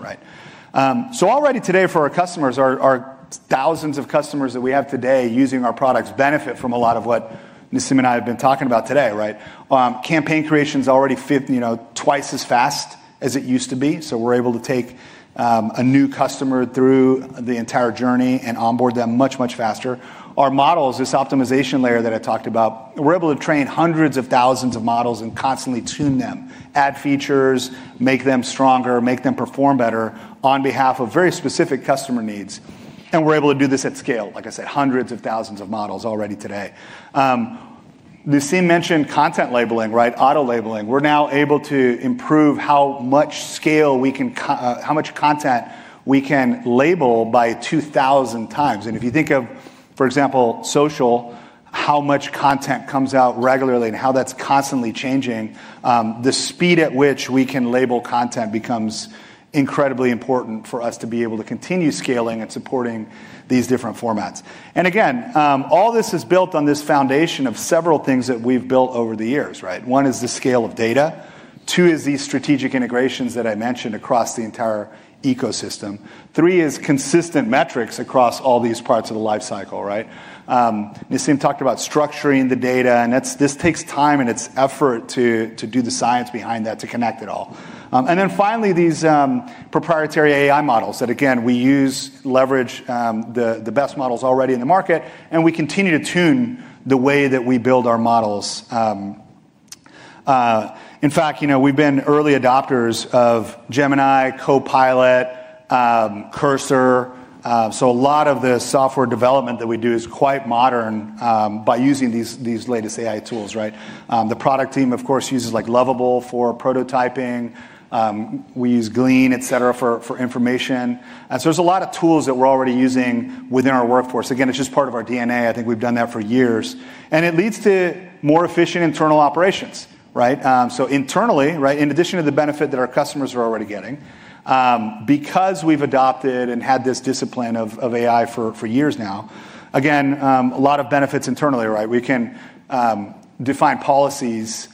Already today, for our customers, our thousands of customers that we have today using our products benefit from a lot of what Nisim and I have been talking about today. Campaign creation is already twice as fast as it used to be. We are able to take a new customer through the entire journey and onboard them much, much faster. Our models, this optimization layer that I talked about, we are able to train hundreds of thousands of models and constantly tune them, add features, make them stronger, make them perform better on behalf of very specific customer needs. We are able to do this at scale. Like I said, hundreds of thousands of models already today. Nisim mentioned content labeling, auto labeling. We are now able to improve how much scale we can, how much content we can label by 2,000x. If you think of, for example, social, how much content comes out regularly and how that's constantly changing, the speed at which we can label content becomes incredibly important for us to be able to continue scaling and supporting these different formats. All this is built on this foundation of several things that we've built over the years. One is the scale of data. Two is these strategic integrations that I mentioned across the entire ecosystem. Three is consistent metrics across all these parts of the lifecycle. Nisim talked about structuring the data. This takes time and its effort to do the science behind that to connect it all. Finally, these proprietary AI models that, again, we use, leverage the best models already in the market. We continue to tune the way that we build our models. In fact, we've been early adopters of Gemini, Copilot, Cursor. A lot of the software development that we do is quite modern by using these latest AI tools. The product team, of course, uses Lovable for prototyping. We use Glean, et cetera, for information. There are a lot of tools that we're already using within our workforce. Again, it's just part of our DNA. I think we've done that for years. It leads to more efficient internal operations. Internally, in addition to the benefit that our customers are already getting, because we've adopted and had this discipline of AI for years now, again, a lot of benefits internally. We can define policies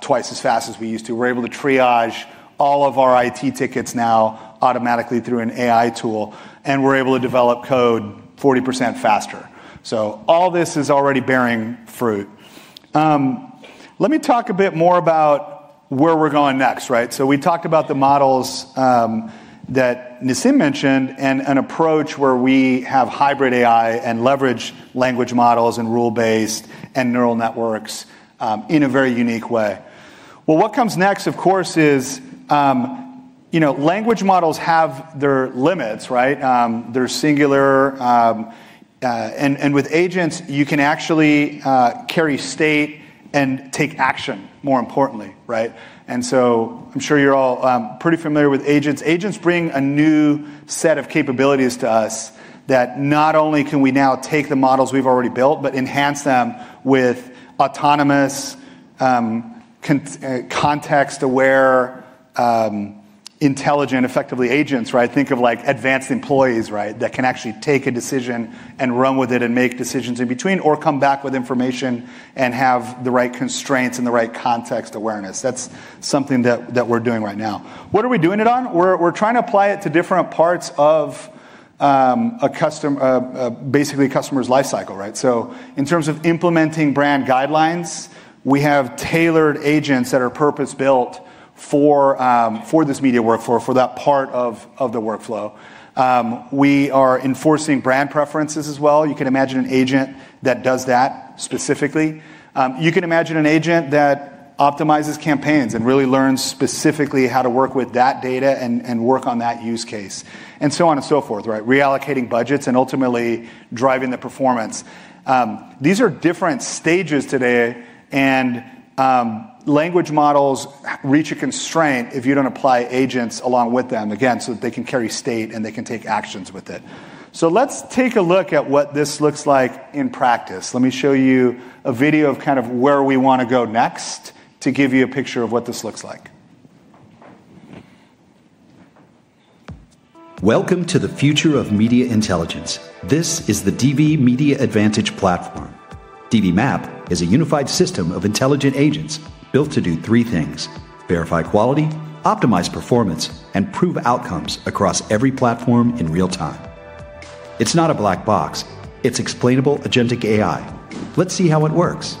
twice as fast as we used to. We're able to triage all of our IT tickets now automatically through an AI tool. We're able to develop code 40% faster. All this is already bearing fruit. Let me talk a bit more about where we're going next. We talked about the models that Nisim mentioned and an approach where we have hybrid AI and leverage language models and rule-based and neural networks in a very unique way. What comes next, of course, is language models have their limits. They're singular. With agents, you can actually carry state and take action, more importantly. I'm sure you're all pretty familiar with agents. Agents bring a new set of capabilities to us that not only can we now take the models we've already built, but enhance them with autonomous, context-aware, intelligent, effectively agents. Think of advanced employees that can actually take a decision and run with it and make decisions in between or come back with information and have the right constraints and the right context awareness. That's something that we're doing right now. What are we doing it on? We're trying to apply it to different parts of basically a customer's lifecycle. In terms of implementing brand guidelines, we have tailored agents that are purpose-built for this media workflow, for that part of the workflow. We are enforcing brand preferences as well. You can imagine an agent that does that specifically. You can imagine an agent that optimizes campaigns and really learns specifically how to work with that data and work on that use case, and so on and so forth, reallocating budgets and ultimately driving the performance. These are different stages today. Language models reach a constraint if you don't apply agents along with them, again, so that they can carry state and they can take actions with it. Let's take a look at what this looks like in practice. Let me show you a video of kind of where we want to go next to give you a picture of what this looks like. Welcome to the future of media intelligence. This is the DV Media AdVantage Platform. DV MAP is a unified system of intelligent agents built to do three things: verify quality, optimize performance, and prove outcomes across every platform in real time. It's not a black box. It's explainable agentic AI. Let's see how it works.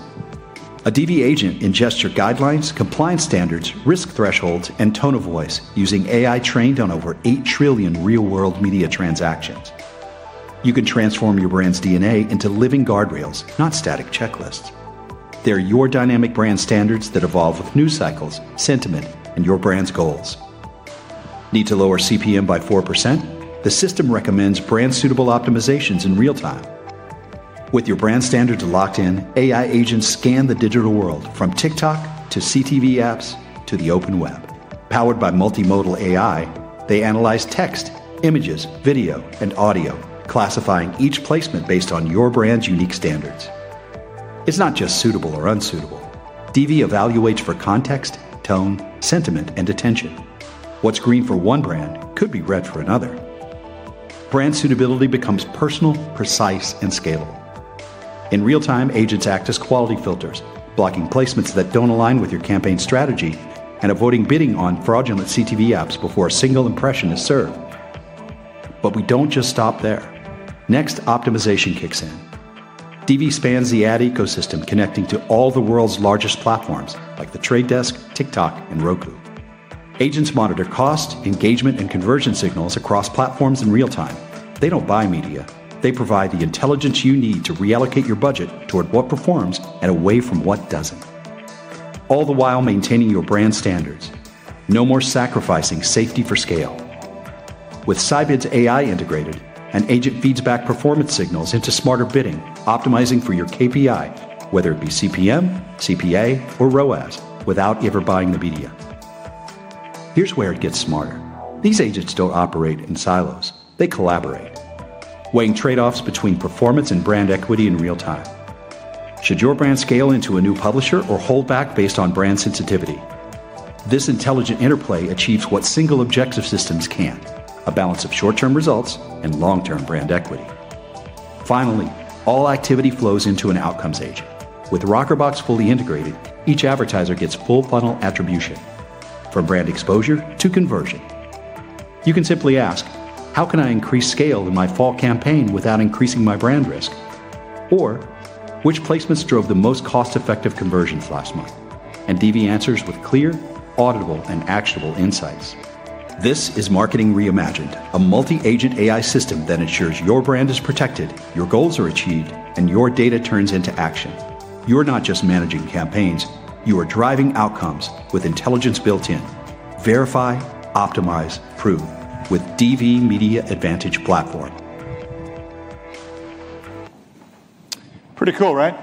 A DV agent ingests your guidelines, compliance standards, risk thresholds, and tone of voice using AI trained on over 8 trillion real-world media transactions. You can transform your brand's DNA into living guardrails, not static checklists. They're your dynamic brand standards that evolve with news cycles, sentiment, and your brand's goals. Need to lower CPM by 4%? The system recommends brand-suitable optimizations in real time. With your brand standards locked in, AI agents scan the digital world from TikTok to CTV apps to the OpenWeb. Powered by Multimodal AI, they analyze text, images, video, and audio, classifying each placement based on your brand's unique standards. It's not just suitable or unsuitable. DV evaluates for context, tone, sentiment, and attention. What's green for one brand could be red for another. Brand suitability becomes personal, precise, and scalable. In real time, agents act as quality filters, blocking placements that don't align with your campaign strategy and avoiding bidding on fraudulent CTV apps before a single impression is served. We don't just stop there. Next, optimization kicks in. DV spans the ad ecosystem, connecting to all the world's largest platforms like The Trade Desk, TikTok, and Roku. Agents monitor cost, engagement, and conversion signals across platforms in real time. They don't buy media. They provide the intelligence you need to reallocate your budget toward what performs and away from what does not, all the while maintaining your brand standards. No more sacrificing safety for scale. With Scibids AI integrated, an agent feeds back performance signals into smarter bidding, optimizing for your KPI, whether it be CPM, CPA, or ROAS, without ever buying the media. Here is where it gets smarter. These agents do not operate in silos. They collaborate, weighing trade-offs between performance and brand equity in real time. Should your brand scale into a new publisher or hold back based on brand sensitivity? This intelligent interplay achieves what single objective systems cannot: a balance of short-term results and long-term brand equity. Finally, all activity flows into an outcomes agent. With Rockerbox fully integrated, each advertiser gets full funnel attribution from brand exposure to conversion. You can simply ask, "How can I increase scale in my full campaign without increasing my brand risk?" or, "Which placements drove the most cost-effective conversions last month?" DV answers with clear, auditable, and actionable insights. This is Marketing Reimagined, a multi-agent AI system that ensures your brand is protected, your goals are achieved, and your data turns into action. You're not just managing campaigns. You are driving outcomes with intelligence built in. Verify, optimize, prove with DV Media AdVantage Platform. Pretty cool, right?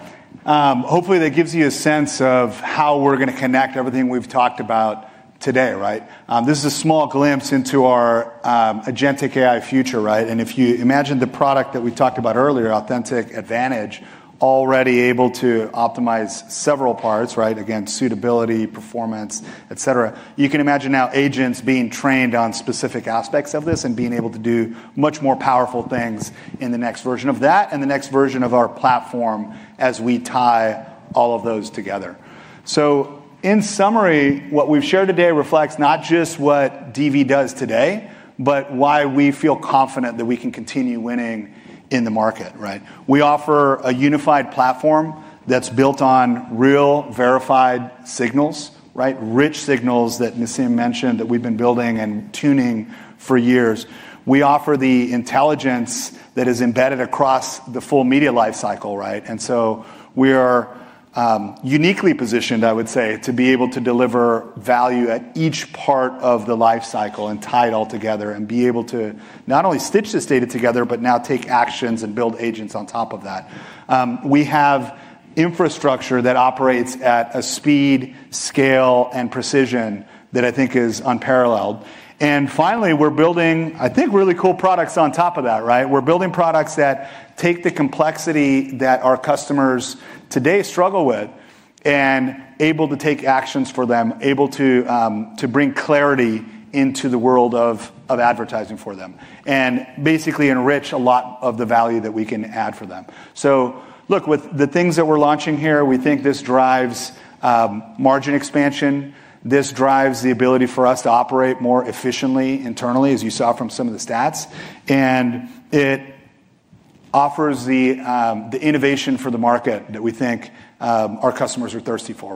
Hopefully, that gives you a sense of how we're going to connect everything we've talked about today. This is a small glimpse into our agentic AI future. If you imagine the product that we talked about earlier, Authentic AdVantage, already able to optimize several parts, again, suitability, performance, et cetera, you can imagine now agents being trained on specific aspects of this and being able to do much more powerful things in the next version of that and the next version of our platform as we tie all of those together. In summary, what we've shared today reflects not just what DV does today, but why we feel confident that we can continue winning in the market. We offer a unified platform that's built on real, verified signals, rich signals that Nisim mentioned that we've been building and tuning for years. We offer the intelligence that is embedded across the full media lifecycle. We are uniquely positioned, I would say, to be able to deliver value at each part of the lifecycle and tie it all together and be able to not only stitch this data together, but now take actions and build agents on top of that. We have infrastructure that operates at a speed, scale, and precision that I think is unparalleled. Finally, we're building, I think, really cool products on top of that. We're building products that take the complexity that our customers today struggle with and are able to take actions for them, able to bring clarity into the world of advertising for them, and basically enrich a lot of the value that we can add for them. Look, with the things that we're launching here, we think this drives margin expansion. This drives the ability for us to operate more efficiently internally, as you saw from some of the stats. It offers the innovation for the market that we think our customers are thirsty for.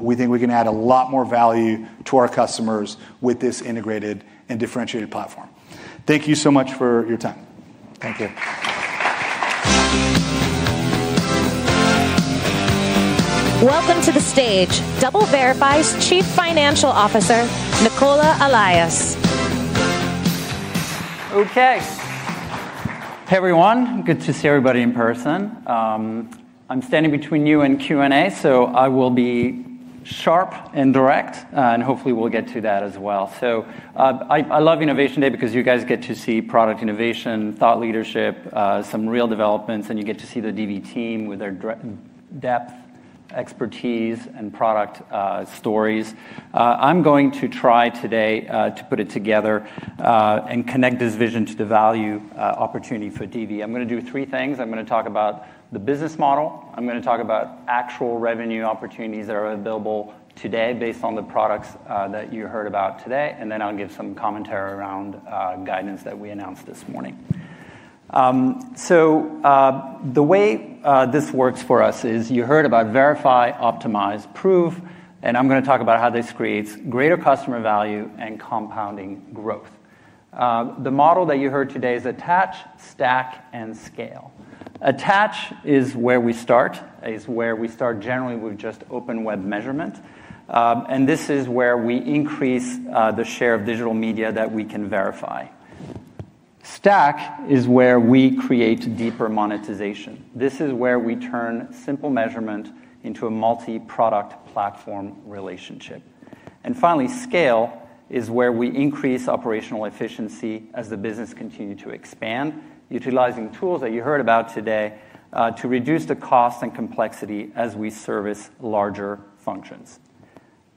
We think we can add a lot more value to our customers with this integrated and differentiated platform. Thank you so much for your time. Thank you. Welcome to the stage, DoubleVerify's Chief Financial Officer, Nicola Allais. Okay. Hey, everyone. Good to see everybody in person. I'm standing between you and Q&A, so I will be sharp and direct. Hopefully, we'll get to that as well. I love Innovation Day because you guys get to see product innovation, thought leadership, some real developments, and you get to see the DV team with their depth, expertise, and product stories. I'm going to try today to put it together and connect this vision to the value opportunity for DV. I'm going to do three things. I'm going to talk about the business model. I'm going to talk about actual revenue opportunities that are available today based on the products that you heard about today. Then I'll give some commentary around guidance that we announced this morning. The way this works for us is you heard about verify, optimize, prove. I'm going to talk about how this creates greater customer value and compounding growth. The model that you heard today is attach, stack, and scale. Attach is where we start, is where we start generally with just OpenWeb measurement. This is where we increase the share of digital media that we can verify. Stack is where we create deeper monetization. This is where we turn simple measurement into a multi-product platform relationship. Finally, scale is where we increase operational efficiency as the business continues to expand, utilizing tools that you heard about today to reduce the cost and complexity as we service larger functions.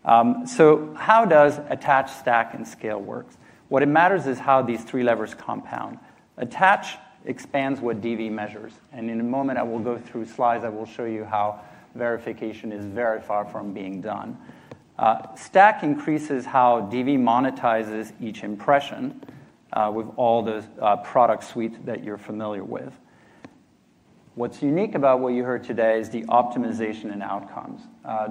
How does attach, stack, and scale work? What matters is how these three levers compound. Attach expands what DV measures. In a moment, I will go through slides. I will show you how verification is very far from being done. Stack increases how DV monetizes each impression with all the product suites that you're familiar with. What's unique about what you heard today is the optimization and outcomes.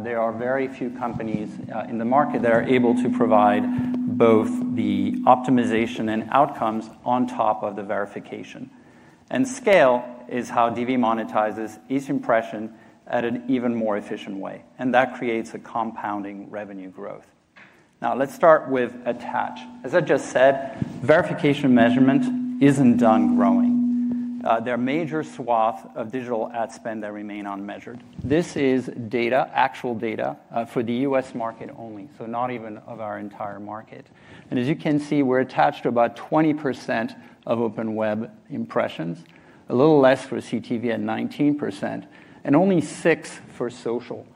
There are very few companies in the market that are able to provide both the optimization and outcomes on top of the verification. Scale is how DV monetizes each impression in an even more efficient way. That creates a compounding revenue growth. Now, let's start with attach. As I just said, verification measurement isn't done growing. There are major swaths of digital ad spend that remain unmeasured. This is data, actual data for the U.S. market only, so not even of our entire market. As you can see, we're attached to about 20% of OpenWeb impressions, a little less for CTV at 19%, and only 6% for social.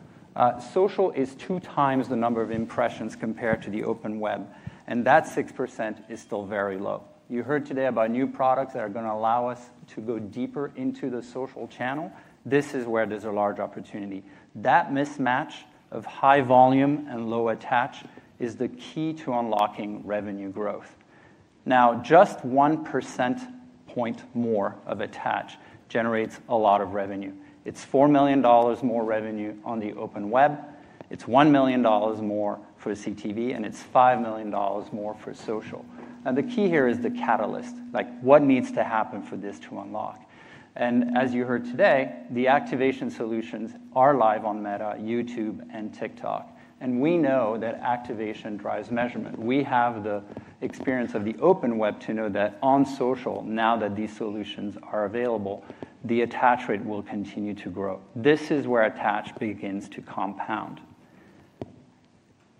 Social is 2x the number of impressions compared to the OpenWeb. And that 6% is still very low. You heard today about new products that are going to allow us to go deeper into the social channel. This is where there is a large opportunity. That mismatch of high volume and low attach is the key to unlocking revenue growth. Now, just 1 percentage point more of attach generates a lot of revenue. It is $4 million more revenue on the OpenWeb. it is $1 million more for CTV, and it is $5 million more for social. Now, the key here is the catalyst, like what needs to happen for this to unlock. As you heard today, the activation solutions are live on Meta, YouTube, and TikTok. We know that activation drives measurement. We have the experience of the OpenWeb to know that on social, now that these solutions are available, the attach rate will continue to grow. This is where attach begins to compound.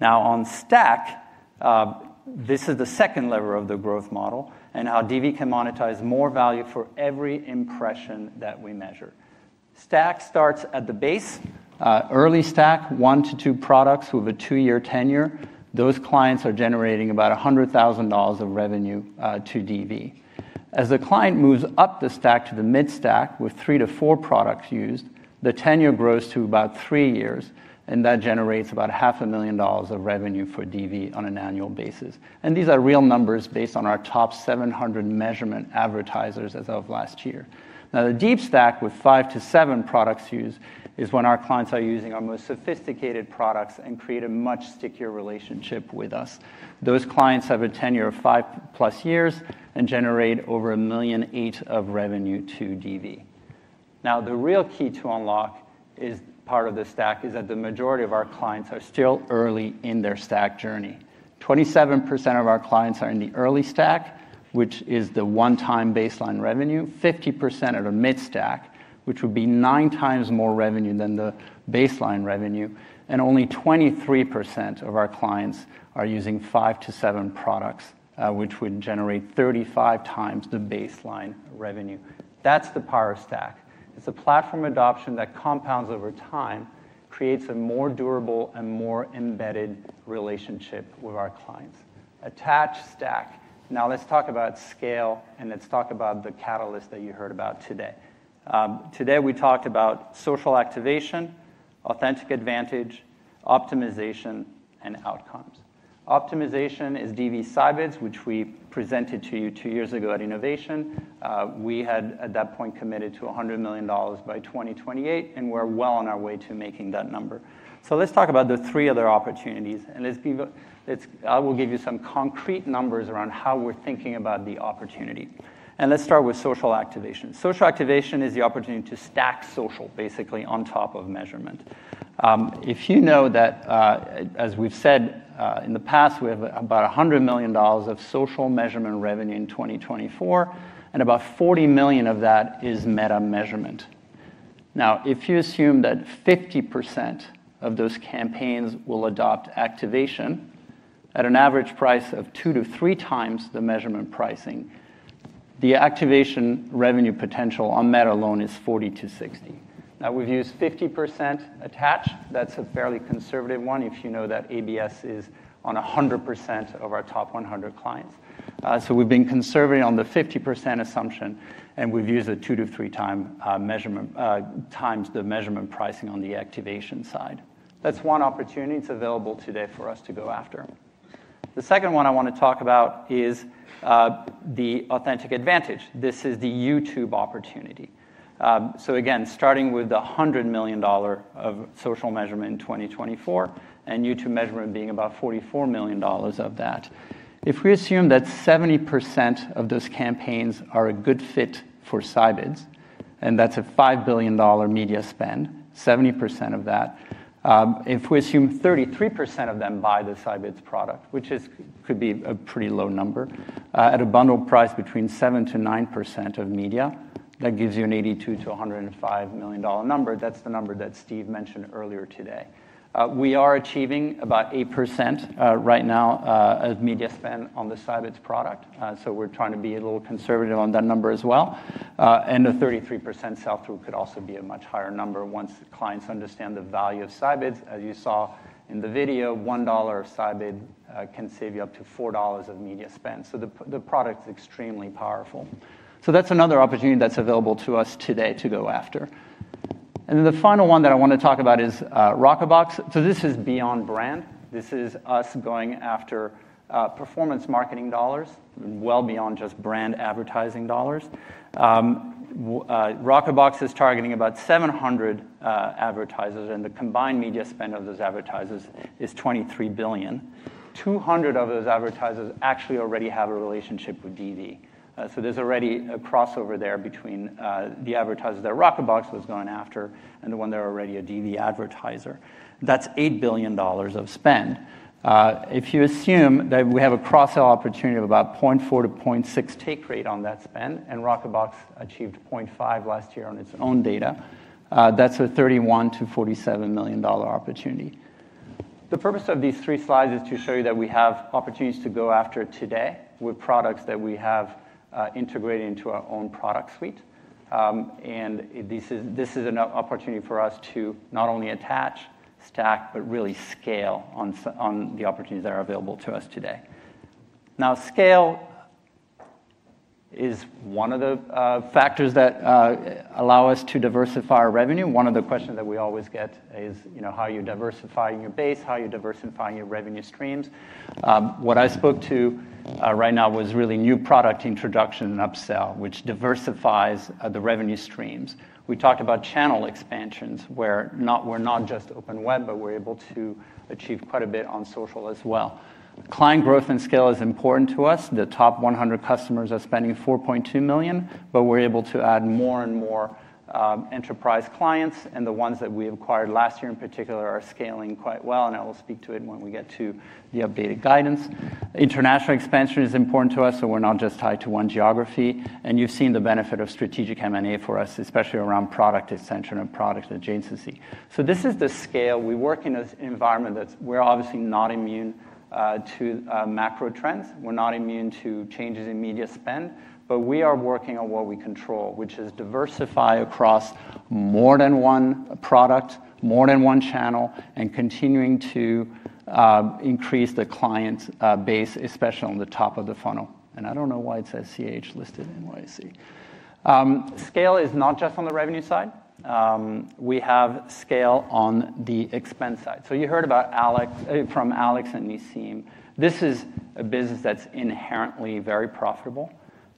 Now, on stack, this is the second lever of the growth model and how DV can monetize more value for every impression that we measure. Stack starts at the base. Early stack, 1-2 products with a two-year tenure. Those clients are generating about $100,000 of revenue to DV. As the client moves up the stack to the mid-stack with 3-4 products used, the tenure grows to about three years. That generates about $500,000 of revenue for DV on an annual basis. These are real numbers based on our top 700 measurement advertisers as of last year. Now, the deep stack with 5-7 products used is when our clients are using our most sophisticated products and create a much stickier relationship with us. Those clients have a tenure of 5+ years and generate over $1.8 million of revenue to DV. Now, the real key to unlock is part of the stack is that the majority of our clients are still early in their stack journey. 27% of our clients are in the early stack, which is the one-time baseline revenue. 50% are the mid-stack, which would be 9x more revenue than the baseline revenue. Only 23% of our clients are using 5-7 products, which would generate 35x the baseline revenue. That is the power of stack. It is a platform adoption that compounds over time, creates a more durable and more embedded relationship with our clients. Attach, stack. Now, let's talk about scale, and let's talk about the catalyst that you heard about today. Today, we talked about social activation, Authentic AdVantage, optimization, and outcomes. Optimization is DV's Scibids, which we presented to you two years ago at Innovation. We had, at that point, committed to $100 million by 2028, and we're well on our way to making that number. Let's talk about the three other opportunities. I will give you some concrete numbers around how we're thinking about the opportunity. Let's start with social activation. Social activation is the opportunity to stack social, basically, on top of measurement. If you know that, as we've said in the past, we have about $100 million of social measurement revenue in 2024, and about $40 million of that is Meta measurement. Now, if you assume that 50% of those campaigns will adopt activation at an average price of 2x-3x the measurement pricing, the activation revenue potential on Meta alone is 40-60. Now, we've used 50% attach. That's a fairly conservative one if you know that ABS is on 100% of our top 100 clients. So we've been conservative on the 50% assumption, and we've used a 2x-3x the measurement pricing on the activation side. That's one opportunity that's available today for us to go after. The second one I want to talk about is the Authentic AdVantage. This is the YouTube opportunity. Again, starting with the $100 million of social measurement in 2024 and YouTube measurement being about $44 million of that, if we assume that 70% of those campaigns are a good fit for Scibids, and that's a $5 billion media spend, 70% of that, if we assume 33% of them buy the Scibids product, which could be a pretty low number, at a bundle price between 7%-9% of media, that gives you an $82 million-$105 million number. That's the number that Steve mentioned earlier today. We are achieving about 8% right now of media spend on the Scibids product. We're trying to be a little conservative on that number as well. A 33% sell-through could also be a much higher number once clients understand the value of Scibids. As you saw in the video, $1 of Scibids can save you up to $4 of media spend. The product is extremely powerful. That is another opportunity that is available to us today to go after. The final one that I want to talk about is Rockerbox. This is beyond brand. This is us going after performance marketing dollars, well beyond just brand advertising dollars. Rockerbox is targeting about 700 advertisers, and the combined media spend of those advertisers is $23 billion. Two hundred of those advertisers actually already have a relationship with DV. There is already a crossover there between the advertiser that Rockerbox was going after and the one that is already a DV advertiser. That is $8 billion of spend. If you assume that we have a cross-sell opportunity of about 0.4-0.6 take rate on that spend, and Rockerbox achieved 0.5 last year on its own data, that's a $31 million-$47 million opportunity. The purpose of these three slides is to show you that we have opportunities to go after today with products that we have integrated into our own product suite. This is an opportunity for us to not only attach, stack, but really scale on the opportunities that are available to us today. Now, scale is one of the factors that allow us to diversify our revenue. One of the questions that we always get is, how are you diversifying your base? How are you diversifying your revenue streams? What I spoke to right now was really new product introduction and upsell, which diversifies the revenue streams. We talked about channel expansions where we're not just OpenWeb, but we're able to achieve quite a bit on social as well. Client growth and scale is important to us. The top 100 customers are spending $4.2 million, but we're able to add more and more enterprise clients. The ones that we acquired last year in particular are scaling quite well. I will speak to it when we get to the updated guidance. International expansion is important to us, so we're not just tied to one geography. You have seen the benefit of strategic M&A for us, especially around product extension and product adjacency. This is the scale. We work in an environment that we're obviously not immune to macro trends. We're not immune to changes in media spend. We are working on what we control, which is diversify across more than one product, more than one channel, and continuing to increase the client base, especially on the top of the funnel. I do not know why it says CH listed in YC. Scale is not just on the revenue side. We have scale on the expense side. You heard from Alex and Nisim. This is a business that is inherently very profitable.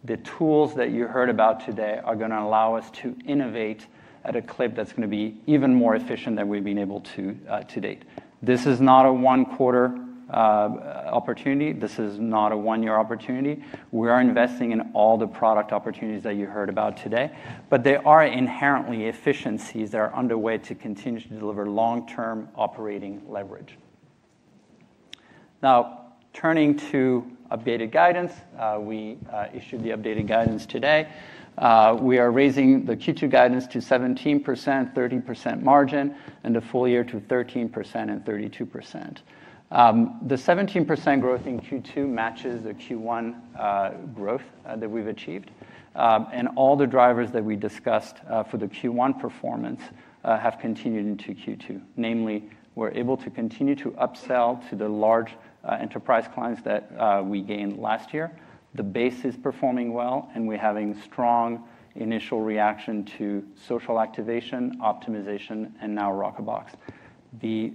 The tools that you heard about today are going to allow us to innovate at a clip that is going to be even more efficient than we have been able to to date. This is not a one-quarter opportunity. This is not a one-year opportunity. We are investing in all the product opportunities that you heard about today. There are inherently efficiencies that are underway to continue to deliver long-term operating leverage. Now, turning to updated guidance, we issued the updated guidance today. We are raising the Q2 guidance to 17%, 30% margin, and the full year to 13% and 32%. The 17% growth in Q2 matches the Q1 growth that we've achieved. All the drivers that we discussed for the Q1 performance have continued into Q2. Namely, we're able to continue to upsell to the large enterprise clients that we gained last year. The base is performing well, and we're having strong initial reaction to social activation, optimization, and now Rockerbox. The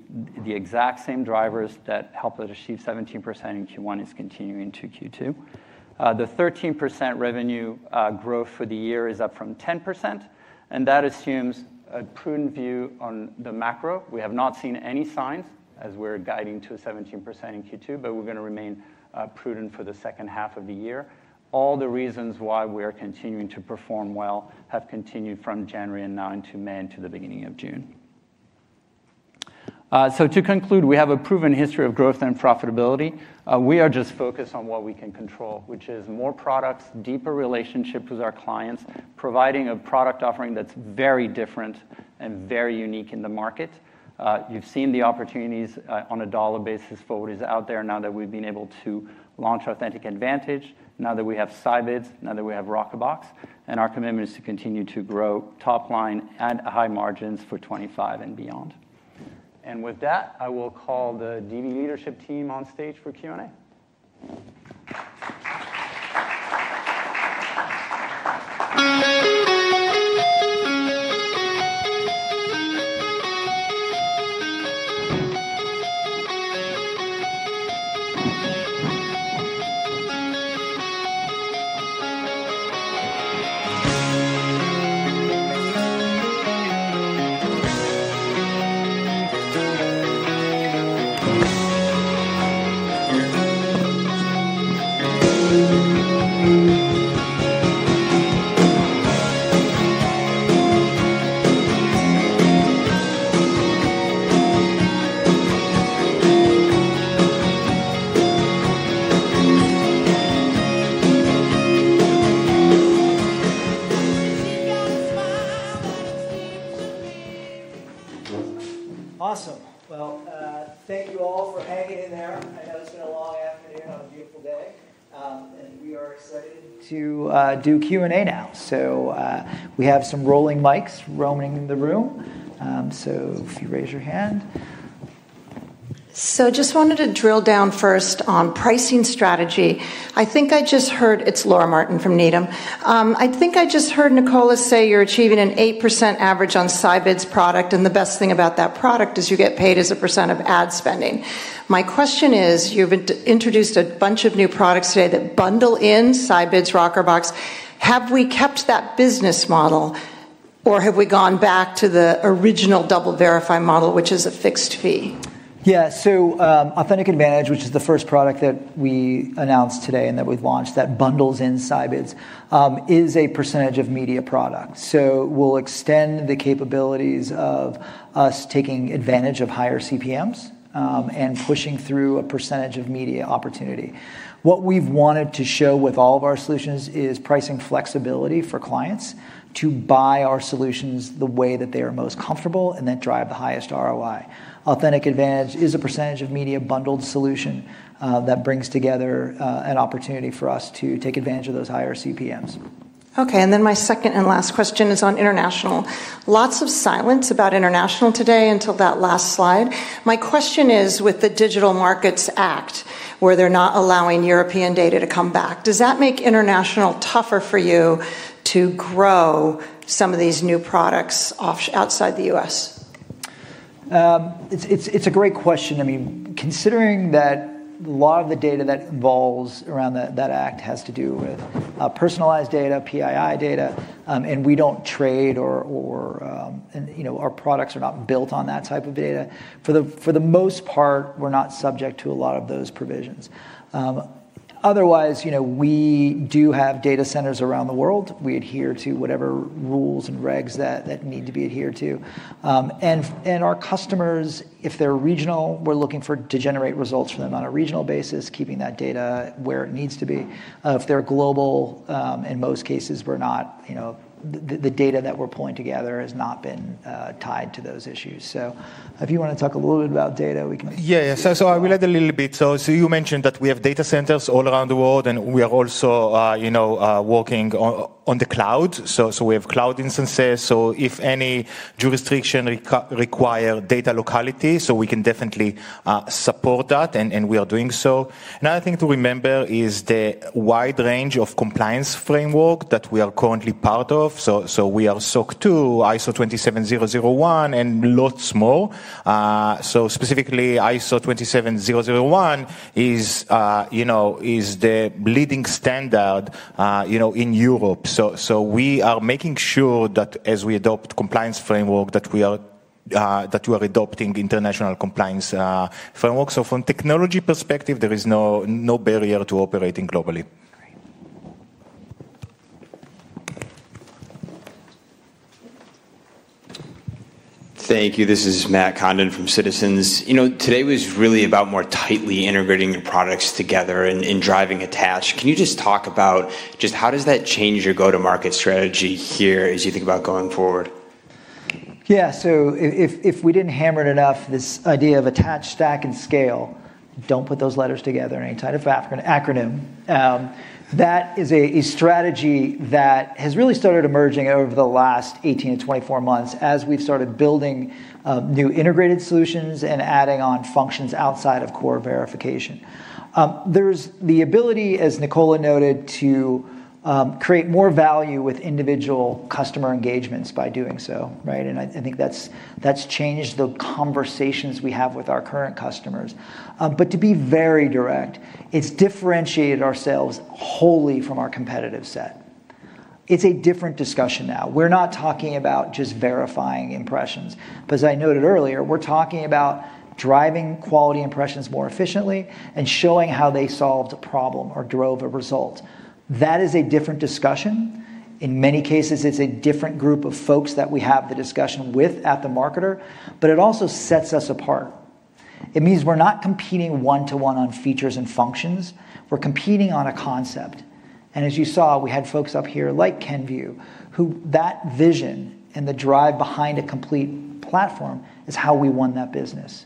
exact same drivers that helped us achieve 17% in Q1 is continuing into Q2. The 13% revenue growth for the year is up from 10%. That assumes a prudent view on the macro. We have not seen any signs as we're guiding to a 17% in Q2, but we're going to remain prudent for the second half of the year. All the reasons why we're continuing to perform well have continued from January and now into May and to the beginning of June. To conclude, we have a proven history of growth and profitability. We are just focused on what we can control, which is more products, deeper relationships with our clients, providing a product offering that's very different and very unique in the market. You've seen the opportunities on a dollar basis for what is out there now that we've been able to launch Authentic AdVantage, now that we have Scibids, now that we have Rockerbox. Our commitment is to continue to grow top line and high margins for 2025 and beyond. With that, I will call the DV leadership team on stage for Q&A. Awesome. Thank you all for hanging in there. I know it's been a long afternoon on a beautiful day. We are excited to do Q&A now. We have some rolling mics roaming the room. If you raise your hand. Just wanted to drill down first on pricing strategy. I think I just heard it's Laura Martin from Needham. I think I just heard Nicola say you're achieving an 8% average on Scibids product. The best thing about that product is you get paid as a percent of ad spending. My question is, you've introduced a bunch of new products today that bundle in Scibids, Rockerbox. Have we kept that business model, or have we gone back to the original DoubleVerify model, which is a fixed fee? Yeah. Authentic AdVantage, which is the first product that we announced today and that we've launched that bundles in Scibids, is a percentage of media products. We'll extend the capabilities of us taking advantage of higher CPMs and pushing through a percentage of media opportunity. What we've wanted to show with all of our solutions is pricing flexibility for clients to buy our solutions the way that they are most comfortable and then drive the highest ROI. Authentic AdVantage is a percentage of media bundled solution that brings together an opportunity for us to take advantage of those higher CPMs. Okay. My second and last question is on international. Lots of silence about international today until that last slide. My question is, with the Digital Markets Act, where they're not allowing European data to come back, does that make international tougher for you to grow some of these new products outside the U.S.? It's a great question. I mean, considering that a lot of the data that evolves around that act has to do with personalized data, PII data, and we do not trade or our products are not built on that type of data. For the most part, we're not subject to a lot of those provisions. Otherwise, we do have data centers around the world. We adhere to whatever rules and regs that need to be adhered to. Our customers, if they're regional, we're looking to generate results for them on a regional basis, keeping that data where it needs to be. If they're global, in most cases, the data that we're pulling together has not been tied to those issues. If you want to talk a little bit about data, we can. Yeah, yeah. I will add a little bit. You mentioned that we have data centers all around the world, and we are also working on the cloud. We have cloud instances. If any jurisdiction requires data locality, we can definitely support that, and we are doing so. Another thing to remember is the wide range of compliance framework that we are currently part of. We are SOC 2, ISO 27001, and lots more. Specifically, ISO 27001 is the leading standard in Europe. We are making sure that as we adopt compliance framework, that you are adopting international compliance framework. From a technology perspective, there is no barrier to operating globally. Thank you. This is Matt Condon from Citizens. Today was really about more tightly integrating your products together and driving attach. Can you just talk about just how does that change your go-to-market strategy here as you think about going forward? Yeah. If we did not hammer it enough, this idea of attach, stack, and scale, do not put those letters together, any type of acronym, that is a strategy that has really started emerging over the last 18-24 months as we have started building new integrated solutions and adding on functions outside of core verification. There is the ability, as Nicola noted, to create more value with individual customer engagements by doing so. I think that has changed the conversations we have with our current customers. To be very direct, it has differentiated ourselves wholly from our competitive set. It is a different discussion now. We're not talking about just verifying impressions. As I noted earlier, we're talking about driving quality impressions more efficiently and showing how they solved a problem or drove a result. That is a different discussion. In many cases, it's a different group of folks that we have the discussion with at the marketer, but it also sets us apart. It means we're not competing one-to-one on features and functions. We're competing on a concept. As you saw, we had folks up here like Kenvue, who that vision and the drive behind a complete platform is how we won that business.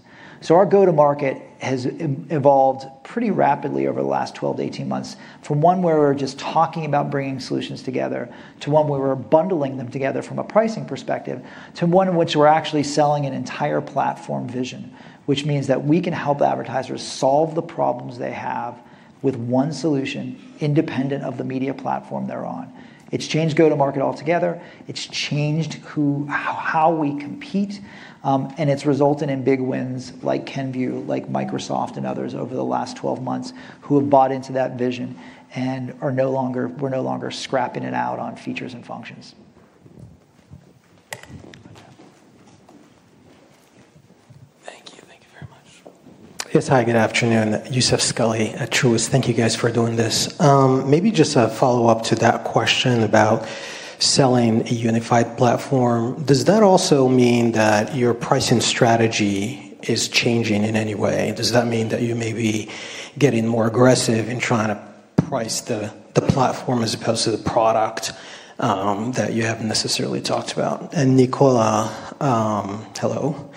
Our go-to-market has evolved pretty rapidly over the last 12-18 months from one where we're just talking about bringing solutions together to one where we're bundling them together from a pricing perspective to one in which we're actually selling an entire platform vision, which means that we can help advertisers solve the problems they have with one solution independent of the media platform they're on. It's changed go-to-market altogether. It's changed how we compete. It's resulted in big wins like Kenvue, like Microsoft and others over the last 12 months who have bought into that vision and we're no longer scrapping it out on features and functions. Thank you. Thank you very much. Yes. Hi, good afternoon. Youssef Squali, Truist. Thank you guys for doing this. Maybe just a follow-up to that question about selling a unified platform. Does that also mean that your pricing strategy is changing in any way? Does that mean that you may be getting more aggressive in trying to price the platform as opposed to the product that you have not necessarily talked about? And Nicola, hello.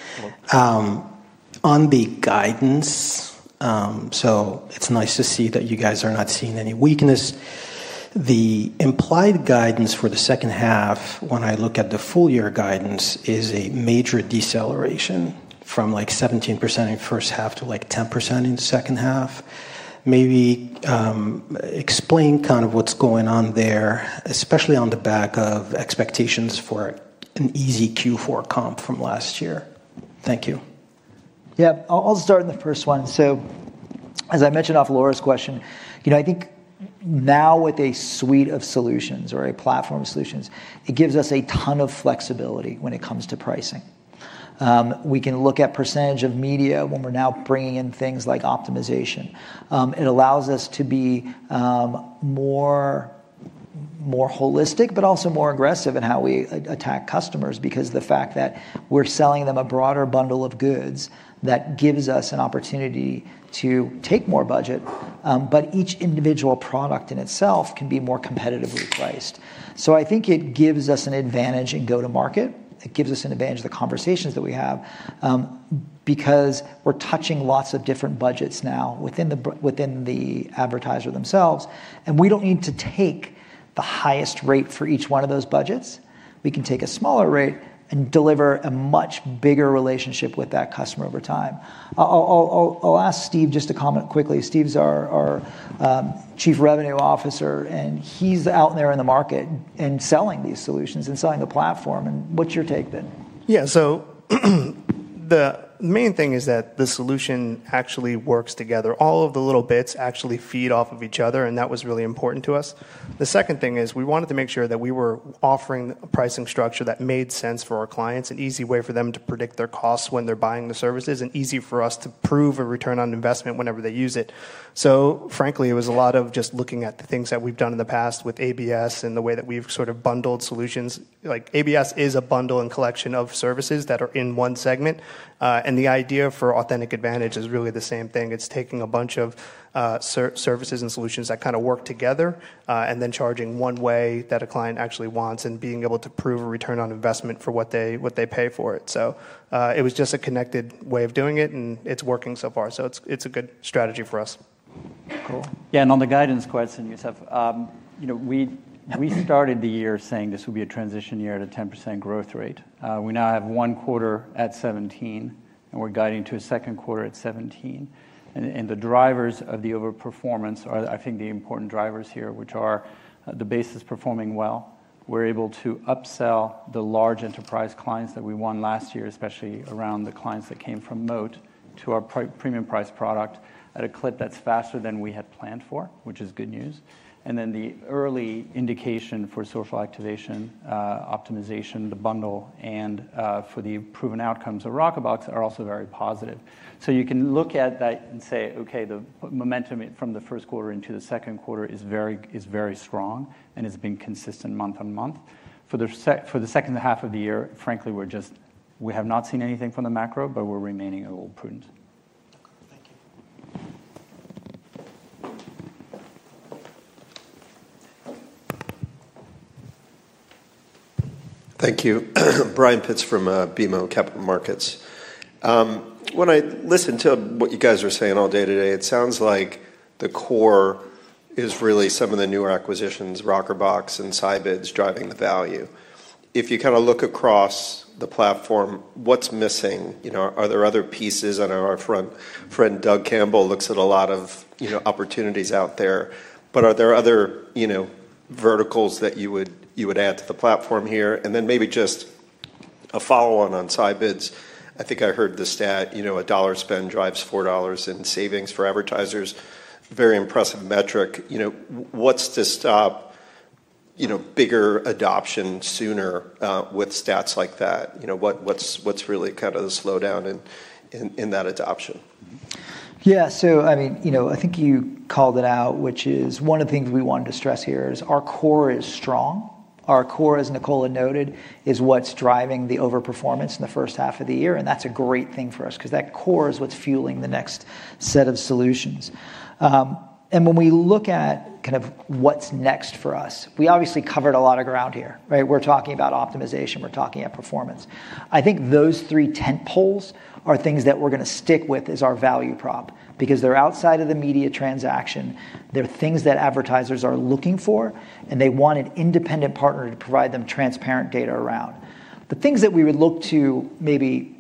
On the guidance, it is nice to see that you guys are not seeing any weakness. The implied guidance for the second half, when I look at the full year guidance, is a major deceleration from like 17% in first half to like 10% in second half. Maybe explain kind of what is going on there, especially on the back of expectations for an easy Q4 comp from last year. Thank you. Yeah. I will start in the first one. As I mentioned off Laura's question, I think now with a suite of solutions or a platform of solutions, it gives us a ton of flexibility when it comes to pricing. We can look at percentage of media when we're now bringing in things like optimization. It allows us to be more holistic, but also more aggressive in how we attack customers because of the fact that we're selling them a broader bundle of goods that gives us an opportunity to take more budget, but each individual product in itself can be more competitively priced. I think it gives us an advantage in go-to-market. It gives us an advantage of the conversations that we have because we're touching lots of different budgets now within the advertiser themselves. We don't need to take the highest rate for each one of those budgets. We can take a smaller rate and deliver a much bigger relationship with that customer over time. I'll ask Steve just to comment quickly. Steve's our Chief Revenue Officer, and he's out there in the market and selling these solutions and selling the platform. What's your take then? Yeah. The main thing is that the solution actually works together. All of the little bits actually feed off of each other, and that was really important to us. The second thing is we wanted to make sure that we were offering a pricing structure that made sense for our clients, an easy way for them to predict their costs when they're buying the services, and easy for us to prove a return on investment whenever they use it. Frankly, it was a lot of just looking at the things that we've done in the past with ABS and the way that we've sort of bundled solutions. ABS is a bundle and collection of services that are in one segment. The idea for Authentic AdVantage is really the same thing. It's taking a bunch of services and solutions that kind of work together and then charging one way that a client actually wants and being able to prove a return on investment for what they pay for it. It was just a connected way of doing it, and it's working so far. It's a good strategy for us. Cool. Yeah. On the guidance question, Youssef, we started the year saying this will be a transition year at a 10% growth rate. We now have one quarter at 17, and we're guiding to a second quarter at 17. The drivers of the overperformance are, I think, the important drivers here, which are the base is performing well. We're able to upsell the large enterprise clients that we won last year, especially around the clients that came from Moat, to our premium price product at a clip that's faster than we had planned for, which is good news. The early indication for social activation optimization, the bundle, and for the proven outcomes of Rockerbox are also very positive. You can look at that and say, "Okay, the momentum from the first quarter into the second quarter is very strong and has been consistent month on month." For the second half of the year, frankly, we have not seen anything from the macro, but we're remaining a little prudent. Thank you. Thank you. Brian Pitz from BMO Capital Markets. When I listen to what you guys are saying all day today, it sounds like the core is really some of the newer acquisitions, Rockerbox and Scibids driving the value. If you kind of look across the platform, what's missing? Are there other pieces? I know our friend Doug Campbell looks at a lot of opportunities out there, but are there other verticals that you would add to the platform here? Maybe just a follow-on on Scibids. I think I heard the stat, a dollar spend drives $4 in savings for advertisers. Very impressive metric. What's to stop bigger adoption sooner with stats like that? What's really kind of the slowdown in that adoption? Yeah. I think you called it out, which is one of the things we wanted to stress here is our core is strong. Our core, as Nicola noted, is what's driving the overperformance in the first half of the year. That's a great thing for us because that core is what's fueling the next set of solutions. When we look at kind of what's next for us, we obviously covered a lot of ground here. We're talking about optimization. We're talking about performance. I think those three tentpoles are things that we're going to stick with as our value prop because they're outside of the media transaction. They're things that advertisers are looking for, and they want an independent partner to provide them transparent data around. The things that we would look to maybe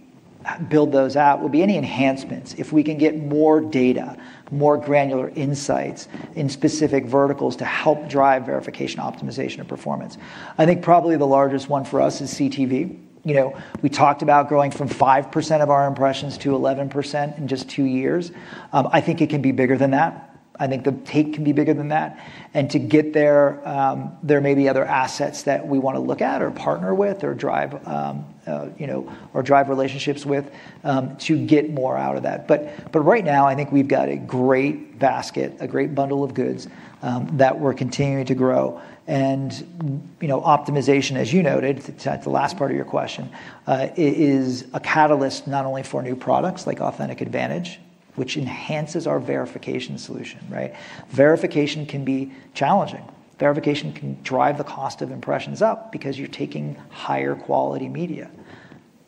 build those out will be any enhancements if we can get more data, more granular insights in specific verticals to help drive verification, optimization, or performance. I think probably the largest one for us is CTV. We talked about going from 5% of our impressions to 11% in just two years. I think it can be bigger than that. I think the take can be bigger than that. To get there, there may be other assets that we want to look at or partner with or drive relationships with to get more out of that. Right now, I think we've got a great basket, a great bundle of goods that we're continuing to grow. Optimization, as you noted, that's the last part of your question, is a catalyst not only for new products like Authentic AdVantage, which enhances our verification solution. Verification can be challenging. Verification can drive the cost of impressions up because you're taking higher quality media.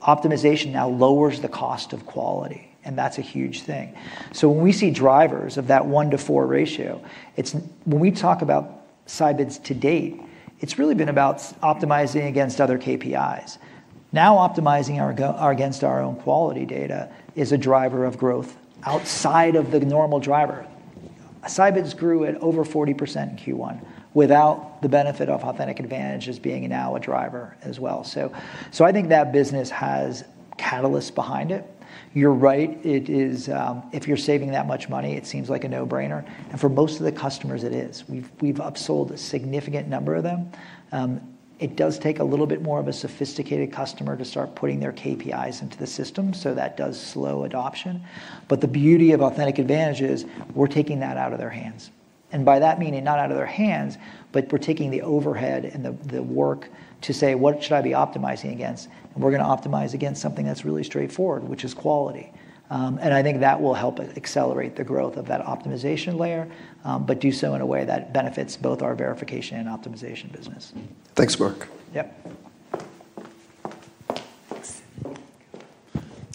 Optimization now lowers the cost of quality, and that's a huge thing. When we see drivers of that 1:4 ratio, when we talk about Scibids to date, it's really been about optimizing against other KPIs. Now optimizing against our own quality data is a driver of growth outside of the normal driver. Scibids grew at over 40% in Q1 without the benefit of Authentic AdVantage as being now a driver as well. I think that business has catalysts behind it. You're right. If you're saving that much money, it seems like a no-brainer. For most of the customers, it is. We've upsold a significant number of them. It does take a little bit more of a sophisticated customer to start putting their KPIs into the system, so that does slow adoption. The beauty of Authentic AdVantage is we're taking that out of their hands. By that meaning, not out of their hands, but we're taking the overhead and the work to say, "What should I be optimizing against?" We're going to optimize against something that's really straightforward, which is quality. I think that will help accelerate the growth of that optimization layer, but do so in a way that benefits both our verification and optimization business. Thanks, Mark. Yep.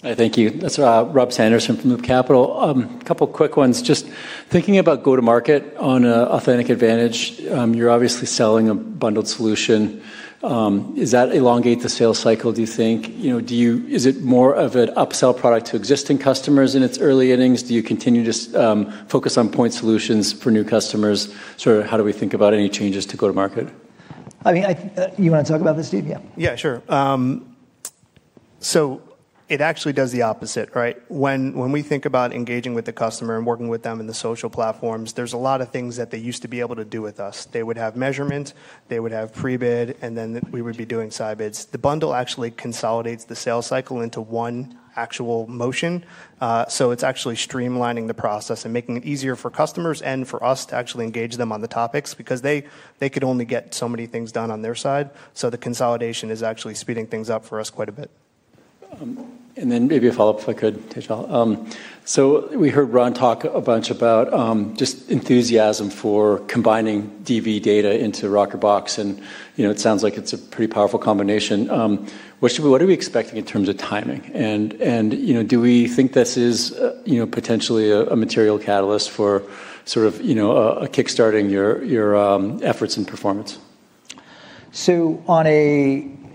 Thank you. That's Rob Sanderson from Loop Capital. A couple of quick ones. Just thinking about go-to-market on Authentic AdVantage, you're obviously selling a bundled solution. Does that elongate the sales cycle, do you think? Is it more of an upsell product to existing customers in its early innings? Do you continue to focus on point solutions for new customers? How do we think about any changes to go-to-market? I mean, you want to talk about this, Steve? Yeah. Yeah, sure. It actually does the opposite. When we think about engaging with the customer and working with them in the social platforms, there's a lot of things that they used to be able to do with us. They would have measurement. They would have pre-bid, and then we would be doing Scibids. The bundle actually consolidates the sales cycle into one actual motion. It is actually streamlining the process and making it easier for customers and for us to actually engage them on the topics because they could only get so many things done on their side. The consolidation is actually speeding things up for us quite a bit. Maybe a follow-up if I could, Tejal. We heard Ron talk a bunch about just enthusiasm for combining DV data into Rockerbox. It sounds like it's a pretty powerful combination. What are we expecting in terms of timing? Do we think this is potentially a material catalyst for sort of kickstarting your efforts and performance? We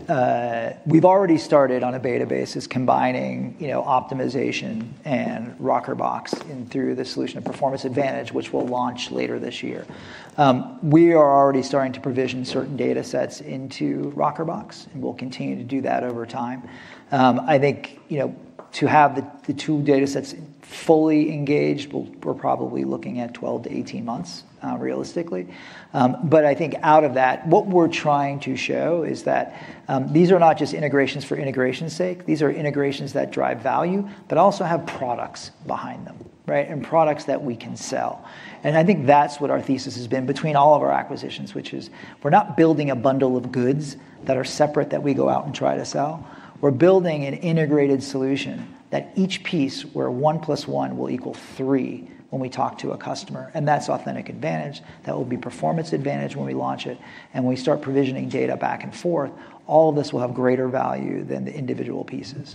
have already started on a beta basis combining optimization and Rockerbox through the solution of Performance AdVantage, which we will launch later this year. We are already starting to provision certain data sets into Rockerbox, and we will continue to do that over time. I think to have the two data sets fully engaged, we are probably looking at 12-18 months realistically. I think out of that, what we are trying to show is that these are not just integrations for integration's sake. These are integrations that drive value, but also have products behind them and products that we can sell. I think that's what our thesis has been between all of our acquisitions, which is we're not building a bundle of goods that are separate that we go out and try to sell. We're building an integrated solution that each piece where 1+1 will equal three when we talk to a customer. That's Authentic AdVantage. That will be Performance AdVantage when we launch it. When we start provisioning data back and forth, all of this will have greater value than the individual pieces.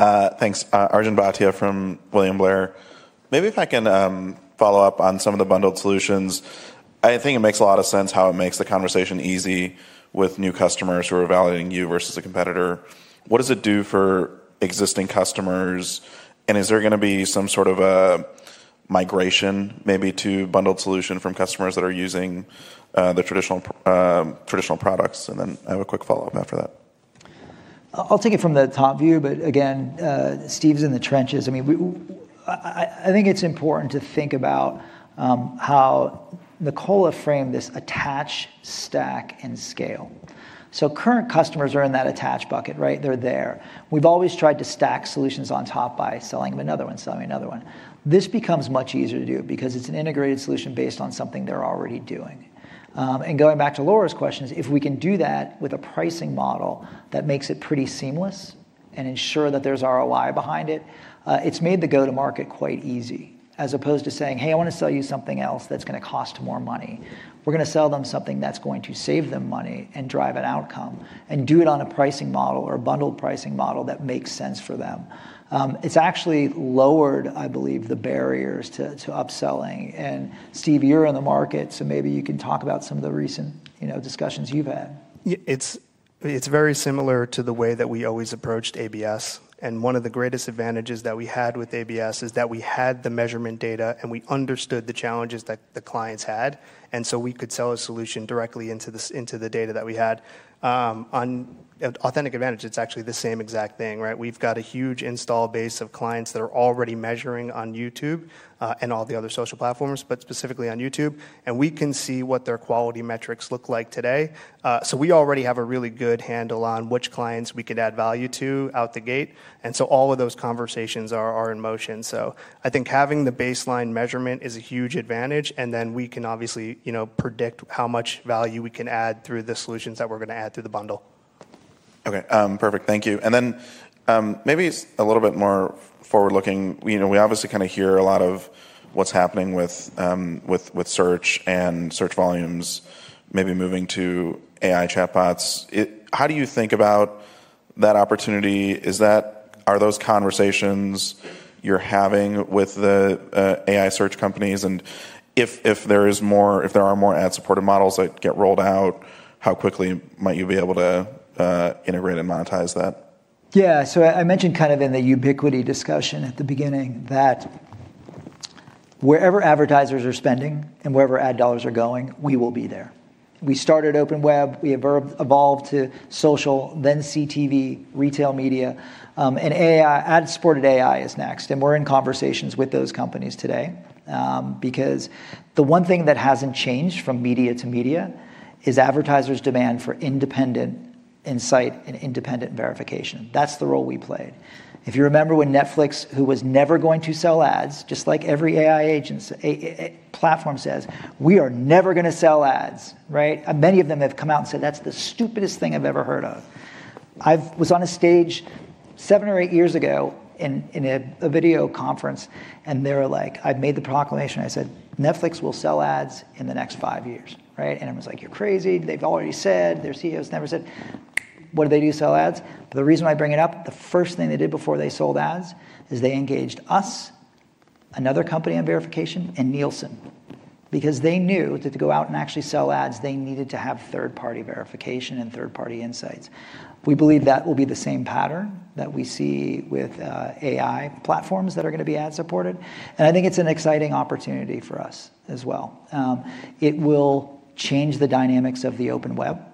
Thanks. Arjun Bhatia from William Blair. Maybe if I can follow up on some of the bundled solutions. I think it makes a lot of sense how it makes the conversation easy with new customers who are valuing you vs a competitor. What does it do for existing customers? Is there going to be some sort of a migration maybe to bundled solution from customers that are using the traditional products? I have a quick follow-up after that. I'll take it from the top view, but again, Steve's in the trenches. I think it's important to think about how Nicola framed this attach, stack, and scale. Current customers are in that attach bucket. They're there. We've always tried to stack solutions on top by selling them another one, selling another one. This becomes much easier to do because it's an integrated solution based on something they're already doing. Going back to Laura's questions, if we can do that with a pricing model that makes it pretty seamless and ensure that there's ROI behind it, it's made the go-to-market quite easy as opposed to saying, "Hey, I want to sell you something else that's going to cost more money." We're going to sell them something that's going to save them money and drive an outcome and do it on a pricing model or a bundled pricing model that makes sense for them. It's actually lowered, I believe, the barriers to upselling. Steve, you're in the market, so maybe you can talk about some of the recent discussions you've had. It's very similar to the way that we always approached ABS. One of the greatest advantages that we had with ABS is that we had the measurement data and we understood the challenges that the clients had. We could sell a solution directly into the data that we had. On Authentic AdVantage, it's actually the same exact thing. We've got a huge install base of clients that are already measuring on YouTube and all the other social platforms, but specifically on YouTube. We can see what their quality metrics look like today. We already have a really good handle on which clients we could add value to out the gate. All of those conversations are in motion. I think having the baseline measurement is a huge advantage. We can obviously predict how much value we can add through the solutions that we're going to add through the bundle. Okay. Perfect. Thank you. Maybe a little bit more forward-looking. We obviously kind of hear a lot of what's happening with search and search volumes, maybe moving to AI chatbots. How do you think about that opportunity? Are those conversations you're having with the AI search companies? If there are more ad-supported models that get rolled out, how quickly might you be able to integrate and monetize that? Yeah. I mentioned kind of in the Ubiquiti discussion at the beginning that wherever advertisers are spending and wherever ad dollars are going, we will be there. We started OpenWeb. We evolved to social, then CTV, retail media. Ad-supported AI is next. We're in conversations with those companies today because the one thing that hasn't changed from media to media is advertisers' demand for independent insight and independent verification. That's the role we played. If you remember when Netflix, who was never going to sell ads, just like every AI platform says, "We are never going to sell ads." Many of them have come out and said, "That's the stupidest thing I've ever heard of." I was on a stage seven or eight years ago in a video conference, and they were like, "I've made the proclamation." I said, "Netflix will sell ads in the next five years." Everyone's like, "You're crazy. They've already said. Their CEOs never said." What do they do? Sell ads. The reason why I bring it up, the first thing they did before they sold ads is they engaged us, another company on verification, and Nielsen because they knew that to go out and actually sell ads, they needed to have third-party verification and third-party insights. We believe that will be the same pattern that we see with AI platforms that are going to be ad-supported. I think it's an exciting opportunity for us as well. It will change the dynamics of the OpenWeb.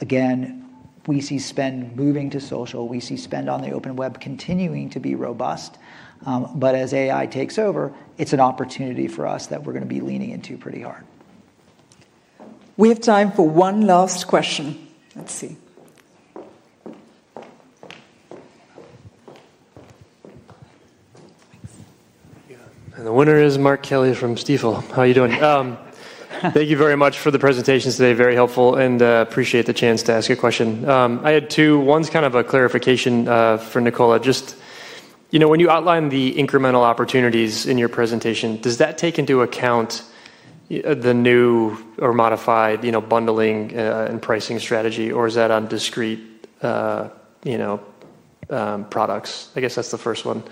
Again, we see spend moving to social. We see spend on the OpenWeb continuing to be robust. As AI takes over, it's an opportunity for us that we're going to be leaning into pretty hard. We have time for one last question. Let's see. The winner is Mark Kelley from Stifel. How are you doing? Thank you very much for the presentations today. Very helpful. Appreciate the chance to ask a question. I had two. One's kind of a clarification for Nicola. Just when you outline the incremental opportunities in your presentation, does that take into account the new or modified bundling and pricing strategy, or is that on discrete products? I guess that's the first one.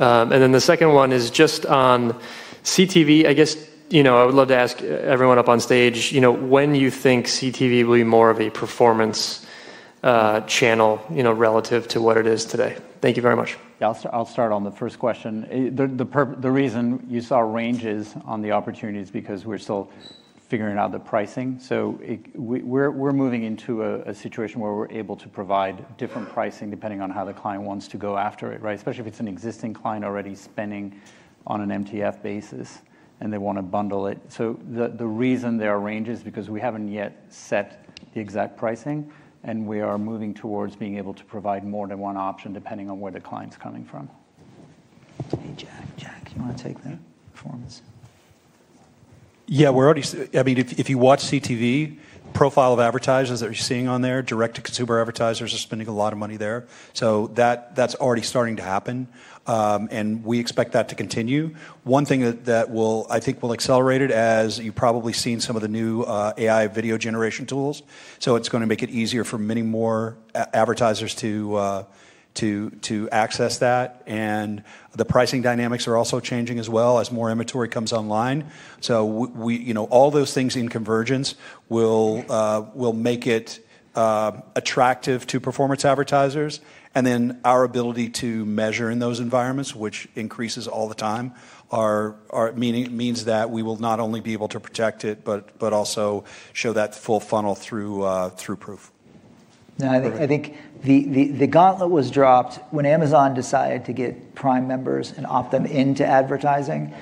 And then the second one is just on CTV. I guess I would love to ask everyone up on stage when you think CTV will be more of a performance channel relative to what it is today. Thank you very much. Yeah. I'll start on the first question. The reason you saw ranges on the opportunity is because we're still figuring out the pricing. So we're moving into a situation where we're able to provide different pricing depending on how the client wants to go after it, especially if it's an existing client already spending on an MTF basis and they want to bundle it. The reason there are ranges is because we haven't yet set the exact pricing, and we are moving towards being able to provide more than one option depending on where the client's coming from. Hey, Jack. Jack, you want to take that? Performance. Yeah. I mean, if you watch CTV, profile of advertisers that you're seeing on there, direct-to-consumer advertisers are spending a lot of money there. That's already starting to happen. We expect that to continue. One thing that I think will accelerate it as you've probably seen some of the new AI video generation tools. It's going to make it easier for many more advertisers to access that. The pricing dynamics are also changing as well as more inventory comes online. All those things in convergence will make it attractive to performance advertisers. Our ability to measure in those environments, which increases all the time, means that we will not only be able to protect it, but also show that full funnel through proof. I think the gauntlet was dropped when Amazon decided to get Prime members and opt them into advertising.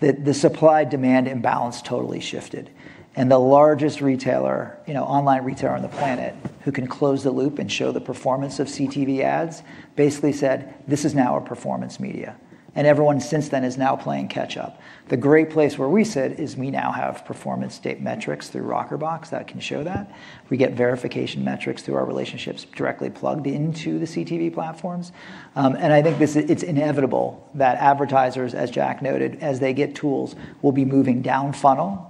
The supply-demand imbalance totally shifted. The largest online retailer on the planet who can close the loop and show the performance of CTV ads basically said, "This is now our performance media." Everyone since then is now playing catch-up. The great place where we sit is we now have performance state metrics through Rockerbox that can show that. We get verification metrics through our relationships directly plugged into the CTV platforms. I think it is inevitable that advertisers, as Jack noted, as they get tools, will be moving down funnel.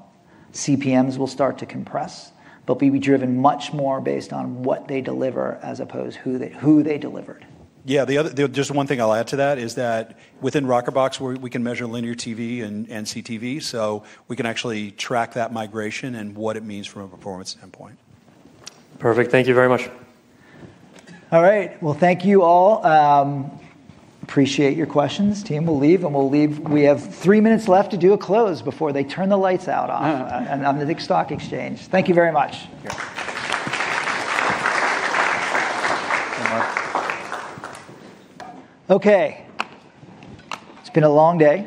CPMs will start to compress, but be driven much more based on what they deliver as opposed to who they deliver. Just one thing I'll add to that is that within Rockerbox, we can measure linear TV and CTV. So we can actually track that migration and what it means from a performance standpoint. Perfect. Thank you very much. All right. Thank you all. Appreciate your questions. Team will leave, and we'll leave. We have three minutes left to do a close before they turn the lights out on the stock exchange. Thank you very much. Okay. It's been a long day.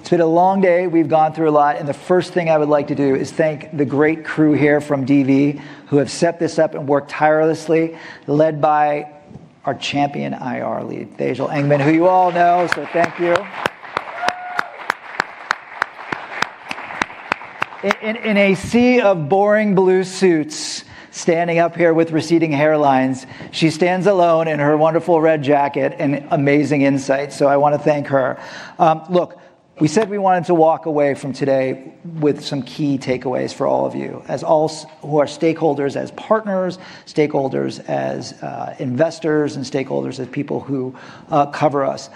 It's been a long day. We've gone through a lot. The first thing I would like to do is thank the great crew here from DV who have set this up and worked tirelessly, led by our champion IR lead, Tejal Engman, who you all know. Thank you. In a sea of boring blue suits standing up here with receding hairlines, she stands alone in her wonderful red jacket and amazing insight. I want to thank her. Look, we said we wanted to walk away from today with some key takeaways for all of you as all who are stakeholders as partners, stakeholders as investors, and stakeholders as people who cover us.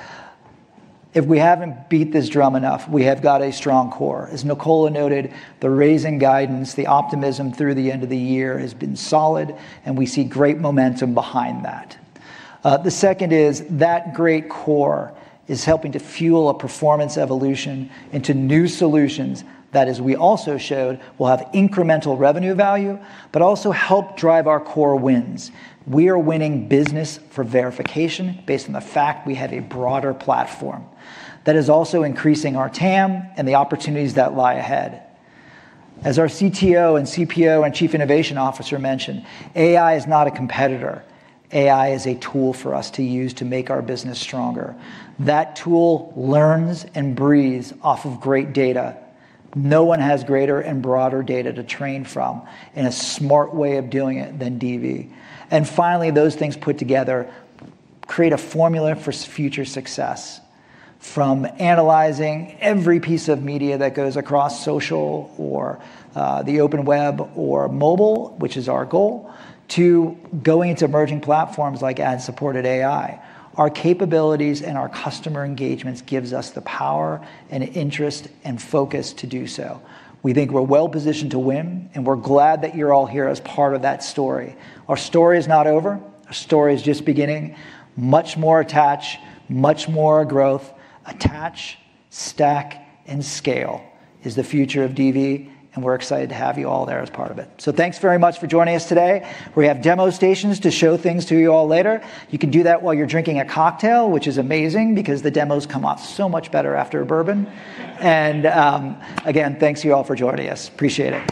If we have not beat this drum enough, we have got a strong core. As Nicola noted, the raising guidance, the optimism through the end of the year has been solid, and we see great momentum behind that. The second is that great core is helping to fuel a performance evolution into new solutions that, as we also showed, will have incremental revenue value, but also help drive our core wins. We are winning business for verification based on the fact we have a broader platform that is also increasing our TAM and the opportunities that lie ahead. As our CTO and CPO and Chief Innovation Officer mentioned, AI is not a competitor. AI is a tool for us to use to make our business stronger. That tool learns and breathes off of great data. No one has greater and broader data to train from in a smart way of doing it than DV. Finally, those things put together create a formula for future success from analyzing every piece of media that goes across social or the OpenWeb or mobile, which is our goal, to going into emerging platforms like ad-supported AI. Our capabilities and our customer engagements give us the power and interest and focus to do so. We think we're well-positioned to win, and we're glad that you're all here as part of that story. Our story is not over. Our story is just beginning. Much more attach, much more growth. Attach, stack, and scale is the future of DV, and we're excited to have you all there as part of it. Thanks very much for joining us today. We have demo stations to show things to you all later. You can do that while you're drinking a cocktail, which is amazing because the demos come out so much better after a bourbon. Again, thanks to you all for joining us. Appreciate it.